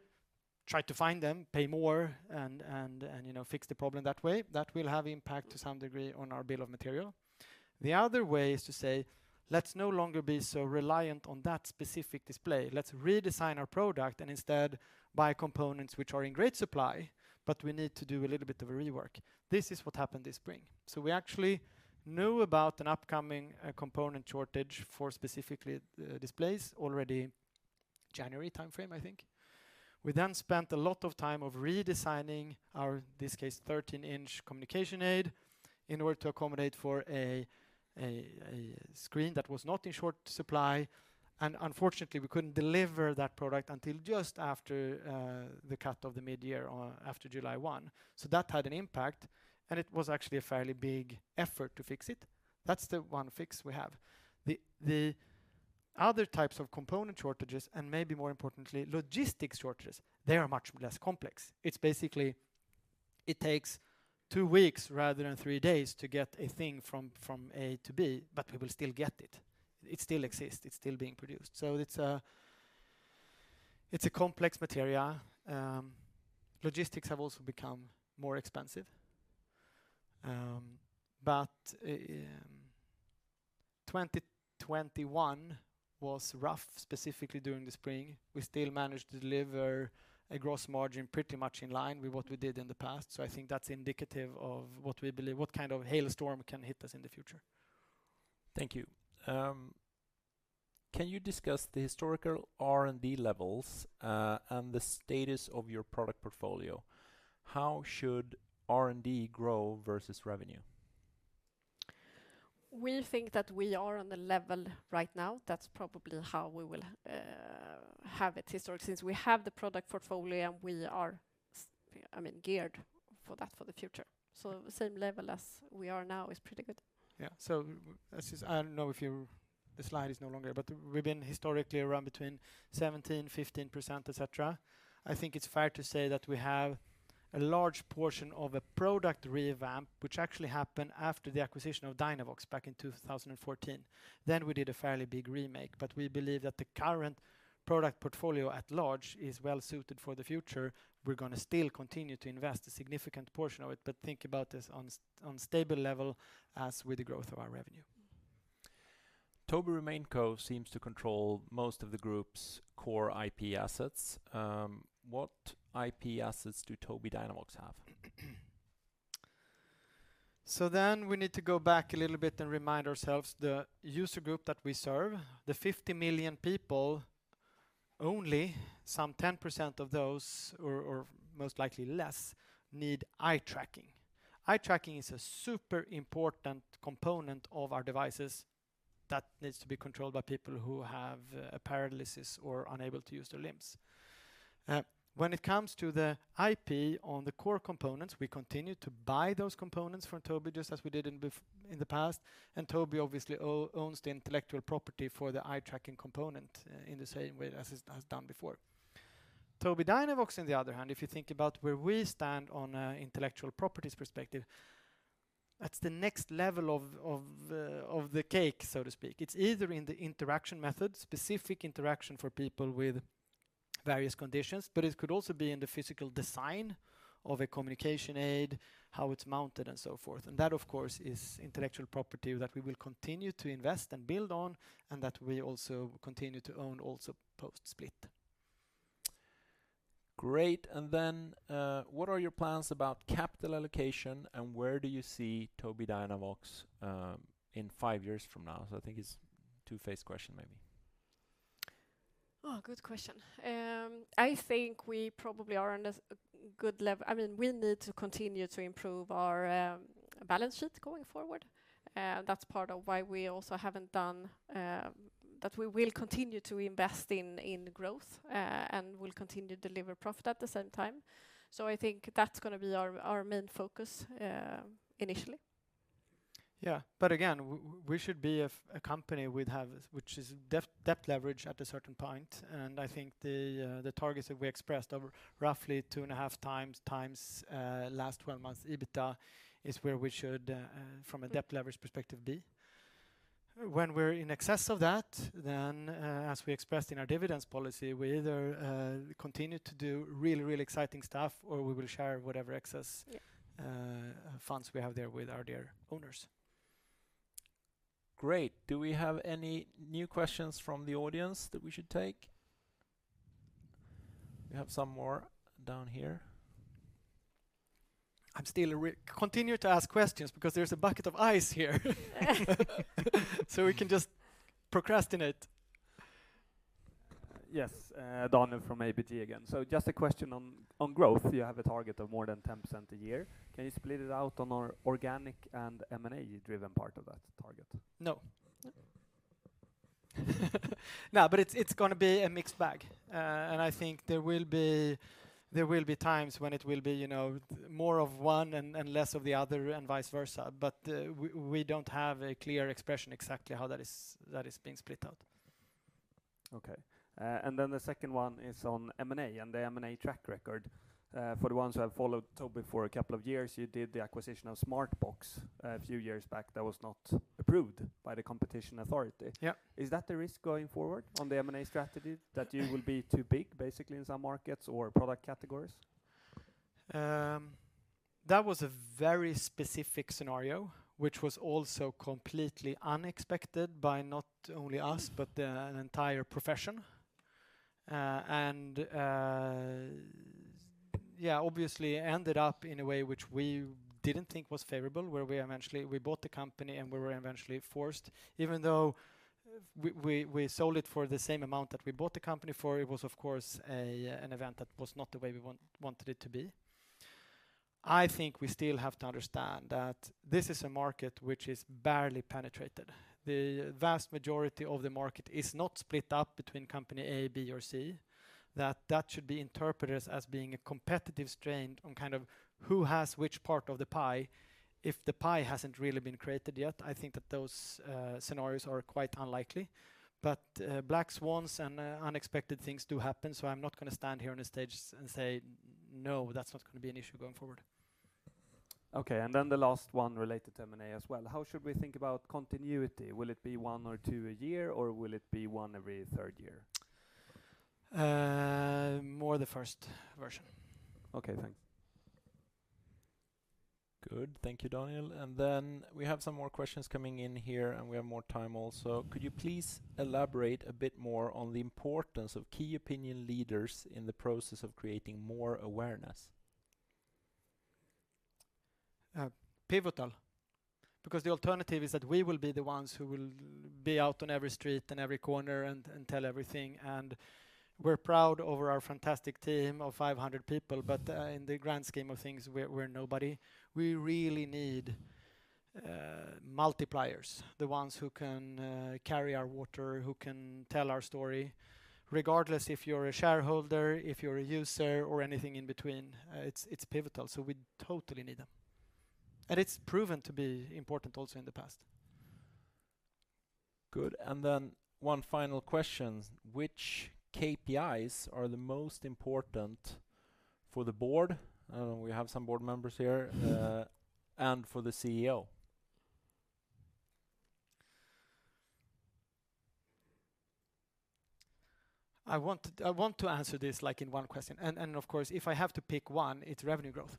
try to find them, pay more and, you know, fix the problem that way. That will have impact to some degree on our bill of material. The other way is to say, "Let's no longer be so reliant on that specific display. Let's redesign our product and instead buy components which are in great supply, but we need to do a little bit of a rework." This is what happened this spring. We actually knew about an upcoming component shortage for specifically displays already January timeframe, I think. We then spent a lot of time redesigning our, in this case, 13-inch communication aid in order to accommodate for a screen that was not in short supply, and unfortunately, we couldn't deliver that product until just after the cut-off of the mid-year or after July 1. That had an impact, and it was actually a fairly big effort to fix it. That's the one fix we have. The other types of component shortages, and maybe more importantly, logistics shortages, they are much less complex. It's basically it takes two weeks rather than three days to get a thing from A to B, but we will still get it. It still exists. It's still being produced. It's a complex material. Logistics have also become more expensive. 2021 was rough, specifically during the spring. We still managed to deliver a gross margin pretty much in line with what we did in the past. I think that's indicative of what we believe, what kind of hailstorm can hit us in the future. Thank you. Can you discuss the historical R&D levels, and the status of your product portfolio? How should R&D grow versus revenue? We think that we are on the level right now. That's probably how we will have it historically, since we have the product portfolio, we are, I mean, geared for that for the future. Same level as we are now is pretty good. The slide is no longer, but we've been historically around between 15%-17%, et cetera. I think it's fair to say that we have a large portion of a product revamp, which actually happened after the acquisition of DynaVox back in 2014. We did a fairly big remake, but we believe that the current product portfolio at large is well-suited for the future. We're gonna still continue to invest a significant portion of it, but think about this on stable level as with the growth of our revenue. Tobii Main Co seems to control most of the group's core IP assets. What IP assets do Tobii Dynavox have? We need to go back a little bit and remind ourselves the user group that we serve, the 50 million people only, some 10% of those or most likely less, need eye tracking. Eye tracking is a super important component of our devices that needs to be controlled by people who have a paralysis or unable to use their limbs. When it comes to the IP on the core components, we continue to buy those components from Tobii, just as we did in the past, and Tobii obviously owns the intellectual property for the eye tracking component, in the same way as it has done before. Tobii Dynavox, on the other hand, if you think about where we stand on an intellectual properties perspective, that's the next level of the cake, so to speak. It's either in the interaction method, specific interaction for people with various conditions, but it could also be in the physical design of a communication aid, how it's mounted, and so forth. That, of course, is intellectual property that we will continue to invest and build on and that we also continue to own also post-split. Great. What are your plans about capital allocation, and where do you see Tobii Dynavox in five years from now? I think it's two-part question maybe. Oh, good question. I think we probably I mean, we need to continue to improve our balance sheet going forward. That's part of why we also haven't done that we will continue to invest in growth and will continue to deliver profit at the same time. I think that's gonna be our main focus initially. Again, we should be a company that has debt leverage at a certain point. I think the targets that we expressed over roughly 2.5 times last 12 months EBITDA is where we should from a debt leverage perspective be. When we're in excess of that, as we expressed in our dividend policy, we either continue to do really exciting stuff, or we will share whatever excess Yeah Funds we have there with our dear owners. Great. Do we have any new questions from the audience that we should take? We have some more down here. I'm still continue to ask questions because there's a bucket of ice here. We can just procrastinate. Daniel from ABG again. Just a question on growth. You have a target of more than 10% a year. Can you split it out on organic and M&A driven part of that target? No. No. No, but it's gonna be a mixed bag. I think there will be times when it will be, you know, more of one and less of the other and vice versa. We don't have a clear expression exactly how that is being split out. Okay. The second one is on M&A and the M&A track record. For the ones who have followed Tobii for a couple of years, you did the acquisition of Smartbox a few years back that was not approved by the competition authority. Yeah. Is that the risk going forward on the M&A strategy, that you will be too big basically in some markets or product categories? That was a very specific scenario, which was also completely unexpected by not only us, but the entire profession. Yeah, obviously ended up in a way which we didn't think was favorable, where we eventually bought the company, and we were eventually forced. Even though we sold it for the same amount that we bought the company for, it was of course an event that was not the way we wanted it to be. I think we still have to understand that this is a market which is barely penetrated. The vast majority of the market is not split up between company A, B, or C, that should be interpreted as being a competitive strain on kind of who has which part of the pie. If the pie hasn't really been created yet, I think that those scenarios are quite unlikely. Black swans and unexpected things do happen, so I'm not gonna stand here on the stage and say, "No, that's not gonna be an issue going forward. Okay. The last one related to M&A as well. How should we think about continuity? Will it be one or two a year, or will it be one every third year? More the first version. Okay, thanks. Good. Thank you, Daniel. We have some more questions coming in here, and we have more time also. Could you please elaborate a bit more on the importance of key opinion leaders in the process of creating more awareness? Pivotal, because the alternative is that we will be the ones who will be out on every street and every corner and tell everything, and we're proud over our fantastic team of 500 people. In the grand scheme of things, we're nobody. We really need multipliers, the ones who can carry our water, who can tell our story. Regardless if you're a shareholder, if you're a user or anything in between, it's pivotal, so we totally need them. It's proven to be important also in the past. Good. One final question. Which KPIs are the most important for the board? We have some board members here and for the CEO. I want to answer this, like in one question and of course, if I have to pick one, it's revenue growth.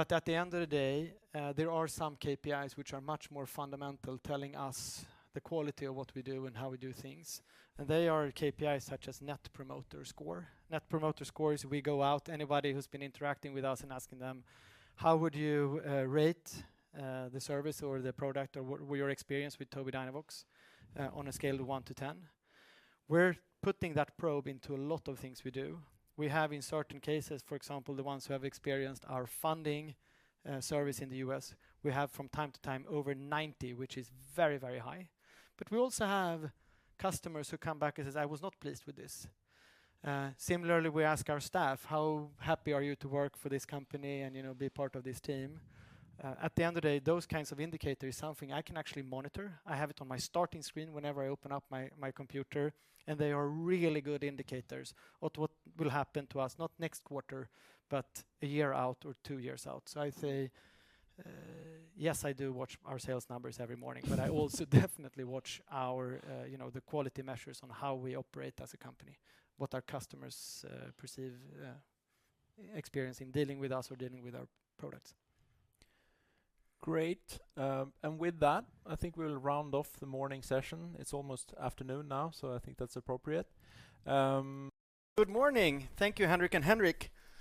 At the end of the day, there are some KPIs which are much more fundamental, telling us the quality of what we do and how we do things, and they are KPIs such as Net Promoter Score. Net Promoter Score is we go out, anybody who's been interacting with us and asking them, "How would you rate the service or the product or your experience with Tobii Dynavox on a scale of one to 10?" We're putting that probe into a lot of things we do. We have in certain cases, for example, the ones who have experienced our funding service in the U.S., we have from time to time over 90, which is very, very high. We also have customers who come back and says, "I was not pleased with this." Similarly, we ask our staff, "How happy are you to work for this company and, you know, be part of this team?" At the end of the day, those kinds of indicators is something I can actually monitor. I have it on my starting screen whenever I open up my computer, and they are really good indicators of what will happen to us, not next quarter, but a year out or two years out. I say, yes, I do watch our sales numbers every morning, but I also definitely watch our, you know, the quality measures on how we operate as a company, what our customers perceive experiencing dealing with us or dealing with our products. Great. With that, I think we'll round off the morning session. It's almost afternoon now, so I think that's appropriate. Good morning. Thank you, Henrik and Henrik.